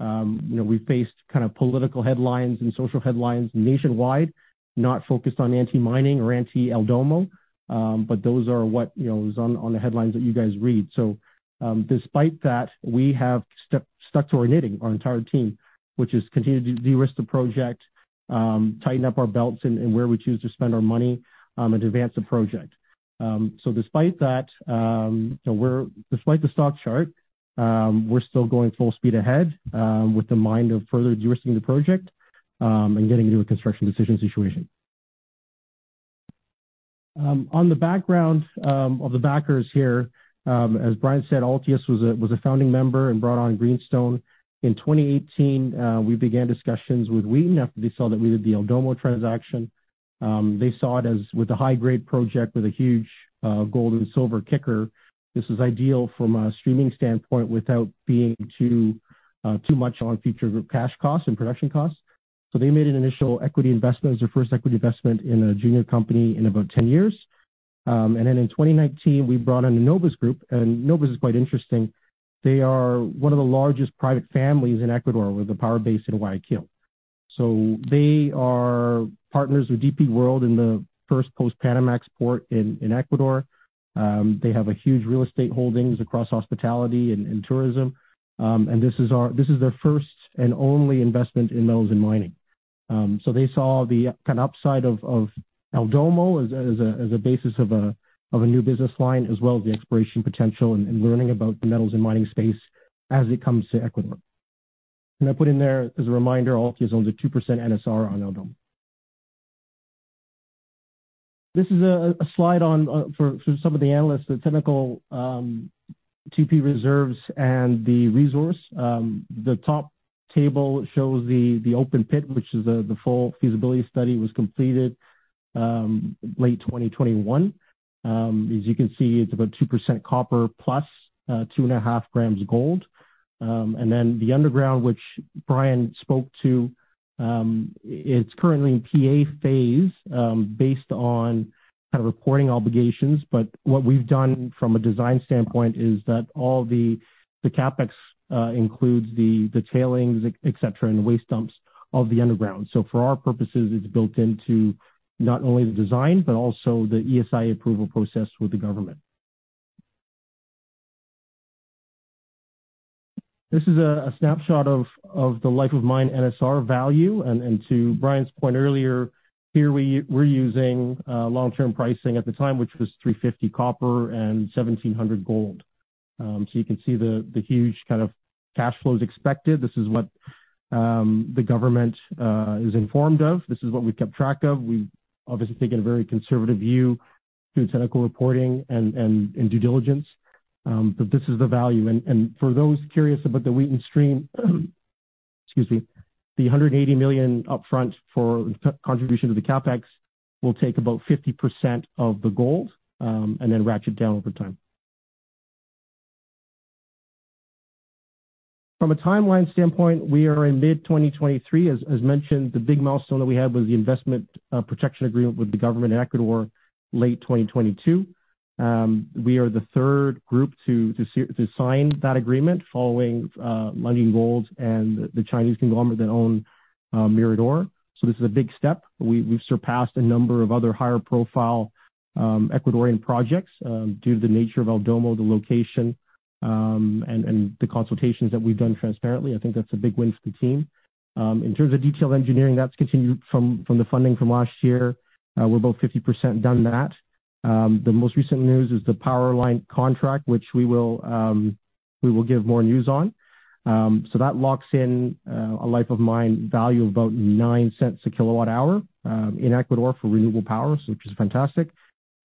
year. You know, we faced kind of political headlines and social headlines nationwide, not focused on anti-mining or anti El Domo, but those are what, you know, is on the headlines that you guys read. Despite that, we have stuck to our knitting, our entire team, which is continue de-risk the project, tighten up our belts and where we choose to spend our money, and advance the project. Despite that, you know, Despite the stock chart, we're still going full speed ahead with the mind of further de-risking the project and getting into a construction decision situation. On the background of the backers here, as Brian said, Altius was a founding member and brought on Greenstone. In 2018, we began discussions with Wheaton after they saw that we did the El Domo transaction. They saw it as with a high-grade project with a huge gold and silver kicker. This is ideal from a streaming standpoint without being too much on future cash costs and production costs. They made an initial equity investment as their first equity investment in a junior company in about 10 years. In 2019, we brought on the Novus Group, and Novus is quite interesting. They are one of the largest private families in Ecuador with a power base in Guayaquil. They are partners with DP World in the first post-Panamax port in Ecuador. They have a huge real estate holdings across hospitality and tourism. This is their first and only investment in metals and mining. They saw the kind of upside of El Domo as a basis of a new business line, as well as the exploration potential and learning about the metals and mining space as it comes to Ecuador. I put in there as a reminder, Altius owns a 2% NSR on El Domo. This is a slide on for some of the analysts, the technical, TP reserves and the resource. The top table shows the open pit, which is the full feasibility study was completed late 2021. As you can see, it's about 2% copper plus 2.5 grams gold. The underground, which Brian spoke to, it's currently in PA phase, based on kind of reporting obligations. What we've done from a design standpoint is that all the CapEx includes the tailings, et cetera, and the waste dumps of the underground. For our purposes, it's built into not only the design, but also the ESIA approval process with the government. This is a snapshot of the life of mine NSR value. To Brian's point earlier, here we're using long-term pricing at the time, which was $350 copper and $1,700 gold. You can see the huge kind of cash flows expected. This is what the government is informed of. This is what we've kept track of. We've obviously taken a very conservative view through technical reporting and due diligence. This is the value. For those curious about the Wheaton Stream, the $180 million upfront for contribution to the CapEx will take about 50% of the gold, and then ratchet down over time. From a timeline standpoint, we are in mid 2023. As mentioned, the big milestone that we had was the Investment Protection Agreement with the government in Ecuador late 2022. We are the third group to sign that agreement following Lundin Gold and the Chinese conglomerate that own Mirador. This is a big step. We've surpassed a number of other higher profile Ecuadorian projects due to the nature of El Domo, the location, and the consultations that we've done transparently. I think that's a big win for the team. In terms of detailed engineering, that's continued from the funding from last year. We're about 50% done that. The most recent news is the power line contract, which we will give more news on. That locks in a life of mine value of about $0.09 a kilowatt hour in Ecuador for renewable power, which is fantastic.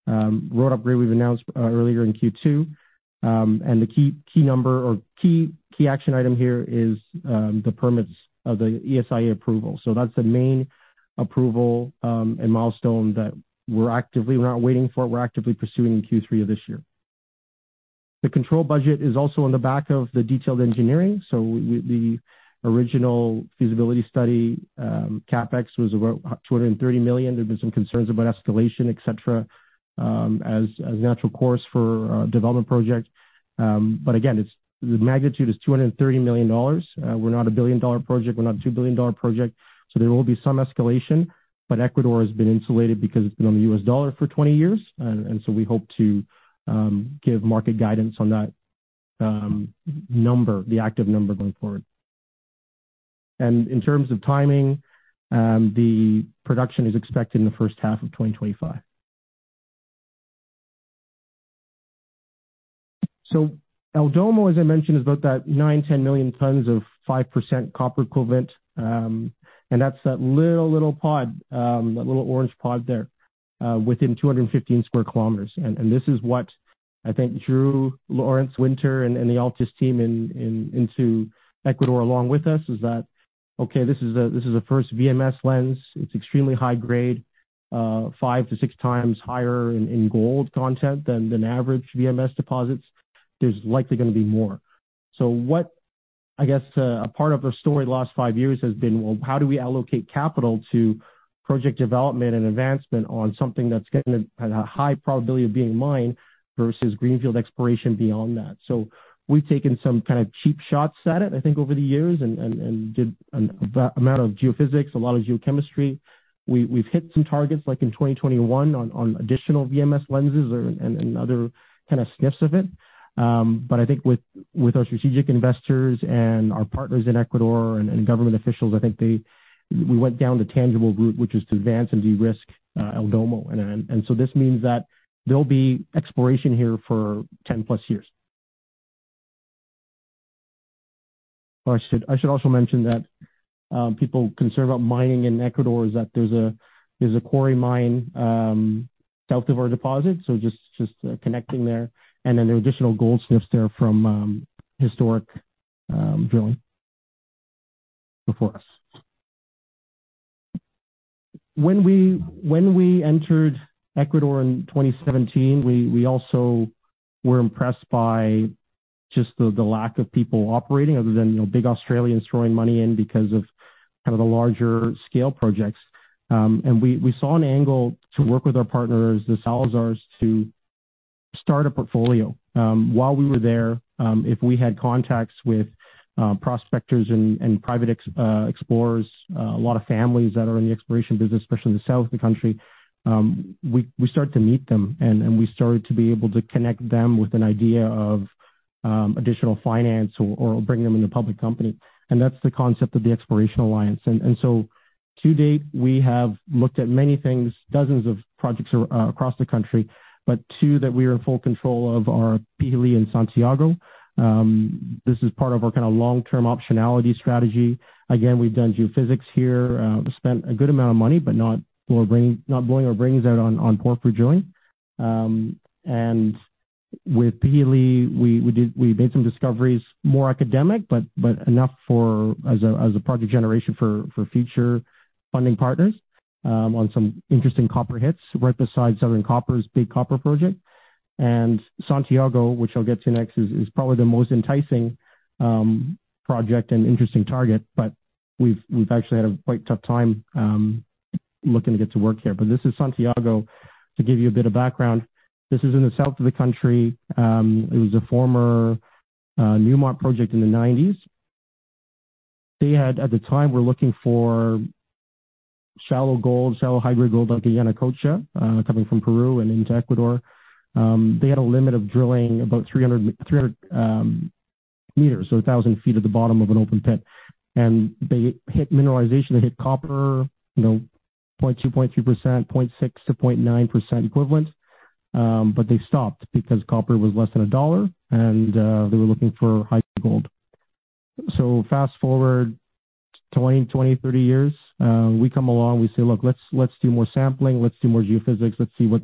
Road upgrade we've announced earlier in Q2. The key number or key action item here is the permits of the ESIA approval. That's the main approval and milestone that we're actively pursuing in Q3 of this year. The control budget is also on the back of the detailed engineering. The original feasibility study CapEx was about $230 million. There'd been some concerns about escalation, et cetera, as natural course for a development project. Again, the magnitude is $230 million. We're not a billion-dollar project. We're not a two billion dollar project. There will be some escalation. Ecuador has been insulated because it's been on the U.S. dollar for 20 years. We hope to give market guidance on that number, the active number going forward. In terms of timing, the production is expected in the first half of 2025. El Domo, as I mentioned, is about that 9 million-10 million tons of 5% copper equivalent. That's that little pod, that little orange pod there, within 215 sq km. This is what I think drew Lawrence Winter and the Altius team into Ecuador along with us, is that, okay, this is the first VMS lens. It's extremely high grade, 5x to 6x higher in gold content than an average VMS deposits. There's likely gonna be more. I guess, a part of the story the last five years has been, well, how do we allocate capital to project development and advancement on something that's got a high probability of being mined versus greenfield exploration beyond that? We've taken some kind of cheap shots at it, I think, over the years and did a amount of geophysics, a lot of geochemistry. We've hit some targets like in 2021 on additional VMS lenses and other kinda sniffs of it. I think with our strategic investors and our partners in Ecuador and government officials, we went down the tangible route, which is to advance and de-risk El Domo. This means that there'll be exploration here for 10+ years. I should also mention that people concerned about mining in Ecuador is that there's a quarry mine south of our deposit, so just connecting there. There are additional gold sniffs there from historic drilling before us. When we entered Ecuador in 2017 we also were impressed by just the lack of people operating other than big Australians throwing money in because of kind of the larger scale projects. We saw an angle to work with our partners, the Salazars, to start a portfolio. While we were there, if we had contacts with prospectors and private explorers, a lot of families that are in the exploration business, especially in the south of the country, we start to meet them and we started to be able to connect them with an idea of additional finance or bring them in a public company. That's the concept of the Exploration Alliance. To date, we have looked at many things, dozens of projects across the country, but two that we are in full control of are Pijilí and Santiago. This is part of our kind of long-term optionality strategy. Again, we've done geophysics here, spent a good amount of money, but not blowing our brains out on poor drilling. With Pijilí we made some discoveries, more academic, but enough for as a project generation for future funding partners, on some interesting copper hits right beside Southern Copper's big copper project. Santiago, which I'll get to next, is probably the most enticing project and interesting target, but we've actually had a quite tough time looking to get to work here. This is Santiago. To give you a bit of background, this is in the south of the country. It was a former Newmont project in the nineties. At the time were looking for shallow gold, shallow hybrid gold like the Yanacocha, coming from Peru and into Ecuador. They had a limit of drilling about 300 meters, so 1,000 feet at the bottom of an open pit. They hit mineralization, they hit copper, you know, 0.2%, 0.3%, 0.6%-0.9% equivalent. But they stopped because copper was less than $1, and they were looking for high gold. Fast-forward 20, 30 years, we come along, we say, "Look, let's do more sampling. Let's do more geophysics. Let's see what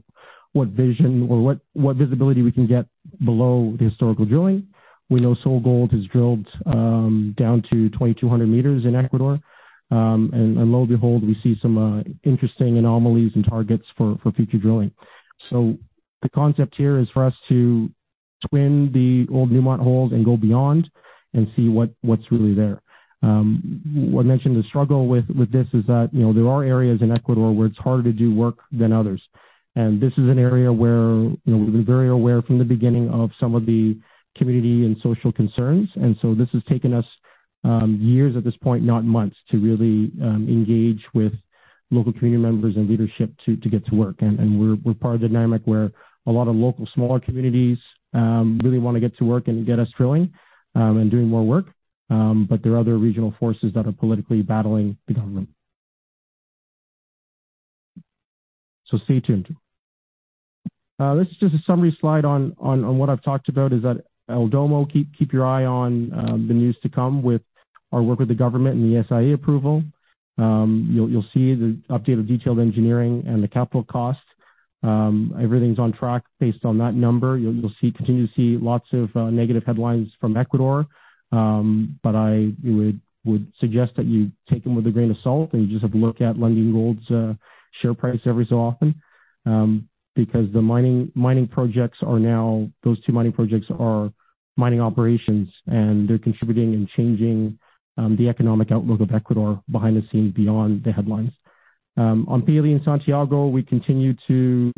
vision or what visibility we can get below the historical drilling. We know SolGold has drilled down to 2,200 meters in Ecuador. Lo and behold, we see some interesting anomalies and targets for future drilling. The concept here is for us to twin the old Newmont holes and go beyond and see what's really there. What I mentioned the struggle with this is that, you know, there are areas in Ecuador where it's harder to do work than others. This is an area where, you know, we've been very aware from the beginning of some of the community and social concerns. This has taken us years at this point, not months, to really engage with local community members and leadership to get to work. We're part of the dynamic where a lot of local smaller communities, really wanna get to work and get us drilling, and doing more work. There are other regional forces that are politically battling the government. Stay tuned. This is just a summary slide on what I've talked about, is that El Domo, keep your eye on the news to come with our work with the government and the ESIA approval. You'll see the update of detailed engineering and the capital cost. Everything's on track based on that number. You'll see, continue to see lots of negative headlines from Ecuador. I would suggest that you take them with a grain of salt, and you just have a look at Lundin Gold's share price every so often. Because those two mining projects are mining operations, and they're contributing and changing the economic outlook of Ecuador behind the scenes beyond the headlines. On Pijilí in Santiago, we continue to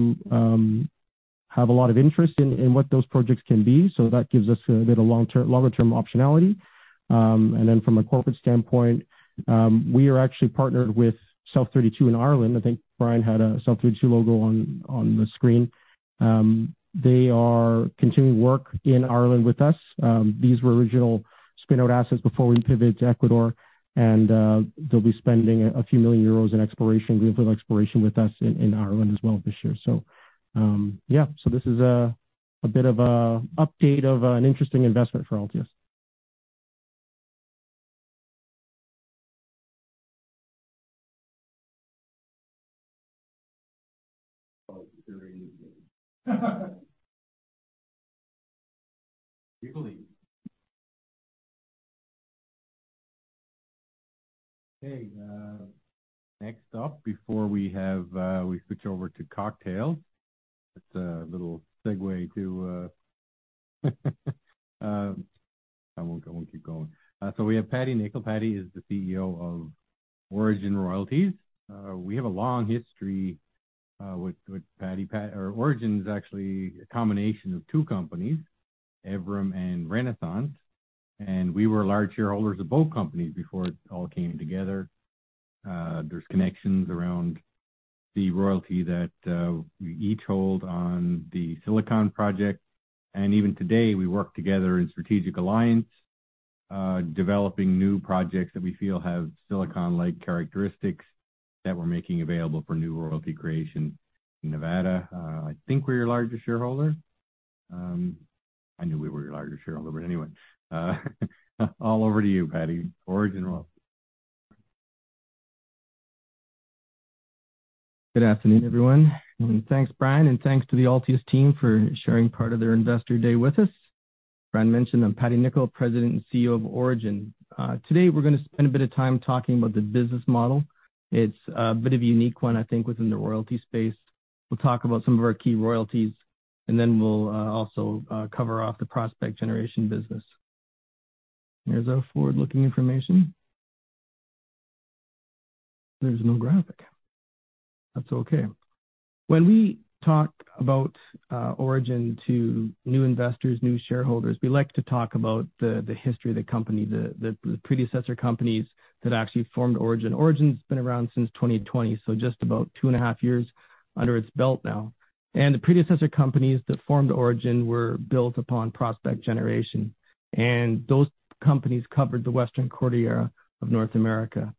have a lot of interest in what those projects can be. That gives us a bit of longer term optionality. From a corporate standpoint, we are actually partnered with South32 in Ireland. I think Brian Dalton had a South32 logo on the screen. They are continuing work in Ireland with us. These were original spin-out assets before we pivoted to Ecuador. They'll be spending a few million EUR in exploration, greenfield exploration with us in Ireland as well this year. This is a bit of a update of an interesting investment for Altius. We believe. Okay, next up before we have, we switch over to cocktail, it's a little segue to... I won't keep going. We have Paddy Nicol. Paddy is the CEO of Orogen Royalties. We have a long history with Paddy Nicol. Orogen Royalties is actually a combination of two companies, Evrim Resources Corp. and Renaissance Gold Inc. We were large shareholders of both companies before it all came together. There's connections around the royalty that we each hold on the Silicon project. Even today, we work together in strategic alliance, developing new projects that we feel have Silicon-like characteristics that we're making available for new royalty creation in Nevada. I think we're your largest shareholder. I know we were your largest shareholder, but anyway, all over to you, Paddy Nicol. Orogen Royalties. Good afternoon, everyone. Thanks, Brian, and thanks to the Altius team for sharing part of their investor day with us. Brian mentioned I'm Paddy Nicol, President and CEO of Orogen. Today we're gonna spend a bit of time talking about the business model. It's a bit of a unique one, I think, within the royalty space. We'll talk about some of our key royalties, and then we'll also cover off the prospect generation business. There's our forward-looking information. There's no graphic. That's okay. When we talk about Orogen to new investors, new shareholders, we like to talk about the predecessor companies that actually formed Orogen. Orogen's been around since 2020, so just about two and a half years under its belt now. The predecessor companies that formed Orogen were built upon prospect generation, and those companies covered the Western Cordillera of North America.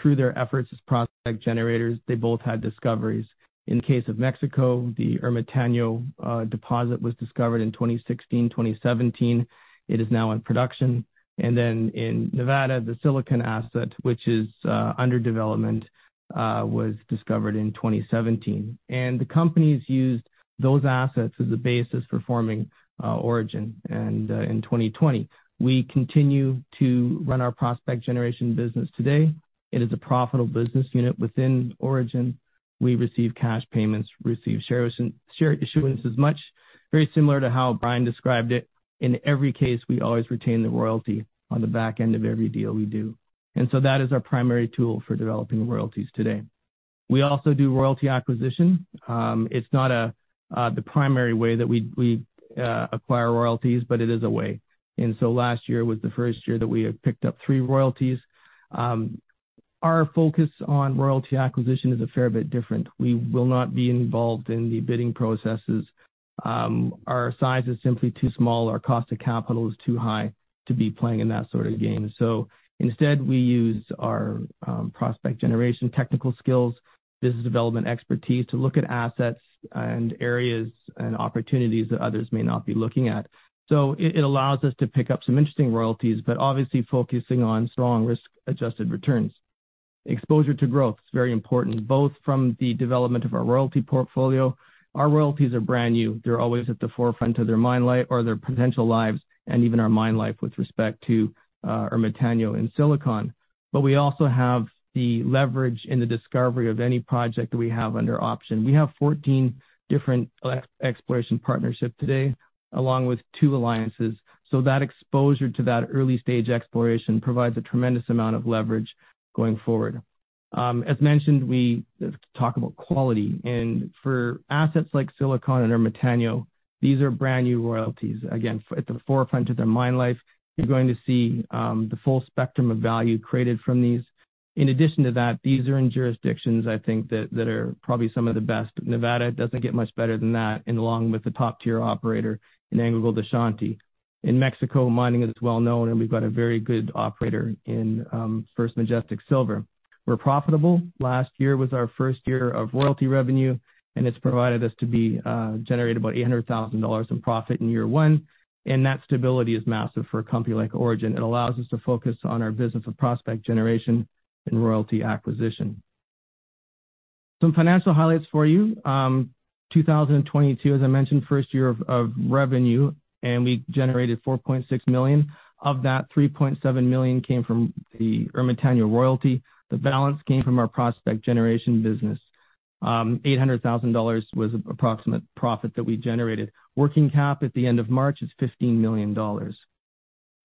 Through their efforts as prospect generators, they both had discoveries. In the case of Mexico, the Ermitaño deposit was discovered in 2016, 2017. It is now in production. In Nevada, the Silicon asset, which is under development, was discovered in 2017. The companies used those assets as a basis for forming Orogen in 2020. We continue to run our prospect generation business today. It is a profitable business unit within Orogen. We receive cash payments, receive shares and share issuances much, very similar to how Brian Dalton described it. In every case, we always retain the royalty on the back end of every deal we do. That is our primary tool for developing royalties today. We also do royalty acquisition. It's not the primary way that we acquire royalties, but it is a way. Last year was the first year that we have picked up three royalties. Our focus on royalty acquisition is a fair bit different. We will not be involved in the bidding processes. Our size is simply too small, our cost of capital is too high to be playing in that sort of game. Instead, we use our prospect generation technical skills, business development expertise to look at assets and areas and opportunities that others may not be looking at. It allows us to pick up some interesting royalties, but obviously focusing on strong risk-adjusted returns. Exposure to growth is very important, both from the development of our royalty portfolio. Our royalties are brand new. They're always at the forefront of their potential lives and even our mine life with respect to Ermitaño and Silicon. We also have the leverage in the discovery of any project that we have under option. We have 14 different ex-exploration partnerships today, along with two alliances. That exposure to that early-stage exploration provides a tremendous amount of leverage going forward. As mentioned, we talk about quality. For assets like Silicon and Ermitaño, these are brand-new royalties. Again, at the forefront of their mine life, you're going to see the full spectrum of value created from these. In addition to that, these are in jurisdictions, I think that are probably some of the best. Nevada, it doesn't get much better than that, and along with a top-tier operator in AngloGold Ashanti. In Mexico, mining is well-known, and we've got a very good operator in First Majestic Silver. We're profitable. Last year was our first year of royalty revenue. It's provided us to be generate about 800,000 dollars in profit in year one. That stability is massive for a company like Orogen. It allows us to focus on our business of prospect generation and royalty acquisition. Some financial highlights for you. 2022, as I mentioned, first year of revenue. We generated 4.6 million. Of that, 3.7 million came from the Ermitaño royalty. The balance came from our prospect generation business. 800,000 dollars was approximate profit that we generated. Working cap at the end of March is 15 million dollars.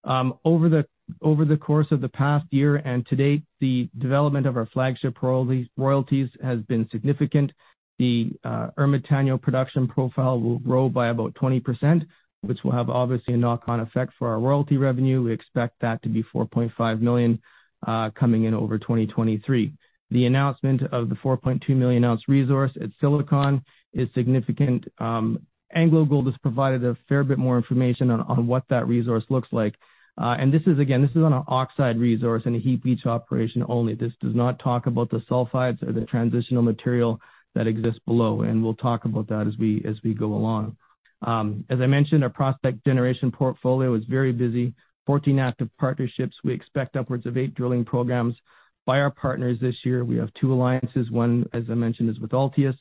Over the course of the past year and to date, the development of our flagship royalties has been significant. The Ermitaño production profile will grow by about 20%, which will have obviously a knock-on effect for our royalty revenue. We expect that to be 4.5 million coming in over 2023. The announcement of the 4.2 million ounce resource at Silicon is significant. AngloGold has provided a fair bit more information on what that resource looks like. This is, again, this is on an oxide resource and a heap leach operation only. This does not talk about the sulfides or the transitional material that exists below, we'll talk about that as we go along. As I mentioned, our prospect generation portfolio is very busy. 14 active partnerships. We expect upwards of eight drilling programs by our partners this year. We have two alliances. One, as I mentioned, is with Altius.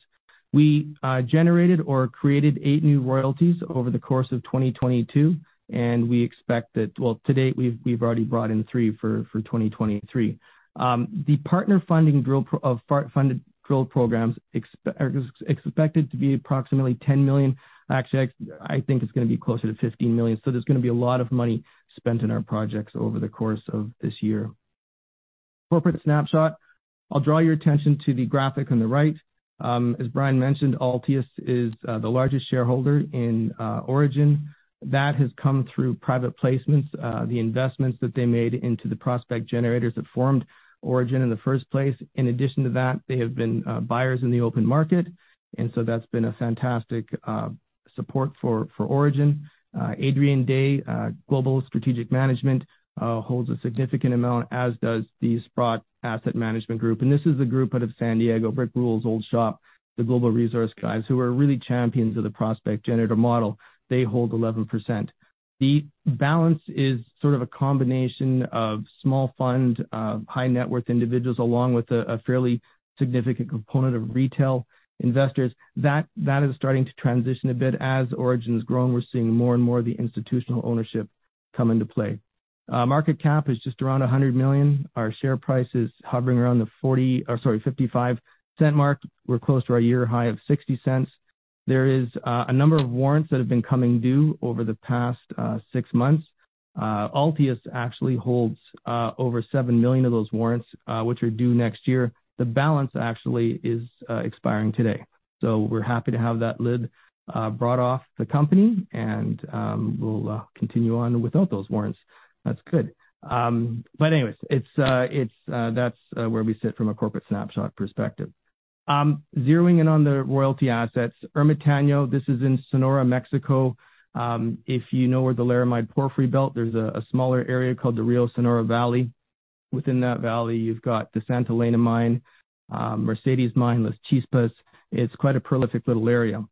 We generated or created eight new royalties over the course of 2022, and we expect that. Well, to date, we've already brought in three for 2023. The partner funding drill programs are expected to be approximately 10 million. Actually, I think it's gonna be closer to 15 million. There's gonna be a lot of money spent in our projects over the course of this year. Corporate snapshot. I'll draw your attention to the graphic on the right. As Brian mentioned, Altius is the largest shareholder in Orogen. That has come through private placements, the investments that they made into the prospect generators that formed Orogen in the first place. In addition to that, they have been buyers in the open market, that's been a fantastic support for Orogen. Adrian Day, Global Strategic Management, holds a significant amount, as does the Sprott Asset Management Group. This is a group out of San Diego, Rick Rule's old shop, the Global Resource guys, who are really champions of the prospect generator model. They hold 11%. The balance is sort of a combination of small fund, high net worth individuals, along with a fairly significant component of retail investors. That is starting to transition a bit. As Orogen's grown, we're seeing more and more of the institutional ownership come into play. Market cap is just around 100 million. Our share price is hovering around the 0.55 mark. We're close to our year high of 0.60. There is a number of warrants that have been coming due over the past six months. Altius actually holds over 7 million of those warrants, which are due next year. The balance actually is expiring today. We're happy to have that lid brought off the company and we'll continue on without those warrants. That's good. Anyways, it's that's where we sit from a corporate snapshot perspective. Zeroing in on the royalty assets. Ermitaño, this is in Sonora, Mexico. If you know where the Laramide Porphyry Belt, there's a smaller area called the Rio Sonora Valley. Within that valley, you've got the Santa Elena Mine, Mercedes Mine, Las Chispas. It's quite a prolific little area.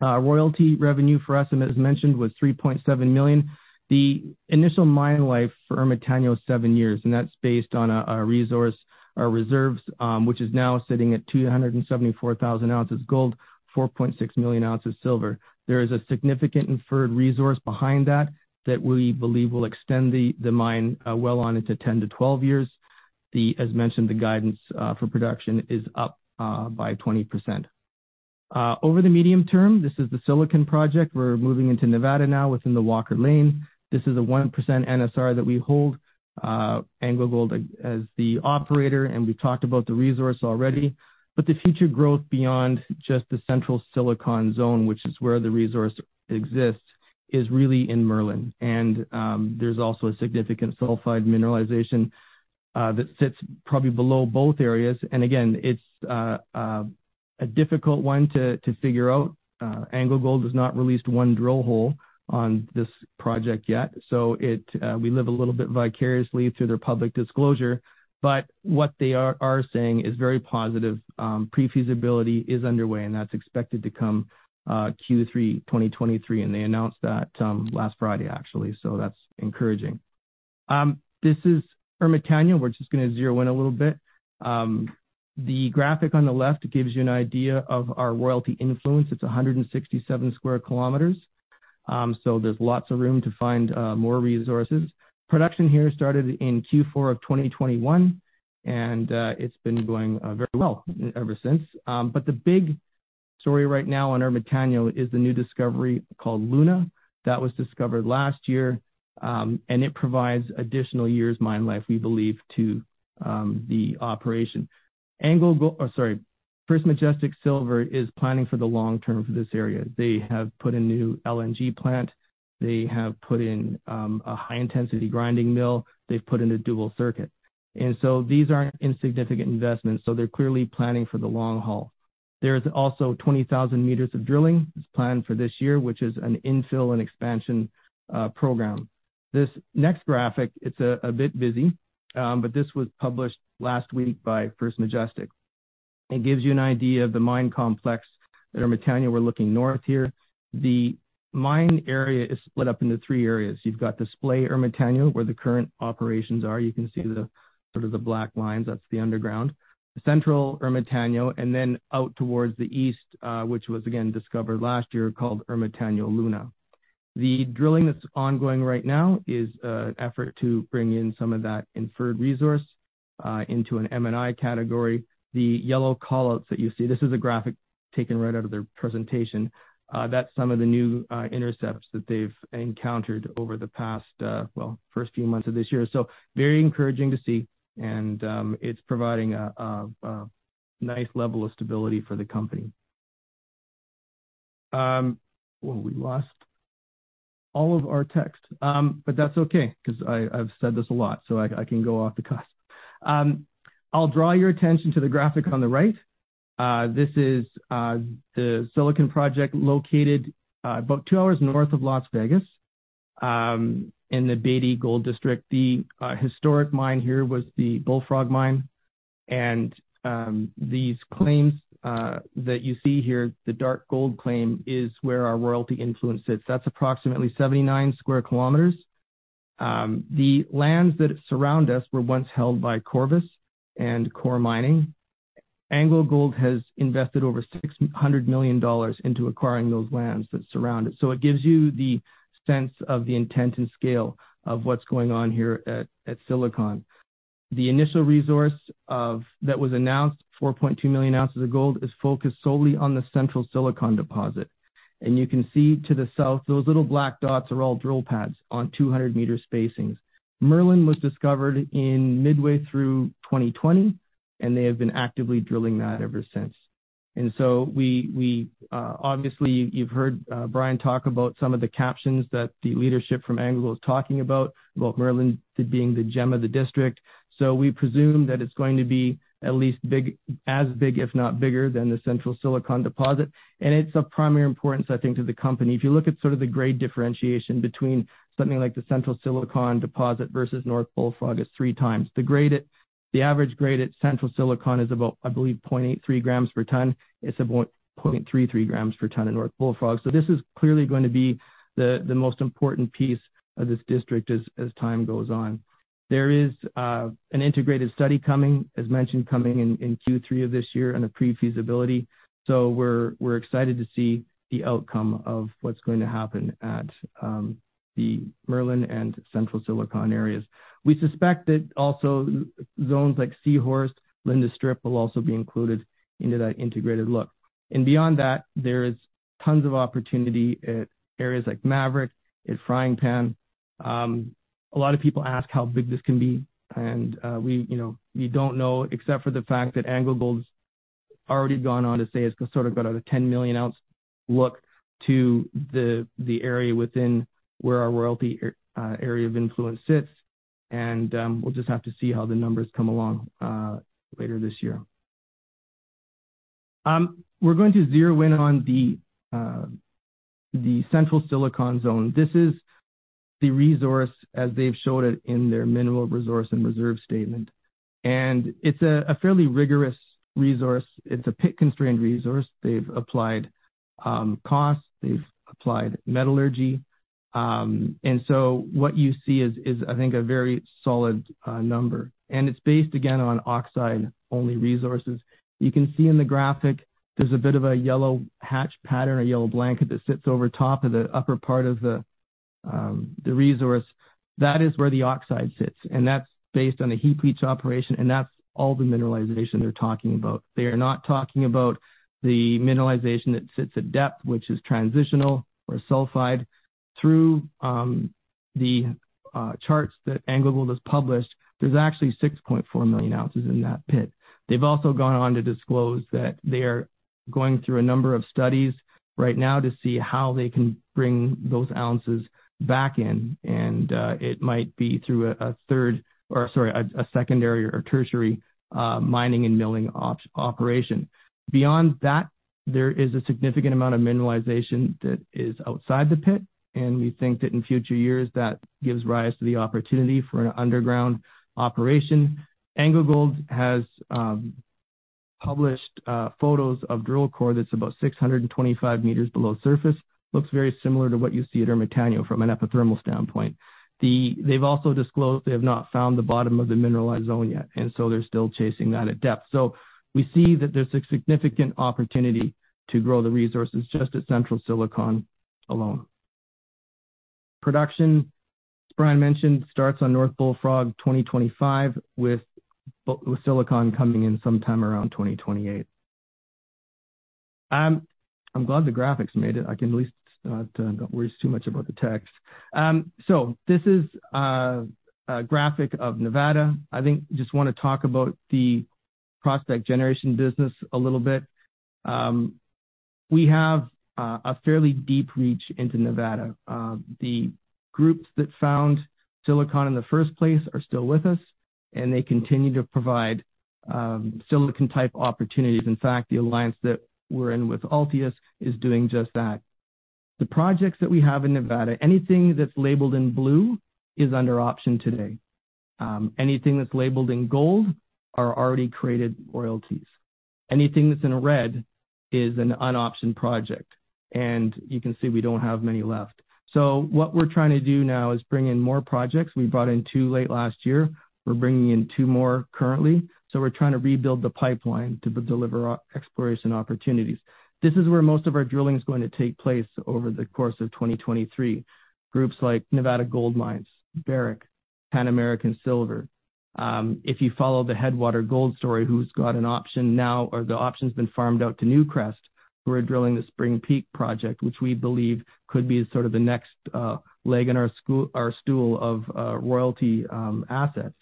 Royalty revenue for us, and as mentioned, was 3.7 million. The initial mine life for Ermitaño is seven years, that's based on a resource, reserves, which is now sitting at 274,000 ounces gold, 4.6 million ounces silver. There is a significant inferred resource behind that we believe will extend the mine well on into 10-12 years. The guidance for production is up by 20%. Over the medium term, this is the Silicon project. We're moving into Nevada now within the Walker Lane. This is a 1% NSR that we hold, AngloGold as the operator. We talked about the resource already. The future growth beyond just the Central Silicon zone, which is where the resource exists is really in Merlin. There's also a significant sulfide mineralization that sits probably below both areas. It's a difficult one to figure out. AngloGold has not released one drill hole on this project yet, so we live a little bit vicariously through their public disclosure. What they are saying is very positive. Pre-feasibility is underway, and that's expected to come Q3 2023, and they announced that last Friday, actually. That's encouraging. This is Ermitaño. We're just gonna zero in a little bit. The graphic on the left gives you an idea of our royalty influence. It's 167 square kilometers, so there's lots of room to find more resources. Production here started in Q4 2021, and it's been going very well ever since. The big story right now on Ermitaño is the new discovery called Luna that was discovered last year, and it provides additional years mine life, we believe, to the operation. First Majestic Silver is planning for the long term for this area. They have put a new LNG plant. They have put in a high-intensity grinding mill. They've put in a dual circuit. These aren't insignificant investments, so they're clearly planning for the long haul. There is also 20,000 meters of drilling planned for this year, which is an infill and expansion program. This next graphic, it's a bit busy, but this was published last week by First Majestic, and gives you an idea of the mine complex at Ermitaño. We're looking north here. The mine area is split up into three areas. You've got Display Ermitaño, where the current operations are. You can see the, sort of the black lines, that's the underground. Central Ermitaño, and then out towards the east, which was again discovered last year, called Ermitaño Luna. The drilling that's ongoing right now is an effort to bring in some of that inferred resource into an M&I category. The yellow call-outs that you see, this is a graphic taken right out of their presentation, that's some of the new intercepts that they've encountered over the past, well, first few months of this year. Very encouraging to see, and, it's providing a nice level of stability for the company. Well we lost all of our text. That's okay, 'cause I've said this a lot, so I can go off the cuff. I'll draw your attention to the graphic on the right. This is the Silicon project located about two hours north of Las Vegas, in the Beatty Gold District. The historic mine here was the Bullfrog Mine. These claims that you see here, the dark gold claim is where our royalty influence sits. That's approximately 79 square kilometers. The lands that surround us were once held by Corvus and Coeur Mining. AngloGold has invested over $600 million into acquiring those lands that surround it. It gives you the sense of the intent and scale of what's going on here at Silicon. The initial resource that was announced, 4.2 million ounces of gold, is focused solely on the Central Silicon deposit. You can see to the south, those little black dots are all drill pads on 200 meter spacings. Merlin was discovered in midway through 2020, and they have been actively drilling that ever since. We, obviously, you've heard Brian talk about some of the captions that the leadership from Anglo is talking about Merlin being the gem of the district. We presume that it's going to be at least big, as big, if not bigger, than the Central Silicon deposit. It's of primary importance, I think, to the company. If you look at sort of the grade differentiation between something like the Central Silicon deposit versus North Bullfrog, it's three times. The average grade at Central Silicon is about, I believe, 0.83 grams per ton. It's about 0.33 grams per ton in North Bullfrog. This is clearly gonna be the most important piece of this district as time goes on. There is an integrated study coming, as mentioned, coming in Q3 of this year and a pre-feasibility. We're excited to see the outcome of what's going to happen at the Merlin and Central Silicon areas. We suspect that also zones like Seahorse, Lindy Strip will also be included into that integrated look. Beyond that, there is tons of opportunity at areas like Maverick and Frying Pan. A lot of people ask how big this can be, and, you know, we don't know, except for the fact that AngloGold's already gone on to say it's got sort of about a 10 million ounce look to the area within where our royalty area of influence sits. We'll just have to see how the numbers come along later this year. We're going to zero in on the Central Silicon zone. This is the resource as they've showed it in their mineral resource and reserve statement. It's a fairly rigorous resource. It's a pit-constrained resource. They've applied costs, they've applied metallurgy. So what you see is I think a very solid number. It's based, again, on oxide-only resources. You can see in the graphic there's a bit of a yellow hatch pattern or yellow blanket that sits over top of the upper part of the resource. That is where the oxide sits, and that's based on a heap leach operation, and that's all the mineralization they're talking about. They are not talking about the mineralization that sits at depth, which is transitional or sulfide through. The charts that AngloGold has published, there's actually 6.4 million ounces in that pit. They've also gone on to disclose that they're going through a number of studies right now to see how they can bring those ounces back in, and it might be through a third or sorry, a secondary or tertiary mining and milling operation. Beyond that, there is a significant amount of mineralization that is outside the pit. We think that in future years, that gives rise to the opportunity for an underground operation. AngloGold has published photos of drill core that's about 625 meters below surface. Looks very similar to what you see at Ermitaño from an epithermal standpoint. They've also disclosed they have not found the bottom of the mineralized zone yet. They're still chasing that at depth. We see that there's a significant opportunity to grow the resources just at Central Silicon alone. Production, as Brian mentioned, starts on North Bullfrog 2025, with Silicon coming in sometime around 2028. I'm glad the graphics made it. I can at least not worry too much about the text. This is a graphic of Nevada. I think just wanna talk about the prospect generation business a little bit. We have a fairly deep reach into Nevada. The groups that found Silicon in the first place are still with us, and they continue to provide Silicon-type opportunities. In fact, the alliance that we're in with Altius is doing just that. The projects that we have in Nevada, anything that's labeled in blue is under option today. Anything that's labeled in gold are already created royalties. Anything that's in red is an unoptioned project, and you can see we don't have many left. What we're trying to do now is bring in more projects. We brought in two late last year. We're bringing in two more currently. We're trying to rebuild the pipeline to de-deliver our exploration opportunities. This is where most of our drilling is going to take place over the course of 2023. Groups like Nevada Gold Mines, Barrick, Pan American Silver. If you follow the Headwater Gold story, who's got an option now or the option's been farmed out to Newcrest, who are drilling the Spring Peak project, which we believe could be sort of the next leg in our stool of royalty assets.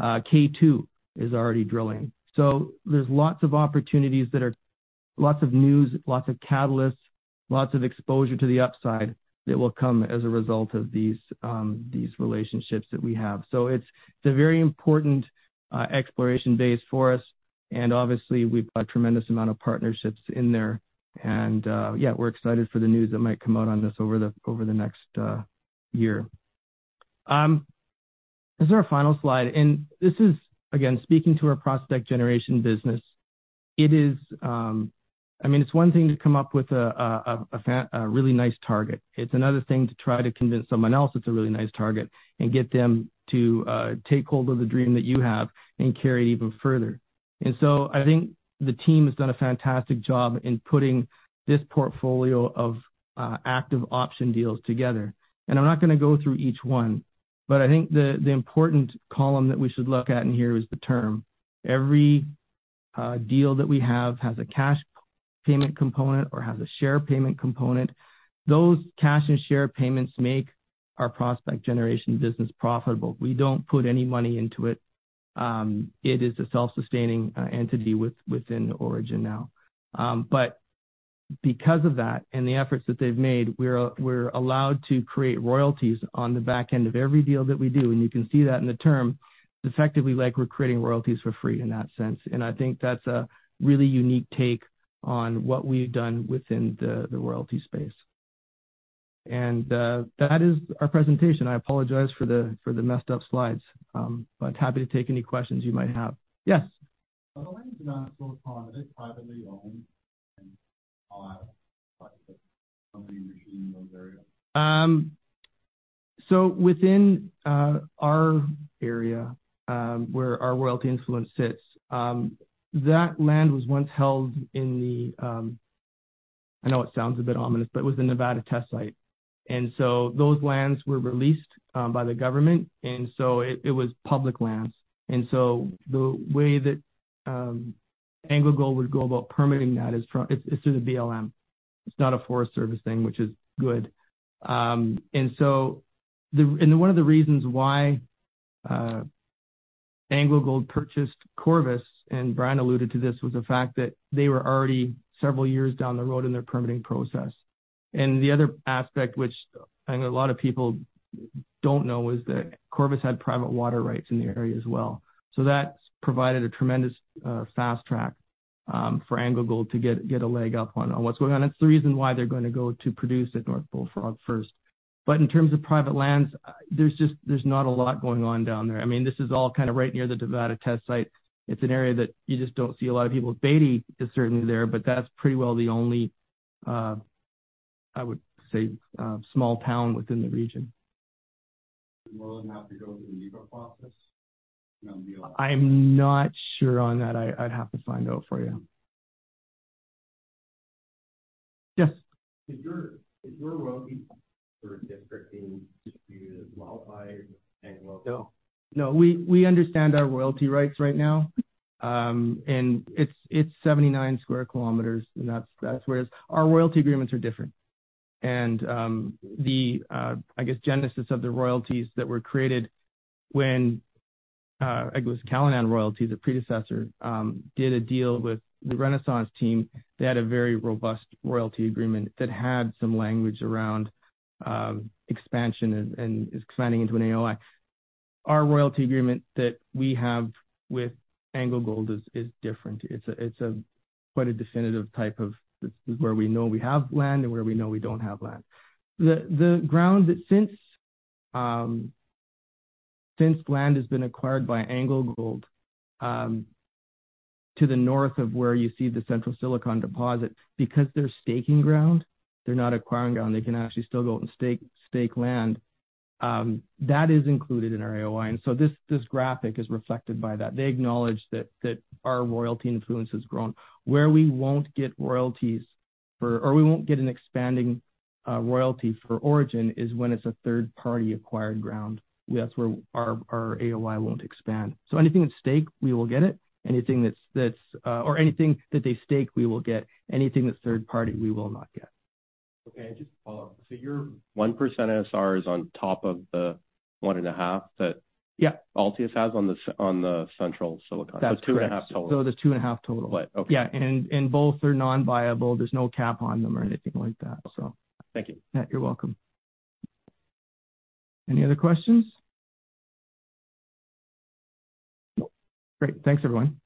K2 is already drilling. There's lots of opportunities lots of news, lots of catalysts, lots of exposure to the upside that will come as a result of these relationships that we have. It's a very important exploration base for us, and obviously, we've a tremendous amount of partnerships in there and, yeah, we're excited for the news that might come out on this over the next year. This is our final slide, and this is again, speaking to our prospect generation business. It is, I mean, it's one thing to come up with a really nice target. It's another thing to try to convince someone else it's a really nice target and get them to take hold of the dream that you have and carry it even further. I think the team has done a fantastic job in putting this portfolio of active option deals together. I'm not gonna go through each one, but I think the important column that we should look at in here is the term. Every deal that we have has a cash payment component or has a share payment component. Those cash and share payments make our prospect generation business profitable. We don't put any money into it. It is a self-sustaining entity within Orogen now. Because of that and the efforts that they've made, we're allowed to create royalties on the back end of every deal that we do, and you can see that in the term, effectively like we're creating royalties for free in that sense. I think that's a really unique take on what we've done within the royalty space. That is our presentation. I apologize for the, for the messed up slides, but happy to take any questions you might have. Yes. The lands around Silicon, are they privately owned? I'll add a question that somebody mentioned in those areas. Within our area, where our royalty influence sits, that land was once held in the, I know it sounds a bit ominous, but it was the Nevada test site. Those lands were released by the government, it was public lands. The way that AngloGold would go about permitting that is through the BLM. It's not a Forest Service thing, which is good. One of the reasons why AngloGold purchased Corvus, and Brian alluded to this, was the fact that they were already several years down the road in their permitting process. The other aspect, which I think a lot of people don't know, is that Corvus had private water rights in the area as well. That's provided a tremendous fast track for AngloGold to get a leg up on what's going on. It's the reason why they're gonna go to produce at North Bullfrog first. In terms of private lands, there's not a lot going on down there. I mean, this is all kind of right near the Nevada test site. It's an area that you just don't see a lot of people. Beatty is certainly there, but that's pretty well the only, I would say, small town within the region. Will they have to go through the NEPA process? You know. I'm not sure on that. I'd have to find out for you. Yes. Is your royalty for district being distributed as well by AngloGold? No. We understand our royalty rights right now. It's 79 square kilometers. Our royalty agreements are different. The I guess genesis of the royalties that were created when it was Callinan Royalties, a predecessor, did a deal with the Renaissance team. They had a very robust royalty agreement that had some language around expansion and expanding into an AOI. Our royalty agreement that we have with AngloGold is different. It's a quite a definitive type of this is where we know we have land and where we know we don't have land. The ground that since land has been acquired by AngloGold to the north of where you see the Central Silicon deposit because they're staking ground, they're not acquiring ground, they can actually still go and stake land that is included in our AOI. This graphic is reflected by that. They acknowledge that our royalty influence has grown. Where we won't get royalties for or we won't get an expanding royalty for Orogen is when it's a third party acquired ground. That's where our AOI won't expand. Anything at stake, we will get it. Anything that's or anything that they stake, we will get anything that's third party, we will not get. Okay. Just to follow up. Your 1% NSR is on top of the one and a half. Yeah. Altius has on the Central Silicon. That's correct. Two and a half total. There's two and a half total. Right. Okay. Yeah. Both are non-viable. There's no cap on them or anything like that. Thank you. Yeah. You're welcome. Any other questions? No. Great. Thanks, everyone.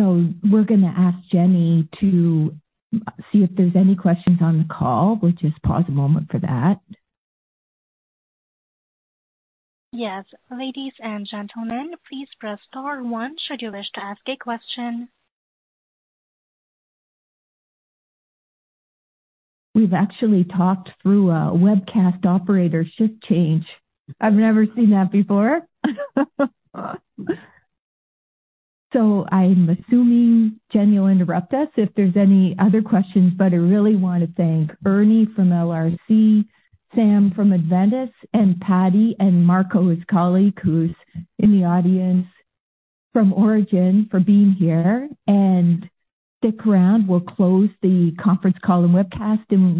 We're going to ask Jenny to see if there's any questions on the call. We'll just pause a moment for that. Yes. Ladies and gentlemen, please press star one should you wish to ask a question. We've actually talked through a webcast operator shift change. I've never seen that before. I'm assuming Jenny will interrupt us if there's any other questions. I really want to thank Ernie from LRC, Sam from Adventus, and Paddy and Marco, his colleague who's in the audience from Orogen, for being here. Stick around, we'll close the conference call and webcast in one.